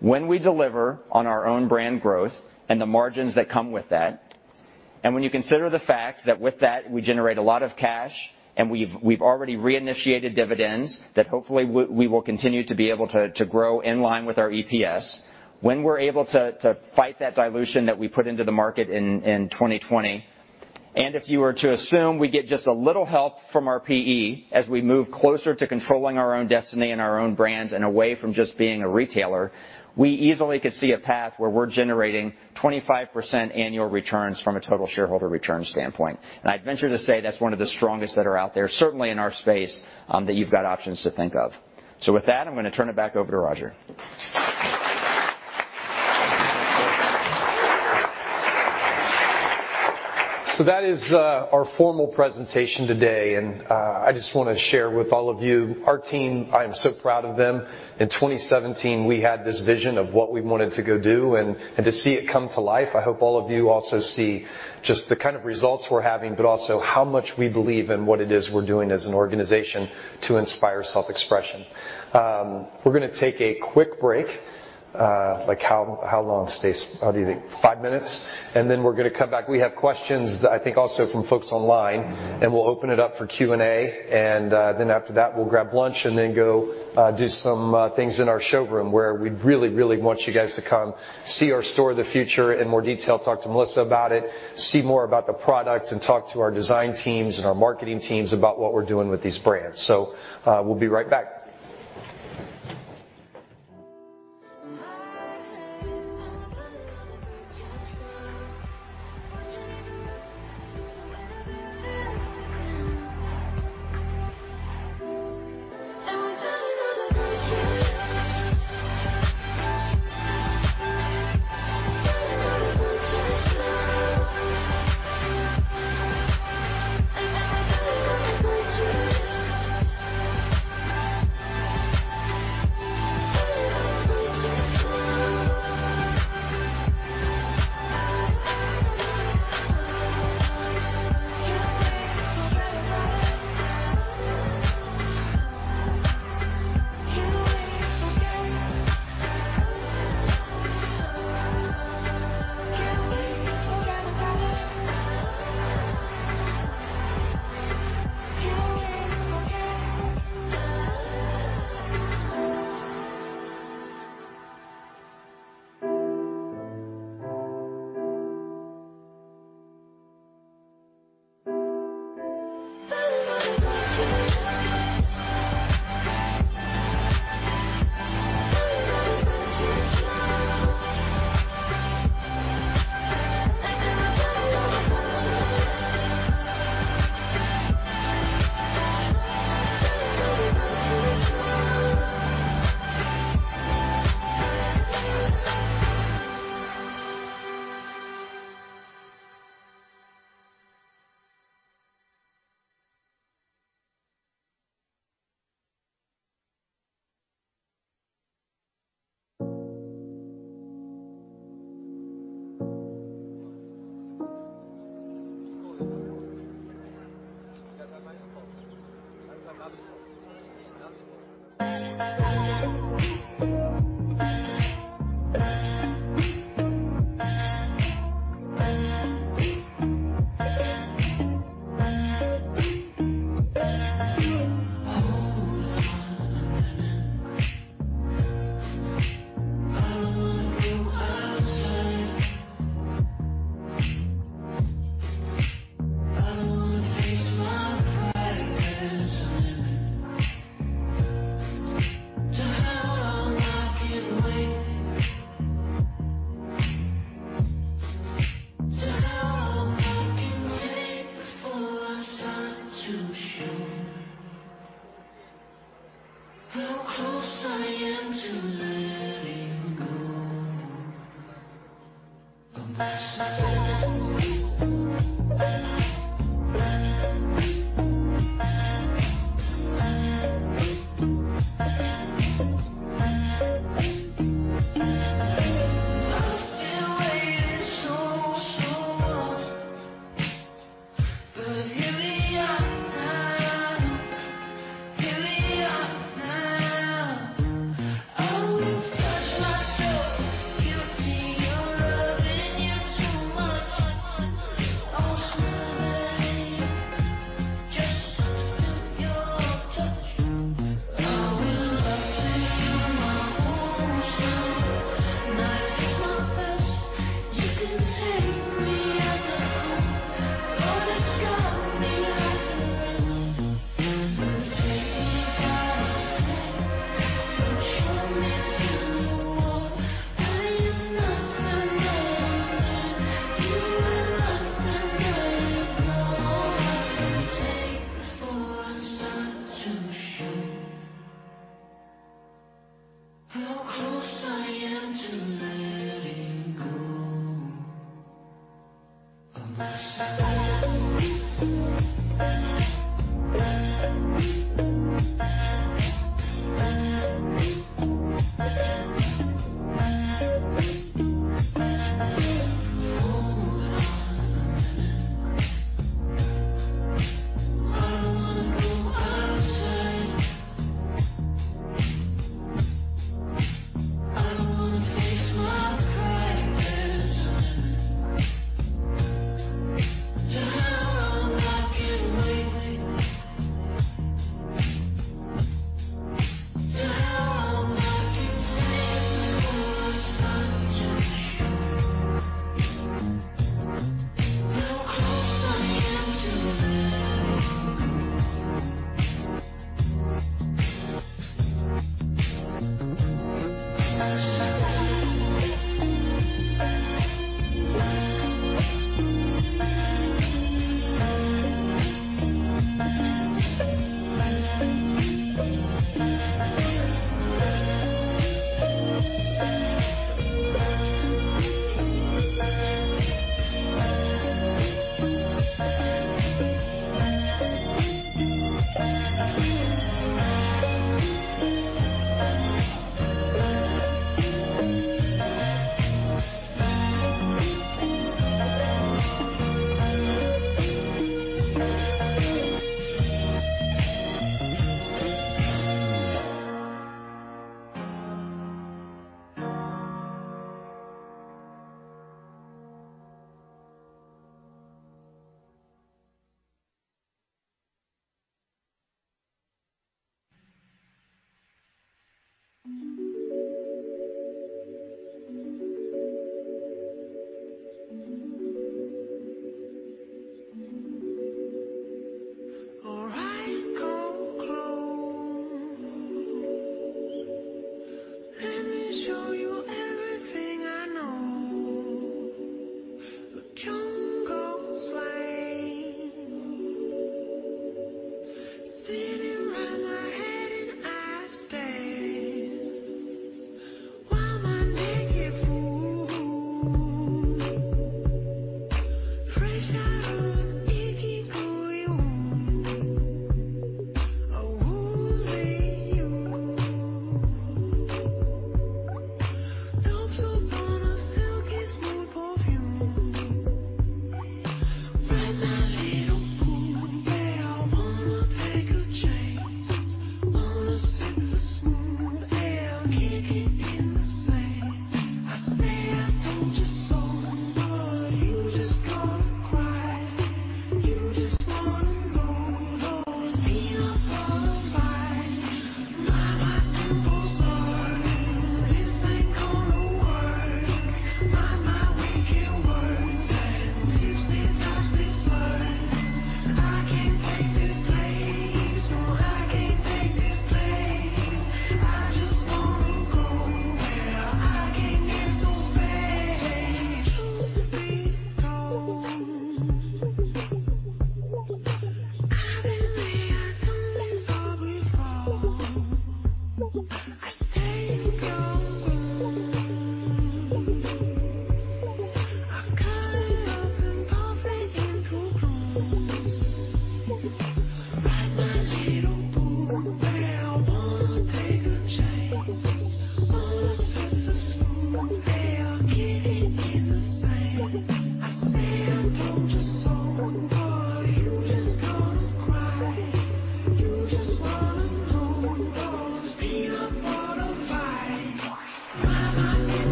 When we deliver on our own brand growth and the margins that come with that, and when you consider the fact that with that, we generate a lot of cash and we've already reinitiated dividends that hopefully we will continue to be able to grow in line with our EPS. When we're able to fight that dilution that we put into the market in 2020, and if you were to assume we get just a little help from our PE as we move closer to controlling our own destiny and our own brands and away from just being a retailer, we easily could see a path where we're generating 25% annual returns from a total shareholder return standpoint. I'd venture to say that's one of the strongest that are out there, certainly in our space, that you've got options to think of. With that, I'm gonna turn it back over to Roger.
That is our formal presentation today, and I just wanna share with all of you. Our team, I am so proud of them. In 2017, we had this vision of what we wanted to go do, and to see it come to life, I hope all of you also see just the kind of results we're having, but also how much we believe in what it is we're doing as an organization to inspire self-expression. We're gonna take a quick break. Like how long, Stace, what do you think? 5 minutes, and then we're gonna come back. We have questions, I think, also from folks online, and we'll open it up for Q&A. Then after that, we'll grab lunch and then go do some things in our showroom where we really want you guys to come see our Store of the Future in more detail, talk to Melissa about it. See more about the product and talk to our design teams and our marketing teams about what we're doing with these brands. We'll be right back.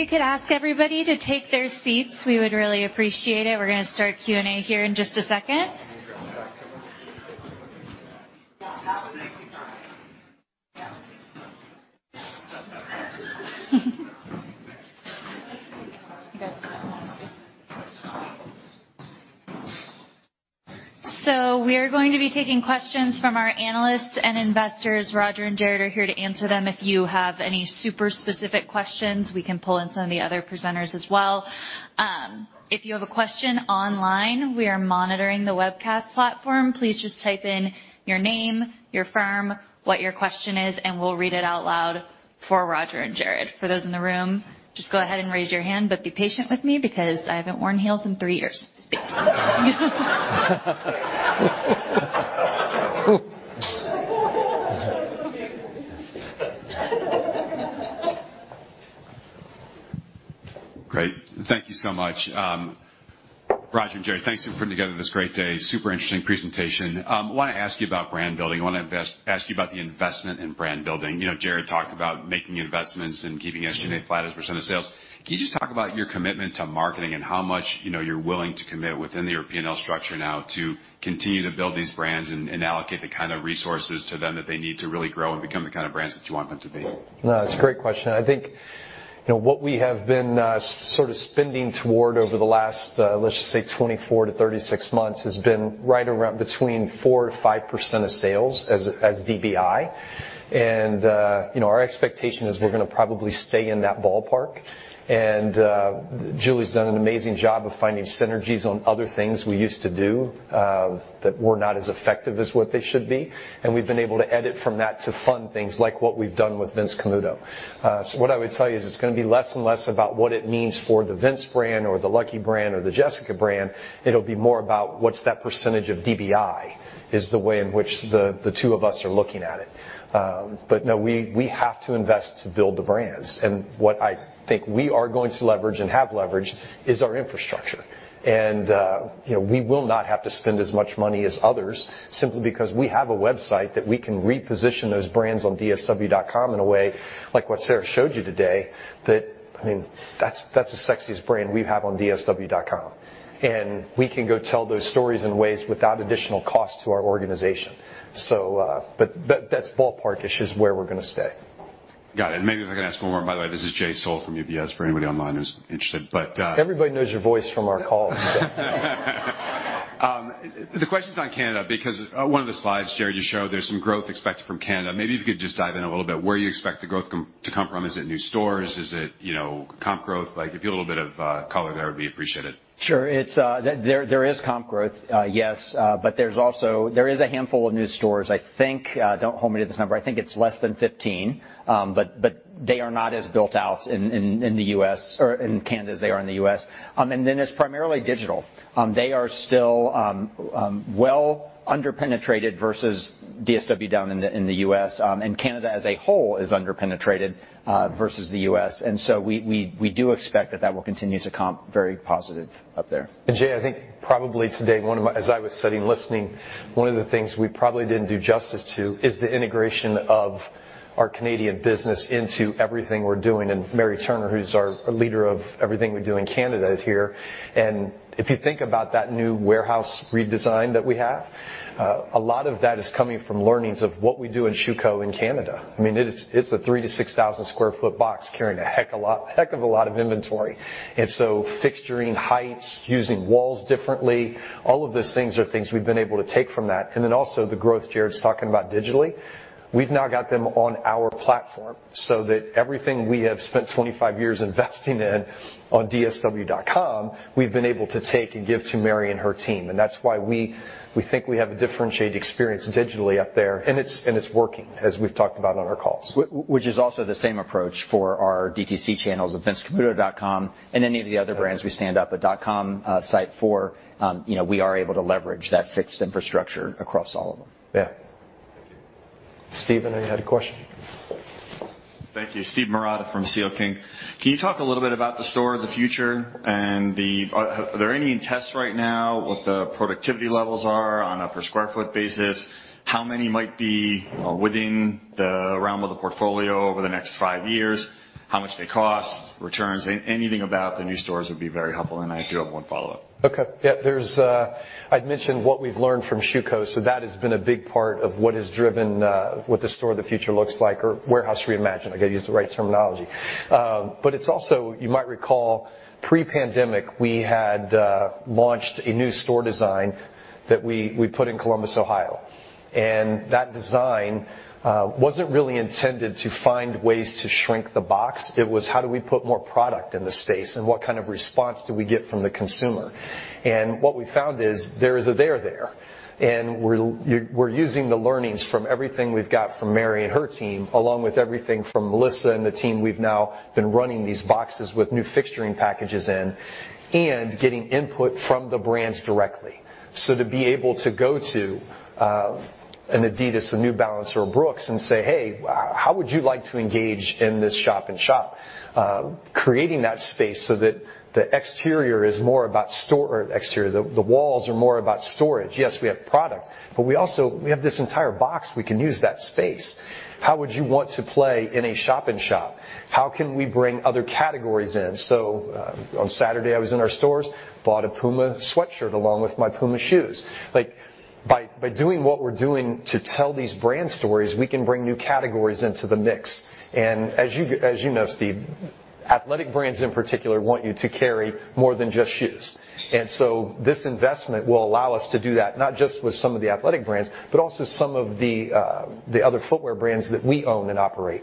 If we could ask everybody to take their seats, we would really appreciate it. We're gonna start Q&A here in just a second. We are going to be taking questions from our analysts and investors. Roger and Jared are here to answer them. If you have any super specific questions, we can pull in some of the other presenters as well. If you have a question online, we are monitoring the webcast platform. Please just type in your name, your firm, what your question is, and we'll read it out loud for Roger and Jared. For those in the room, just go ahead and raise your hand, but be patient with me because I haven't worn heels in three years.
Great. Thank you so much. Roger and Jared, thanks for putting together this great day. Super interesting presentation. Wanna ask you about brand building. Ask you about the investment in brand building. You know, Jared talked about making investments and keeping SG&A flat as a % of sales. Can you just talk about your commitment to marketing and how much, you know, you're willing to commit within your P&L structure now to continue to build these brands and allocate the kind of resources to them that they need to really grow and become the kind of brands that you want them to be?
No, it's a great question. I think, you know, what we have been sort of spending toward over the last, let's just say 24-36 months, has been right around between 4%-5% of sales as DBI. You know, our expectation is we're gonna probably stay in that ballpark. Julie's done an amazing job of finding synergies on other things we used to do that were not as effective as what they should be, and we've been able to edit from that to fund things like what we've done with Vince Camuto. What I would tell you is it's gonna be less and less about what it means for the Vince brand or the Lucky Brand or the Jessica Simpson brand. It'll be more about what's that percentage of DBI. That's the way in which the two of us are looking at it. But no, we have to invest to build the brands. What I think we are going to leverage and have leveraged is our infrastructure. We will not have to spend as much money as others simply because we have a website that we can reposition those brands on dsw.com in a way, like what Sarah showed you today, that, I mean, that's the sexiest brand we have on dsw.com. We can go tell those stories in ways without additional cost to our organization. That's ballpark-ish is where we're gonna stay.
Got it. Maybe if I can ask one more. By the way, this is Jay Sole from UBS, for anybody online who's interested.
Everybody knows your voice from our calls.
The question's on Canada because one of the slides, Jared, you showed there's some growth expected from Canada. Maybe if you could just dive in a little bit where you expect the growth to come from. Is it new stores? Is it, you know, comp growth? Like, if you a little bit of color there would be appreciated.
Sure. There is comp growth, yes, but there's also a handful of new stores, I think. Don't hold me to this number. I think it's less than 15. They are not as built out in the US. or in Canada as they are in the US. It's primarily digital. They are still well under-penetrated versus DSW down in the US. Canada as a whole is under-penetrated versus the US. We do expect that will continue to comp very positive up there.
Jay, I think probably today, one of my, as I was sitting listening, one of the things we probably didn't do justice to is the integration of our Canadian business into everything we're doing. Mary Turner, who's our leader of everything we do in Canada, is here. If you think about that new warehouse redesign that we have, a lot of that is coming from learnings of what we do in Shoe Co in Canada. I mean, it's a 3,000-6,000 sq ft box carrying a heck of a lot of inventory. Fixturing heights, using walls differently, all of those things are things we've been able to take from that. Also the growth Jared's talking about digitally, we've now got them on our platform so that everything we have spent 25 years investing in on dsw.com, we've been able to take and give to Mary and her team. That's why we think we have a differentiated experience digitally up there, and it's working, as we've talked about on our calls.
Which is also the same approach for our DTC channels of vincecamuto.com and any of the other brands we stand up a dot-com site for. You know, we are able to leverage that fixed infrastructure across all of them.
Yeah. Steve, I know you had a question.
Thank you. Steve Marotta from C.L. King. Can you talk a little bit about the Store of the Future and. Are there any tests right now, what the productivity levels are on a per square foot basis? How many might be within the realm of the portfolio over the next five years? How much they cost, returns, anything about the new stores would be very helpful, and I do have one follow-up.
Okay. Yeah. There's, I'd mentioned what we've learned from Shoe Co. So that has been a big part of what has driven what the Store of the Future looks like or Warehouse Reimagined. I gotta use the right terminology. But it's also, you might recall, pre-pandemic, we had launched a new store design that we put in Columbus, Ohio. That design wasn't really intended to find ways to shrink the box. It was how do we put more product in the space, and what kind of response do we get from the consumer. What we found is there is a there there. We're using the learnings from everything we've got from Mary and her team, along with everything from Melissa and the team. We've now been running these boxes with new fixturing packages in and getting input from the brands directly. To be able to go to an Adidas, a New Balance, or a Brooks and say, "Hey, how would you like to engage in this shop in shop?" Creating that space so that the exterior is more about exterior. The walls are more about storage. Yes, we have product, but we also have this entire box. We can use that space. How would you want to play in a shop in shop? How can we bring other categories in? On Saturday, I was in our stores, bought a Puma sweatshirt along with my Puma shoes. Like, by doing what we're doing to tell these brand stories, we can bring new categories into the mix. As you know, Steve, athletic brands in particular want you to carry more than just shoes. This investment will allow us to do that, not just with some of the athletic brands, but also some of the other footwear brands that we own and operate,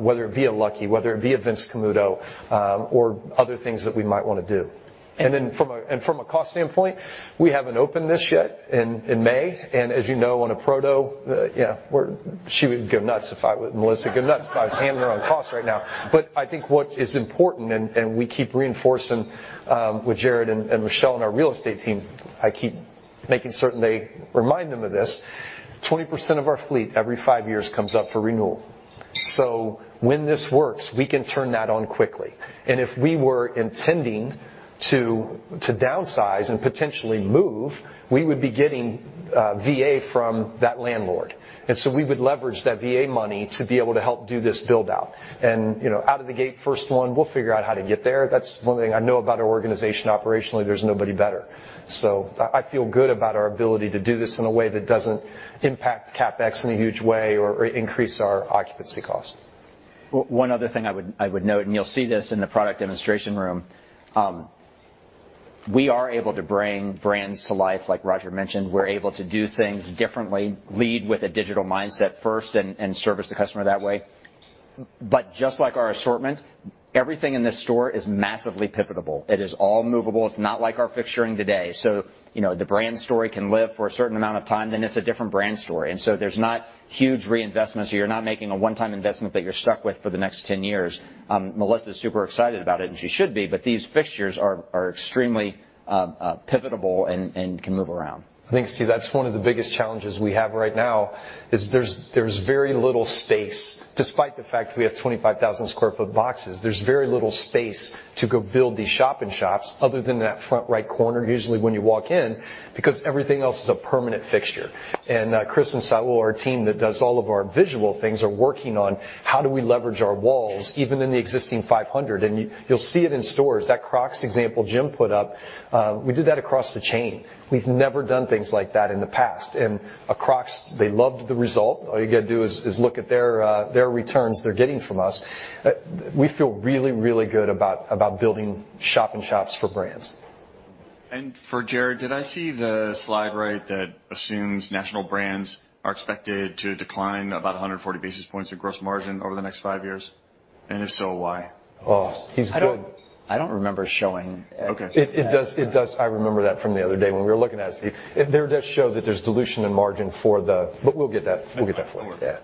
whether it be a Lucky Brand, whether it be a Vince Camuto, or other things that we might wanna do. From a cost standpoint, we haven't opened this yet in May. As you know, on a prototype, yeah, Melissa would go nuts if I was hemming her on cost right now. I think what is important, and we keep reinforcing with Jared and Michelle and our real estate team, I keep making certain they remind them of this. 20% of our fleet every five years comes up for renewal. When this works, we can turn that on quickly. If we were intending to downsize and potentially move, we would be getting TI from that landlord. We would leverage that TI money to be able to help do this build-out. You know, out of the gate, first one, we'll figure out how to get there. That's one thing I know about our organization operationally, there's nobody better. I feel good about our ability to do this in a way that doesn't impact CapEx in a huge way or increase our occupancy cost.
One other thing I would note, and you'll see this in the product demonstration room. We are able to bring brands to life like Roger mentioned. We're able to do things differently, lead with a digital mindset first and service the customer that way. Just like our assortment, everything in this store is massively pivotable. It is all movable. It's not like our fixturing today. You know, the brand story can live for a certain amount of time, then it's a different brand story. There's not huge reinvestments or you're not making a one-time investment that you're stuck with for the next 10 years. Melissa is super excited about it, and she should be, but these fixtures are extremely pivotable and can move around.
I think, Steve, that's one of the biggest challenges we have right now: there's very little space. Despite the fact we have 25,000 sq ft boxes, there's very little space to go build these shop in shops other than that front right corner, usually when you walk in, because everything else is a permanent fixture. Chris and Saul, our team that does all of our visual things, are working on how do we leverage our walls even in the existing 500. You'll see it in stores. That Crocs example Jim put up, we did that across the chain. We've never done things like that in the past. Crocs, they loved the result. All you gotta do is look at their returns they're getting from us. We feel really good about building shop in shops for brands.
For Jared, did I see the slide right that assumes national brands are expected to decline about 140 basis points in gross margin over the next 5 years? If so, why?
Oh, he's good.
I don't remember showing.
Okay.
It does. I remember that from the other day when we were looking at it, Steve. There does show that there's dilution in margin for the. We'll get that for you. Yeah.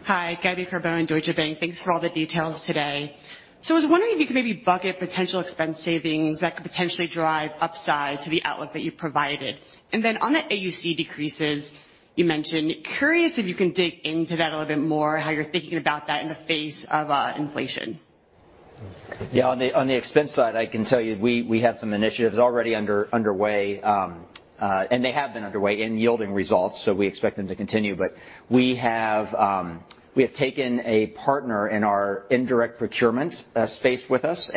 Thank you.
Mm-hmm.
Hi. Gabriella Carbone, Deutsche Bank. Thanks for all the details today. I was wondering if you could maybe bucket potential expense savings that could potentially drive upside to the outlook that you provided. On the AUC decreases you mentioned, I'm curious if you can dig into that a little bit more, how you're thinking about that in the face of inflation.
Yeah. On the expense side, I can tell you we have some initiatives already underway, and they have been underway and yielding results, so we expect them to continue. We have taken a partner in our indirect procurement space with us.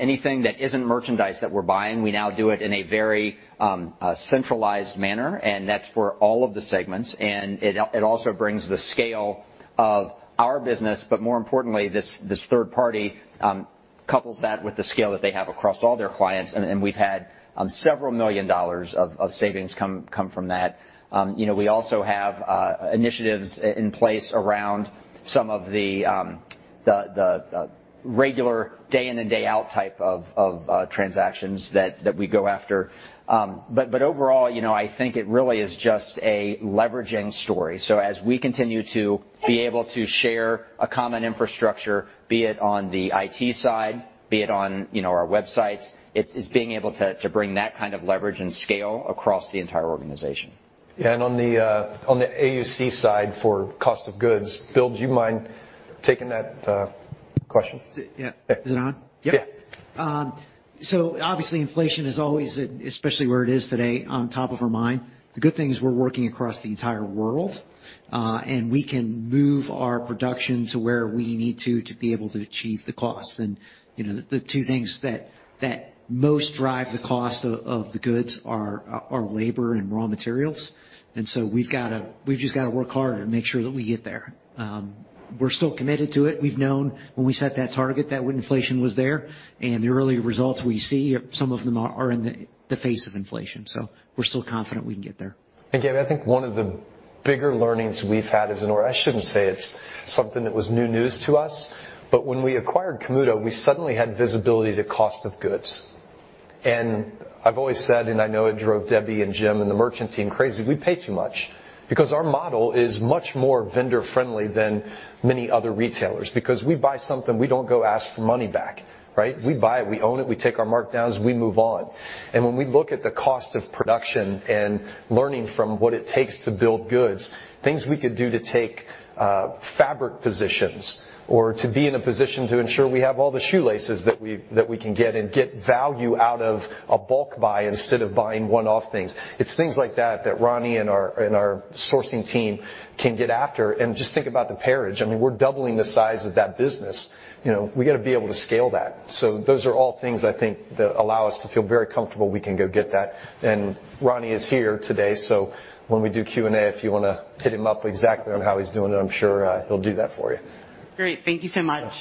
Anything that isn't merchandise that we're buying, we now do it in a very centralized manner, and that's for all of the segments. It also brings the scale of our business, but more importantly, this third party couples that with the scale that they have across all their clients. We've had $ several million of savings come from that. You know, we also have initiatives in place around some of the regular day in and day out type of transactions that we go after. Overall, you know, I think it really is just a leveraging story. As we continue to be able to share a common infrastructure, be it on the IT side, be it on, you know, our websites, it's being able to bring that kind of leverage and scale across the entire organization.
Yeah. On the AUC side for cost of goods, Bill, do you mind taking that question?
Yeah. Is it on? Yep.
Yeah.
Obviously, inflation is always, especially where it is today, on top of our mind. The good thing is we're working across the entire world, and we can move our production to where we need to to be able to achieve the costs. You know, the two things that most drive the cost of the goods are labor and raw materials. We've just gotta work harder to make sure that we get there. We're still committed to it. We've known when we set that target that inflation was there, and the early results we see, some of them are in the face of inflation. We're still confident we can get there.
Gabby, I think one of the bigger learnings we've had as an org. I shouldn't say it's something that was new news to us, but when we acquired Camuto, we suddenly had visibility to cost of goods. I've always said, and I know it drove Debbie and Jim and the merchant team crazy, we pay too much because our model is much more vendor friendly than many other retailers. Because we buy something, we don't go ask for money back, right? We buy it, we own it, we take our markdowns, we move on. When we look at the cost of production and learning from what it takes to build goods, things we could do to take fabric positions or to be in a position to ensure we have all the shoelaces that we can get and get value out of a bulk buy instead of buying one-off things. It's things like that that Ronnie and our sourcing team can get after. Just think about the pairage. I mean, we're doubling the size of that business. You know, we gotta be able to scale that. Those are all things, I think, that allow us to feel very comfortable we can go get that. Ronnie is here today, so when we do Q&A, if you wanna hit him up exactly on how he's doing, I'm sure he'll do that for you.
Great. Thank you so much.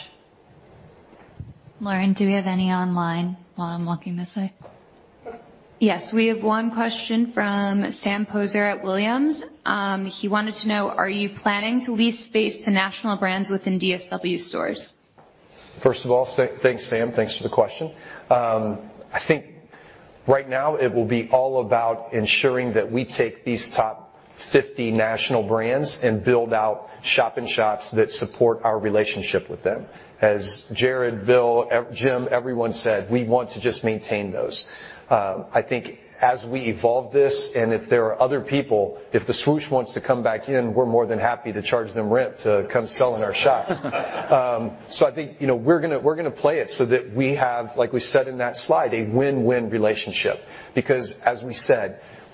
Lauren, do we have any online while I'm walking this way?
Yes. We have one question from Sam Poser at Williams. He wanted to know, are you planning to lease space to national brands within DSW stores?
First of all, thanks, Sam. Thanks for the question. I think right now it will be all about ensuring that we take these top 50 national brands and build out shop in shops that support our relationship with them. As Jared, Bill, Jim, everyone said, we want to just maintain those. I think as we evolve this, and if there are other people, if Nike wants to come back in, we're more than happy to charge them rent to come sell in our shops. I think, you know, we're gonna play it so that we have, like we said in that slide, a win-win relationship.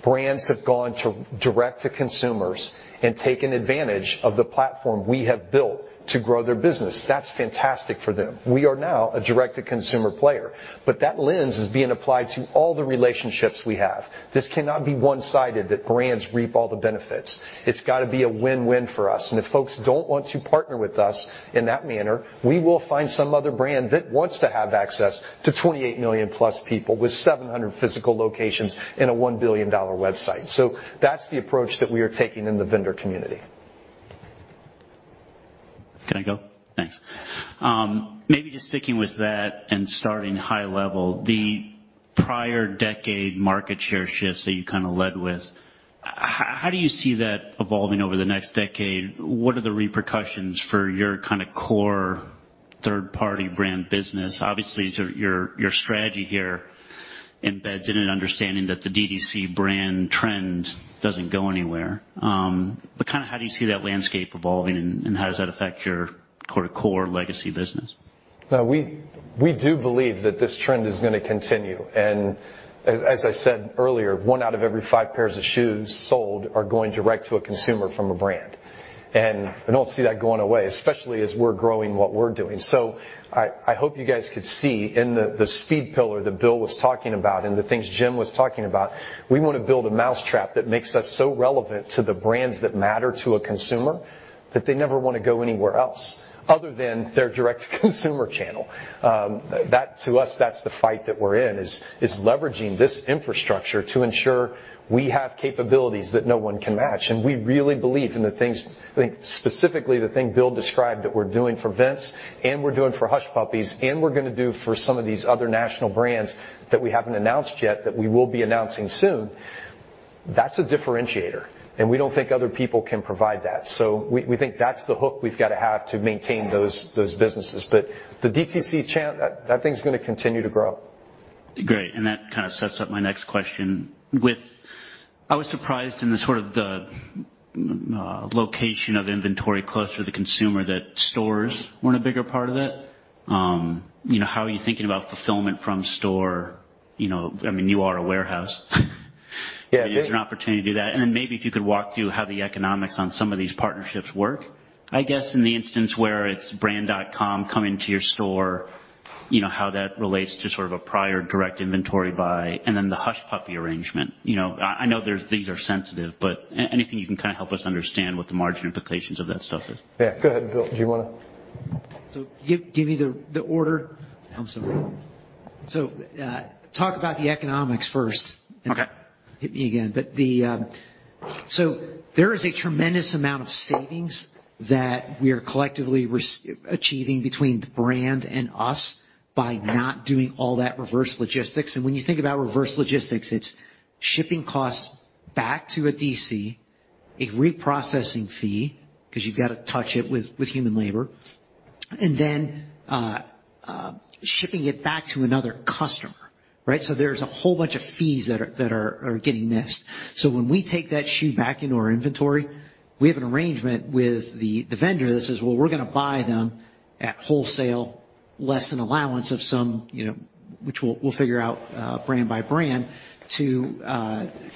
Brands have gone direct to consumers and taken advantage of the platform we have built to grow their business. That's fantastic for them. We are now a direct to consumer player, but that lens is being applied to all the relationships we have. This cannot be one-sided that brands reap all the benefits. It's gotta be a win-win for us. And if folks don't want to partner with us in that manner, we will find some other brand that wants to have access to 28 million-plus people with 700 physical locations and a $1 billion website. That's the approach that we are taking in the vendor community.
Can I go? Thanks. Maybe just sticking with that and starting high-level, the prior decade market share shifts that you kinda led with, how do you see that evolving over the next decade? What are the repercussions for your kinda core third-party brand business? Obviously, your strategy here embeds in an understanding that the D2C brand trend doesn't go anywhere. Kinda how do you see that landscape evolving, and how does that affect your core to core legacy business?
No, we do believe that this trend is gonna continue. As I said earlier, one out of every five pairs of shoes sold are going direct to a consumer from a brand. I don't see that going away, especially as we're growing what we're doing. I hope you guys could see in the speed pillar that Bill was talking about and the things Jim was talking about, we wanna build a mousetrap that makes us so relevant to the brands that matter to a consumer that they never wanna go anywhere else other than their direct consumer channel. That to us, that's the fight that we're in, is leveraging this infrastructure to ensure we have capabilities that no one can match. We really believe in the things. I think specifically the thing Bill described that we're doing for Vince and we're doing for Hush Puppies and we're gonna do for some of these other national brands that we haven't announced yet, that we will be announcing soon, that's a differentiator, and we don't think other people can provide that. We think that's the hook we've gotta have to maintain those businesses. The DTC channel, that thing's gonna continue to grow.
Great. That kinda sets up my next question. I was surprised in the location of inventory closer to the consumer that stores weren't a bigger part of that. You know, how are you thinking about fulfillment from store, you know. I mean, you are a warehouse.
Yeah.
Is there an opportunity to do that? Then maybe if you could walk through how the economics on some of these partnerships work. I guess in the instance where it's brand.com coming to your store, you know, how that relates to sort of a prior direct inventory buy and then the Hush Puppies arrangement. You know, I know these are sensitive, but anything you can kinda help us understand what the margin implications of that stuff is.
Yeah. Go ahead, Bill. Do you wanna?
Give me the order. I'm sorry. Talk about the economics first.
Okay.
Hit me again. There is a tremendous amount of savings that we are collectively achieving between the brand and us by not doing all that reverse logistics. When you think about reverse logistics, it's shipping costs back to a DC, a reprocessing fee, 'cause you've gotta touch it with human labor, and then shipping it back to another customer, right? There's a whole bunch of fees that are getting missed. When we take that shoe back into our inventory, we have an arrangement with the vendor that says, "Well, we're gonna buy them at wholesale less an allowance of some," you know, which we'll figure out brand by brand, to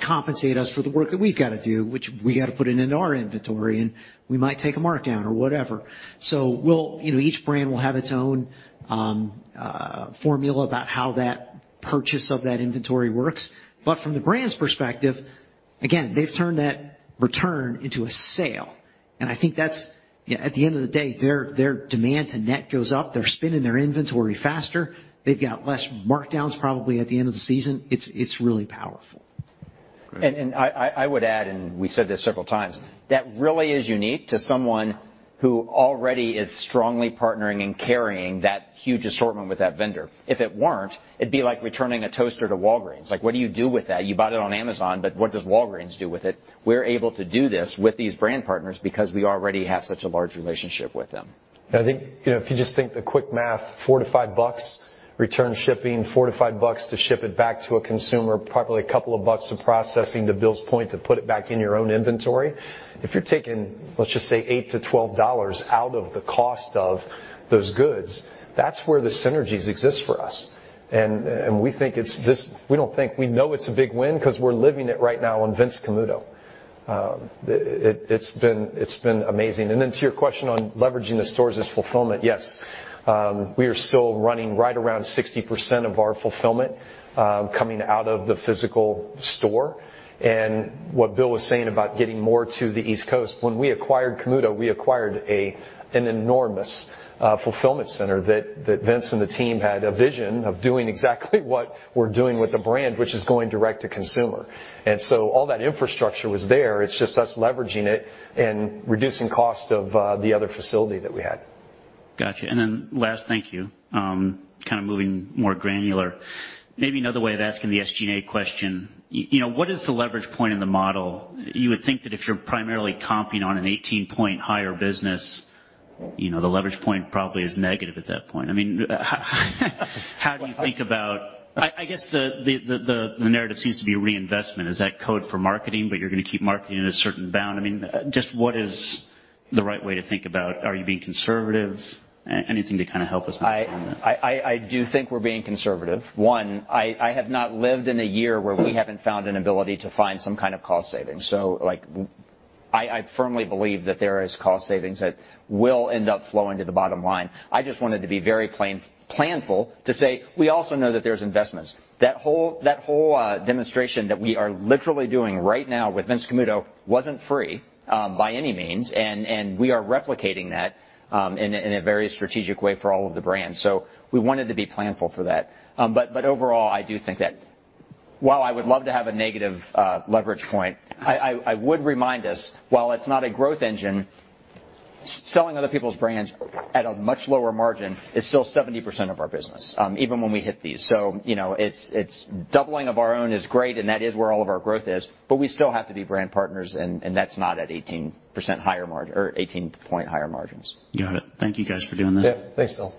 compensate us for the work that we've gotta do, which we gotta put it into our inventory, and we might take a markdown or whatever. We'll, you know, each brand will have its own formula about how that purchase of that inventory works. From the brand's perspective, again, they've turned that return into a sale. I think that's yeah, at the end of the day, their demand to net goes up. They're spinning their inventory faster. They've got less markdowns probably at the end of the season. It's really powerful.
Great.
I would add and we said this several times, that really is unique to someone who already is strongly partnering and carrying that huge assortment with that vendor. If it weren't, it'd be like returning a toaster to Walgreens. Like, what do you do with that? You bought it on Amazon, but what does Walgreens do with it? We're able to do this with these brand partners because we already have such a large relationship with them.
I think, you know, if you just think the quick math, $4-$5 return shipping, $4-$5 to ship it back to a consumer, probably a couple of bucks of processing, to Bill's point, to put it back in your own inventory. If you're taking, let's just say, $8-$12 out of the cost of those goods, that's where the synergies exist for us. We know it's a big win 'cause we're living it right now in Vince Camuto. It's been amazing. To your question on leveraging the stores as fulfillment, yes, we are still running right around 60% of our fulfillment coming out of the physical store. What Bill was saying about getting more to the East Coast, when we acquired Camuto, we acquired an enormous fulfillment center that Vince and the team had a vision of doing exactly what we're doing with the brand, which is going direct to consumer. All that infrastructure was there. It's just us leveraging it and reducing cost of the other facility that we had.
Gotcha. Thank you. Kind of moving more granular. Maybe another way of asking the SG&A question. You know, what is the leverage point in the model? You would think that if you're primarily comping on an 18-point higher business, you know, the leverage point probably is negative at that point. I mean, how do you think about it. I guess the narrative seems to be reinvestment. Is that code for marketing, but you're gonna keep marketing at a certain bound? I mean, just what is the right way to think about it. Are you being conservative? Anything to kind of help us understand that.
I do think we're being conservative. I have not lived in a year where we haven't found an ability to find some kind of cost savings. Like, I firmly believe that there is cost savings that will end up flowing to the bottom-line. I just wanted to be very planful to say, we also know that there's investments. That whole demonstration that we are literally doing right now with Vince Camuto wasn't free by any means. And we are replicating that in a very strategic way for all of the brands. We wanted to be planful for that. Overall, I do think that while I would love to have a negative leverage point, I would remind us while it's not a growth engine, selling other people's brands at a much lower-margin is still 70% of our business, even when we hit these. You know, it's doubling of our own is great, and that is where all of our growth is, but we still have to be brand partners and that's not at 18% higher-margin or 18-point higher-margins.
Got it. Thank you guys for doing this.
Yeah. Thanks, Jill.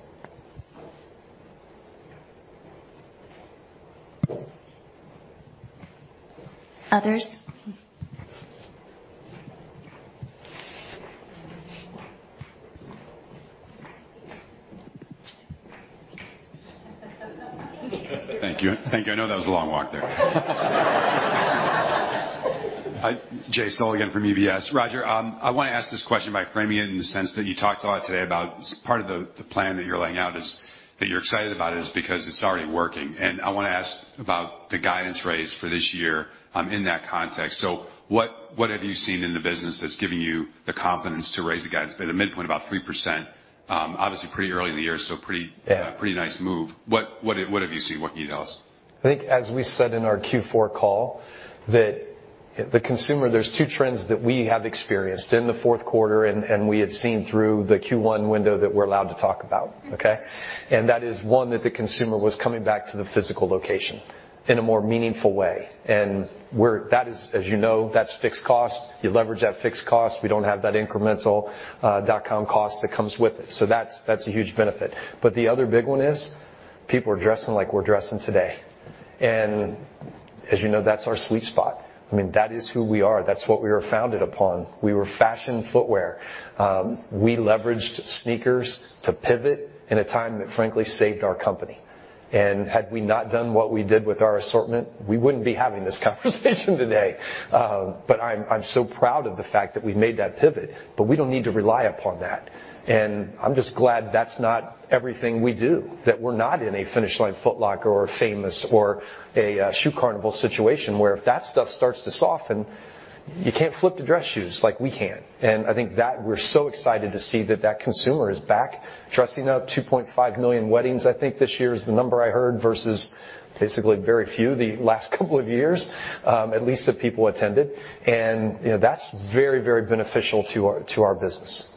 Others?
Thank you. I know that was a long-walk there. Hi. It's Jay Sole again from UBS. Roger, I want to ask this question by framing it in the sense that you talked a lot today about part of the plan that you're laying out, that you're excited about, because it's already working. I want to ask about the guidance raise for this year in that context. What have you seen in the business that's giving you the confidence to raise the guidance by the midpoint about 3%? Obviously pretty early in the year. Yeah. Pretty nice move. What have you seen? What can you tell us?
I think as we said in our Q4 call that the consumer, there's two trends that we have experienced in the Q4 and we have seen through the Q1 window that we're allowed to talk about, okay? That is, one, that the consumer was coming back to the physical location in a more meaningful way. That is, as you know, that's fixed cost. You leverage that fixed cost. We don't have that incremental dot-com cost that comes with it. That's a huge benefit. The other big one is people are dressing like we're dressing today. As you know, that's our sweet spot. I mean, that is who we are. That's what we were founded upon. We were fashion footwear. We leveraged sneakers to pivot in a time that frankly saved our company. Had we not done what we did with our assortment, we wouldn't be having this conversation today. I'm so proud of the fact that we've made that pivot, but we don't need to rely upon that. I'm just glad that's not everything we do, that we're not in a Finish Line, Foot Locker or Famous Footwear or Shoe Carnival situation, where if that stuff starts to soften, you can't flip to dress shoes like we can. I think that we're so excited to see that that consumer is back dressing up. 2.5 million weddings, I think this year is the number I heard, versus basically very few the last couple of years, at least of people attended. That's very, very beneficial to our business.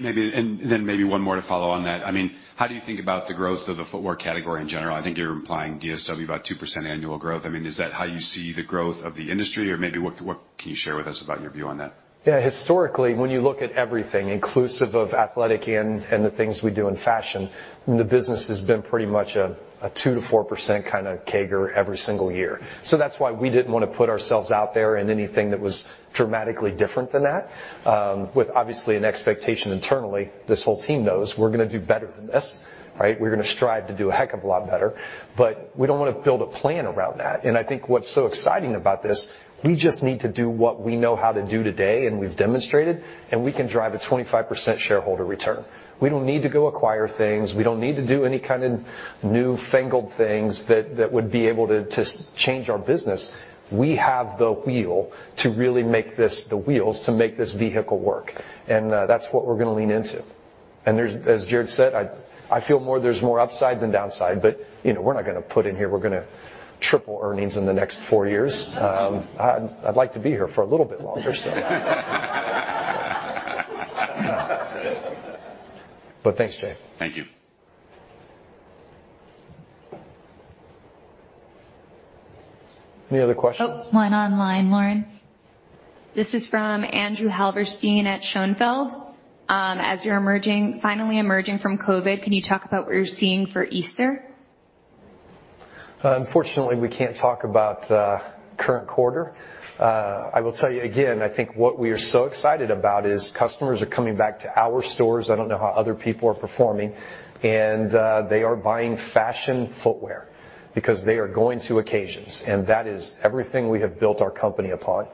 Maybe and then maybe one more to follow on that. I mean, how do you think about the growth of the footwear category in general? I think you're implying DSW about 2% annual growth. I mean, is that how you see the growth of the industry? Or maybe what can you share with us about your view on that?
Yeah. Historically, when you look at everything, inclusive of athletic and the things we do in fashion, the business has been pretty much a 2%-4% kinda CAGR every single year. That's why we didn't wanna put ourselves out there in anything that was dramatically different than that, with obviously an expectation internally. This whole team knows we're gonna do better than this, right? We're gonna strive to do a heck of a lot better, but we don't wanna build a plan around that. I think what's so exciting about this, we just need to do what we know how to do today, and we've demonstrated, and we can drive a 25% shareholder return. We don't need to go acquire things. We don't need to do any kind of new fangled things that would be able to change our business. We have the wheels to make this vehicle work. That's what we're gonna lean into. As Jared said, I feel there's more upside than downside. You know, we're not gonna put in here we're gonna triple earnings in the next four years. I'd like to be here for a little bit longer. Thanks, Jay.
Thank you.
Any other questions?
Oh, one online, Lauren.
This is from Andrew Halvorson at Schonfeld. As you're finally emerging from COVID, can you talk about what you're seeing for Easter?
Unfortunately, we can't talk about current quarter. I will tell you again, I think what we are so excited about is customers are coming back to our stores. I don't know how other people are performing. They are buying fashion footwear because they are going to occasions, and that is everything we have built our company upon.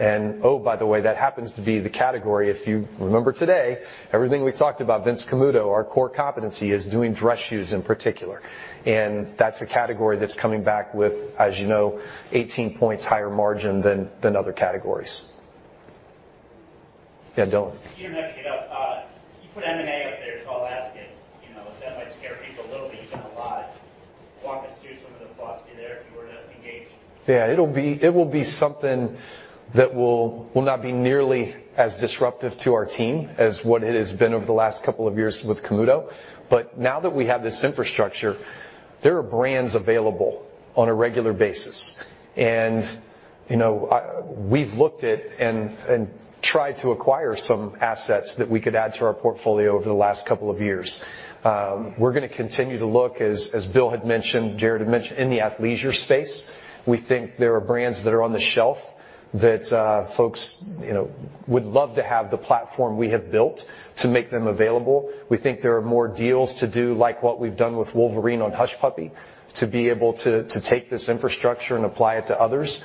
Oh, by the way, that happens to be the category. If you remember today, everything we talked about Vince Camuto, our core competency, is doing dress shoes in particular. That's a category that's coming back with, as you know, 18 points higher-margin than other categories. Yeah, Dylan.
You don't have to get up. You put M&A up there, so I'll ask it. You know, that might scare people a little bit. You've done a lot. Walk us through some of the thoughts you have there if you were to engage.
Yeah, it will be something that will not be nearly as disruptive to our team as what it has been over the last couple of years with Camuto. Now that we have this infrastructure, there are brands available on a regular basis. You know, we've looked at and tried to acquire some assets that we could add to our portfolio over the last couple of years. We're gonna continue to look, as Bill had mentioned, Jared had mentioned, in the athleisure space. We think there are brands that are on the shelf that folks, you know, would love to have the platform we have built to make them available. We think there are more deals to do, like what we've done with Wolverine on Hush Puppies, to be able to take this infrastructure and apply it to others.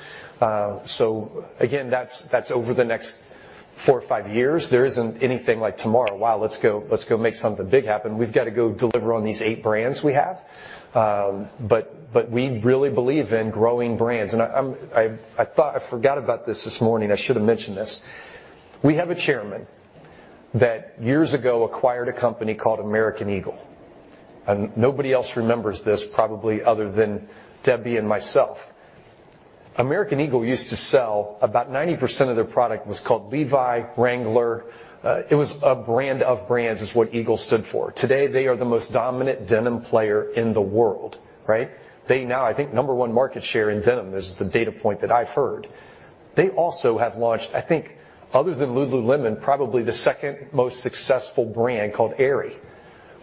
Again, that's over the next 4 or 5 years. There isn't anything like tomorrow. Wow, let's go make something big happen. We've gotta go deliver on these 8 brands we have. But we really believe in growing brands. I thought I forgot about this this morning. I should have mentioned this. We have a chairman that years ago acquired a company called American Eagle, and nobody else remembers this, probably other than Debbie and myself. American Eagle used to sell about 90% of their product was called Levi's and Wrangler. It was a brand of brands, is what Eagle stood for. Today, they are the most dominant denim player in the world, right? They now, I think, number one market share in denim is the data point that I've heard. They also have launched, I think, other than Lululemon, probably the second most successful brand called Aerie.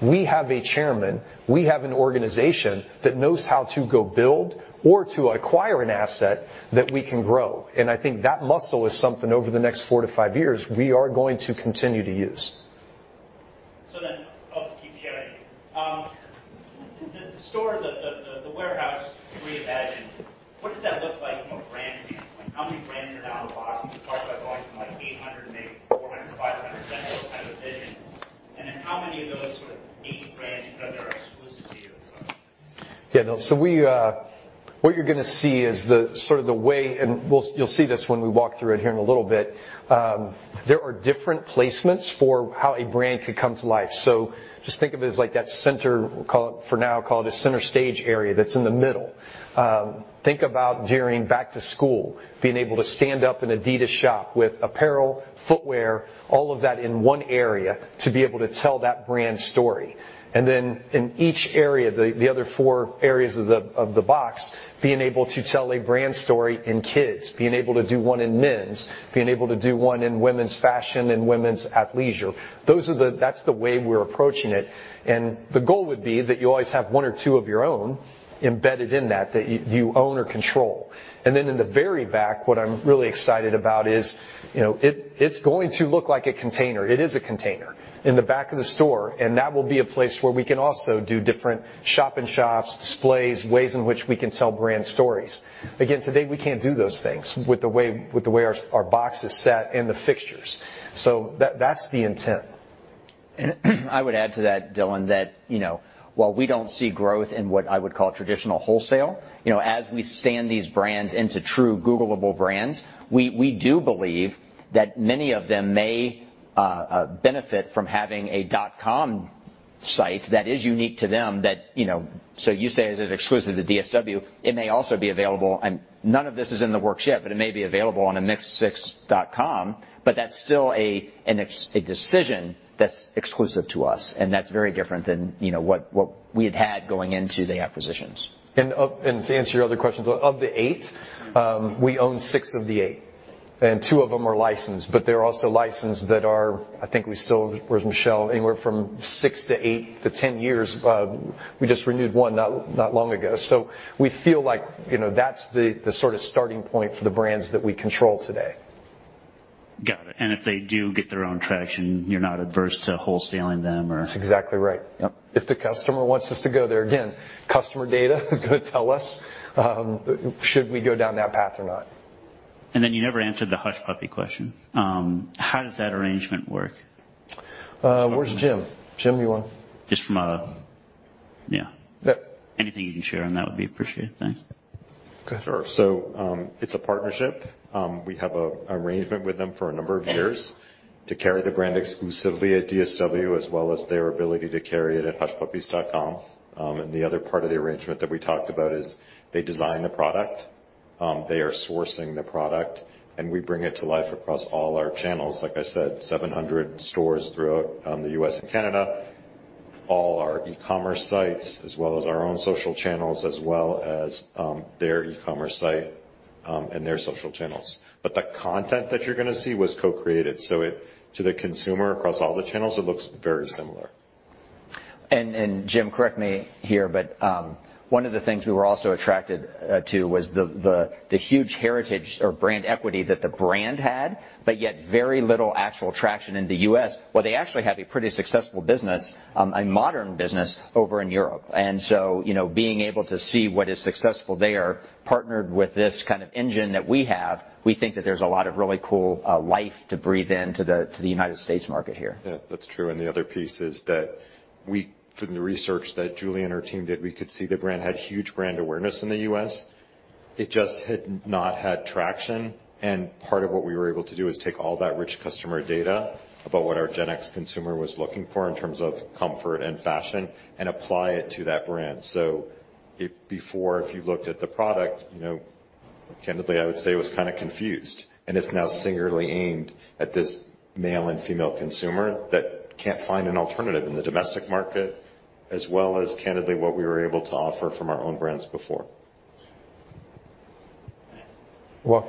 We have a chairman, we have an organization that knows how to go build or to acquire an asset that we can grow. I think that muscle is something over the next 4-5 years we are going to continue to use.
I'll keep chatting. The store, the Warehouse Reimagined, what does that look like from a brand standpoint? How many brands are now in the box? You talked about going from, like, 800 to maybe 400, 500. That's the kind of vision. How many of those sort of eight brands are there exclusive to you?
Yeah. What you're gonna see is the way you'll see this when we walk through it here in a little bit. There are different placements for how a brand could come to life. Just think of it as like that center, for now call it a center stage area that's in the middle. Think about during back to school, being able to stand up an Adidas shop with apparel, footwear, all of that in one area to be able to tell that brand story. Then in each area, the other four areas of the box, being able to tell a brand story in kids, being able to do one in men's, being able to do one in women's fashion and women's athleisure. That's the way we're approaching it. The goal would be that you always have one or two of your own embedded in that you own or control. Then in the very back, what I'm really excited about is, you know, it's going to look like a container. It is a container in the back of the store, and that will be a place where we can also do different shop in shops, displays, ways in which we can tell brand stories. Again, today, we can't do those things with the way our box is set and the fixtures. That's the intent.
I would add to that, Dylan, that, you know, while we don't see growth in what I would call traditional wholesale, you know, as we turn these brands into true Googleable brands, we do believe that many of them may benefit from having a dot-com site that is unique to them that, you know, so you say, is it exclusive to DSW, it may also be available, and none of this is in the works yet, but it may be available on a mixno6.com, but that's still an exclusivity decision that's exclusive to us, and that's very different than, you know, what we had going into the acquisitions.
To answer your other questions, of the 8, we own 6 of the 8, and 2 of them are licensed, but they're also licensed that are, I think we still, where's Michelle? Anywhere from 6 to 8 to 10 years. We just renewed one not long ago. We feel like, you know, that's the sort of starting point for the brands that we control today.
Got it. If they do get their own traction, you're not adverse to wholesaling them or?
That's exactly right.
Yep.
If the customer wants us to go there, again, customer data is gonna tell us should we go down that path or not.
You never answered the Hush Puppies question. How does that arrangement work?
Where's Jim? Jim, you wanna-
Yeah.
Yep.
Anything you can share on that would be appreciated. Thanks.
Go ahead.
Sure. It's a partnership. We have an arrangement with them for a number of years to carry the brand exclusively at DSW as well as their ability to carry it at hushpuppies.com. The other part of the arrangement that we talked about is they design the product, they are sourcing the product, and we bring it to life across all our channels. Like I said, 700 stores throughout the US. and Canada, all our e-commerce sites, as well as our own social channels, as well as their e-commerce site, and their social channels. The content that you're gonna see was co-created, so, to the consumer across all the channels, it looks very similar.
Jim, correct me here, but one of the things we were also attracted to was the huge heritage or brand equity that the brand had, but yet very little actual traction in the US. Well, they actually have a pretty successful business, a modern business over in Europe. You know, being able to see what is successful there, partnered with this kind of engine that we have, we think that there's a lot of really cool life to breathe into the United States market here.
Yeah. That's true. The other piece is that we from the research that Julie and her team did, we could see the brand had huge brand awareness in the US. It just had not had traction. Part of what we were able to do is take all that rich customer data about what our Gen X consumer was looking for in terms of comfort and fashion and apply it to that brand. Before, if you looked at the product, you know, candidly, I would say it was kinda confused, and it's now singularly aimed at this male and female consumer that can't find an alternative in the domestic market, as well as, candidly, what we were able to offer from our own brands before.
Well...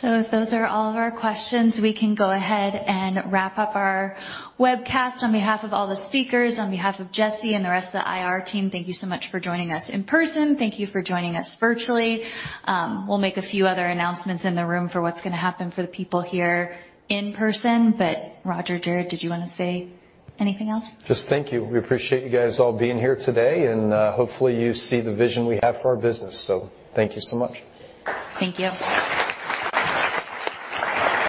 If those are all of our questions, we can go ahead and wrap up our webcast. On behalf of all the speakers, on behalf of Jesse and the rest of the IR team, thank you so much for joining us in person. Thank you for joining us virtually. We'll make a few other announcements in the room for what's gonna happen for the people here in person, but Roger, Jared, did you wanna say anything else?
Just thank you. We appreciate you guys all being here today, and hopefully, you see the vision we have for our business. Thank you so much.
Thank you.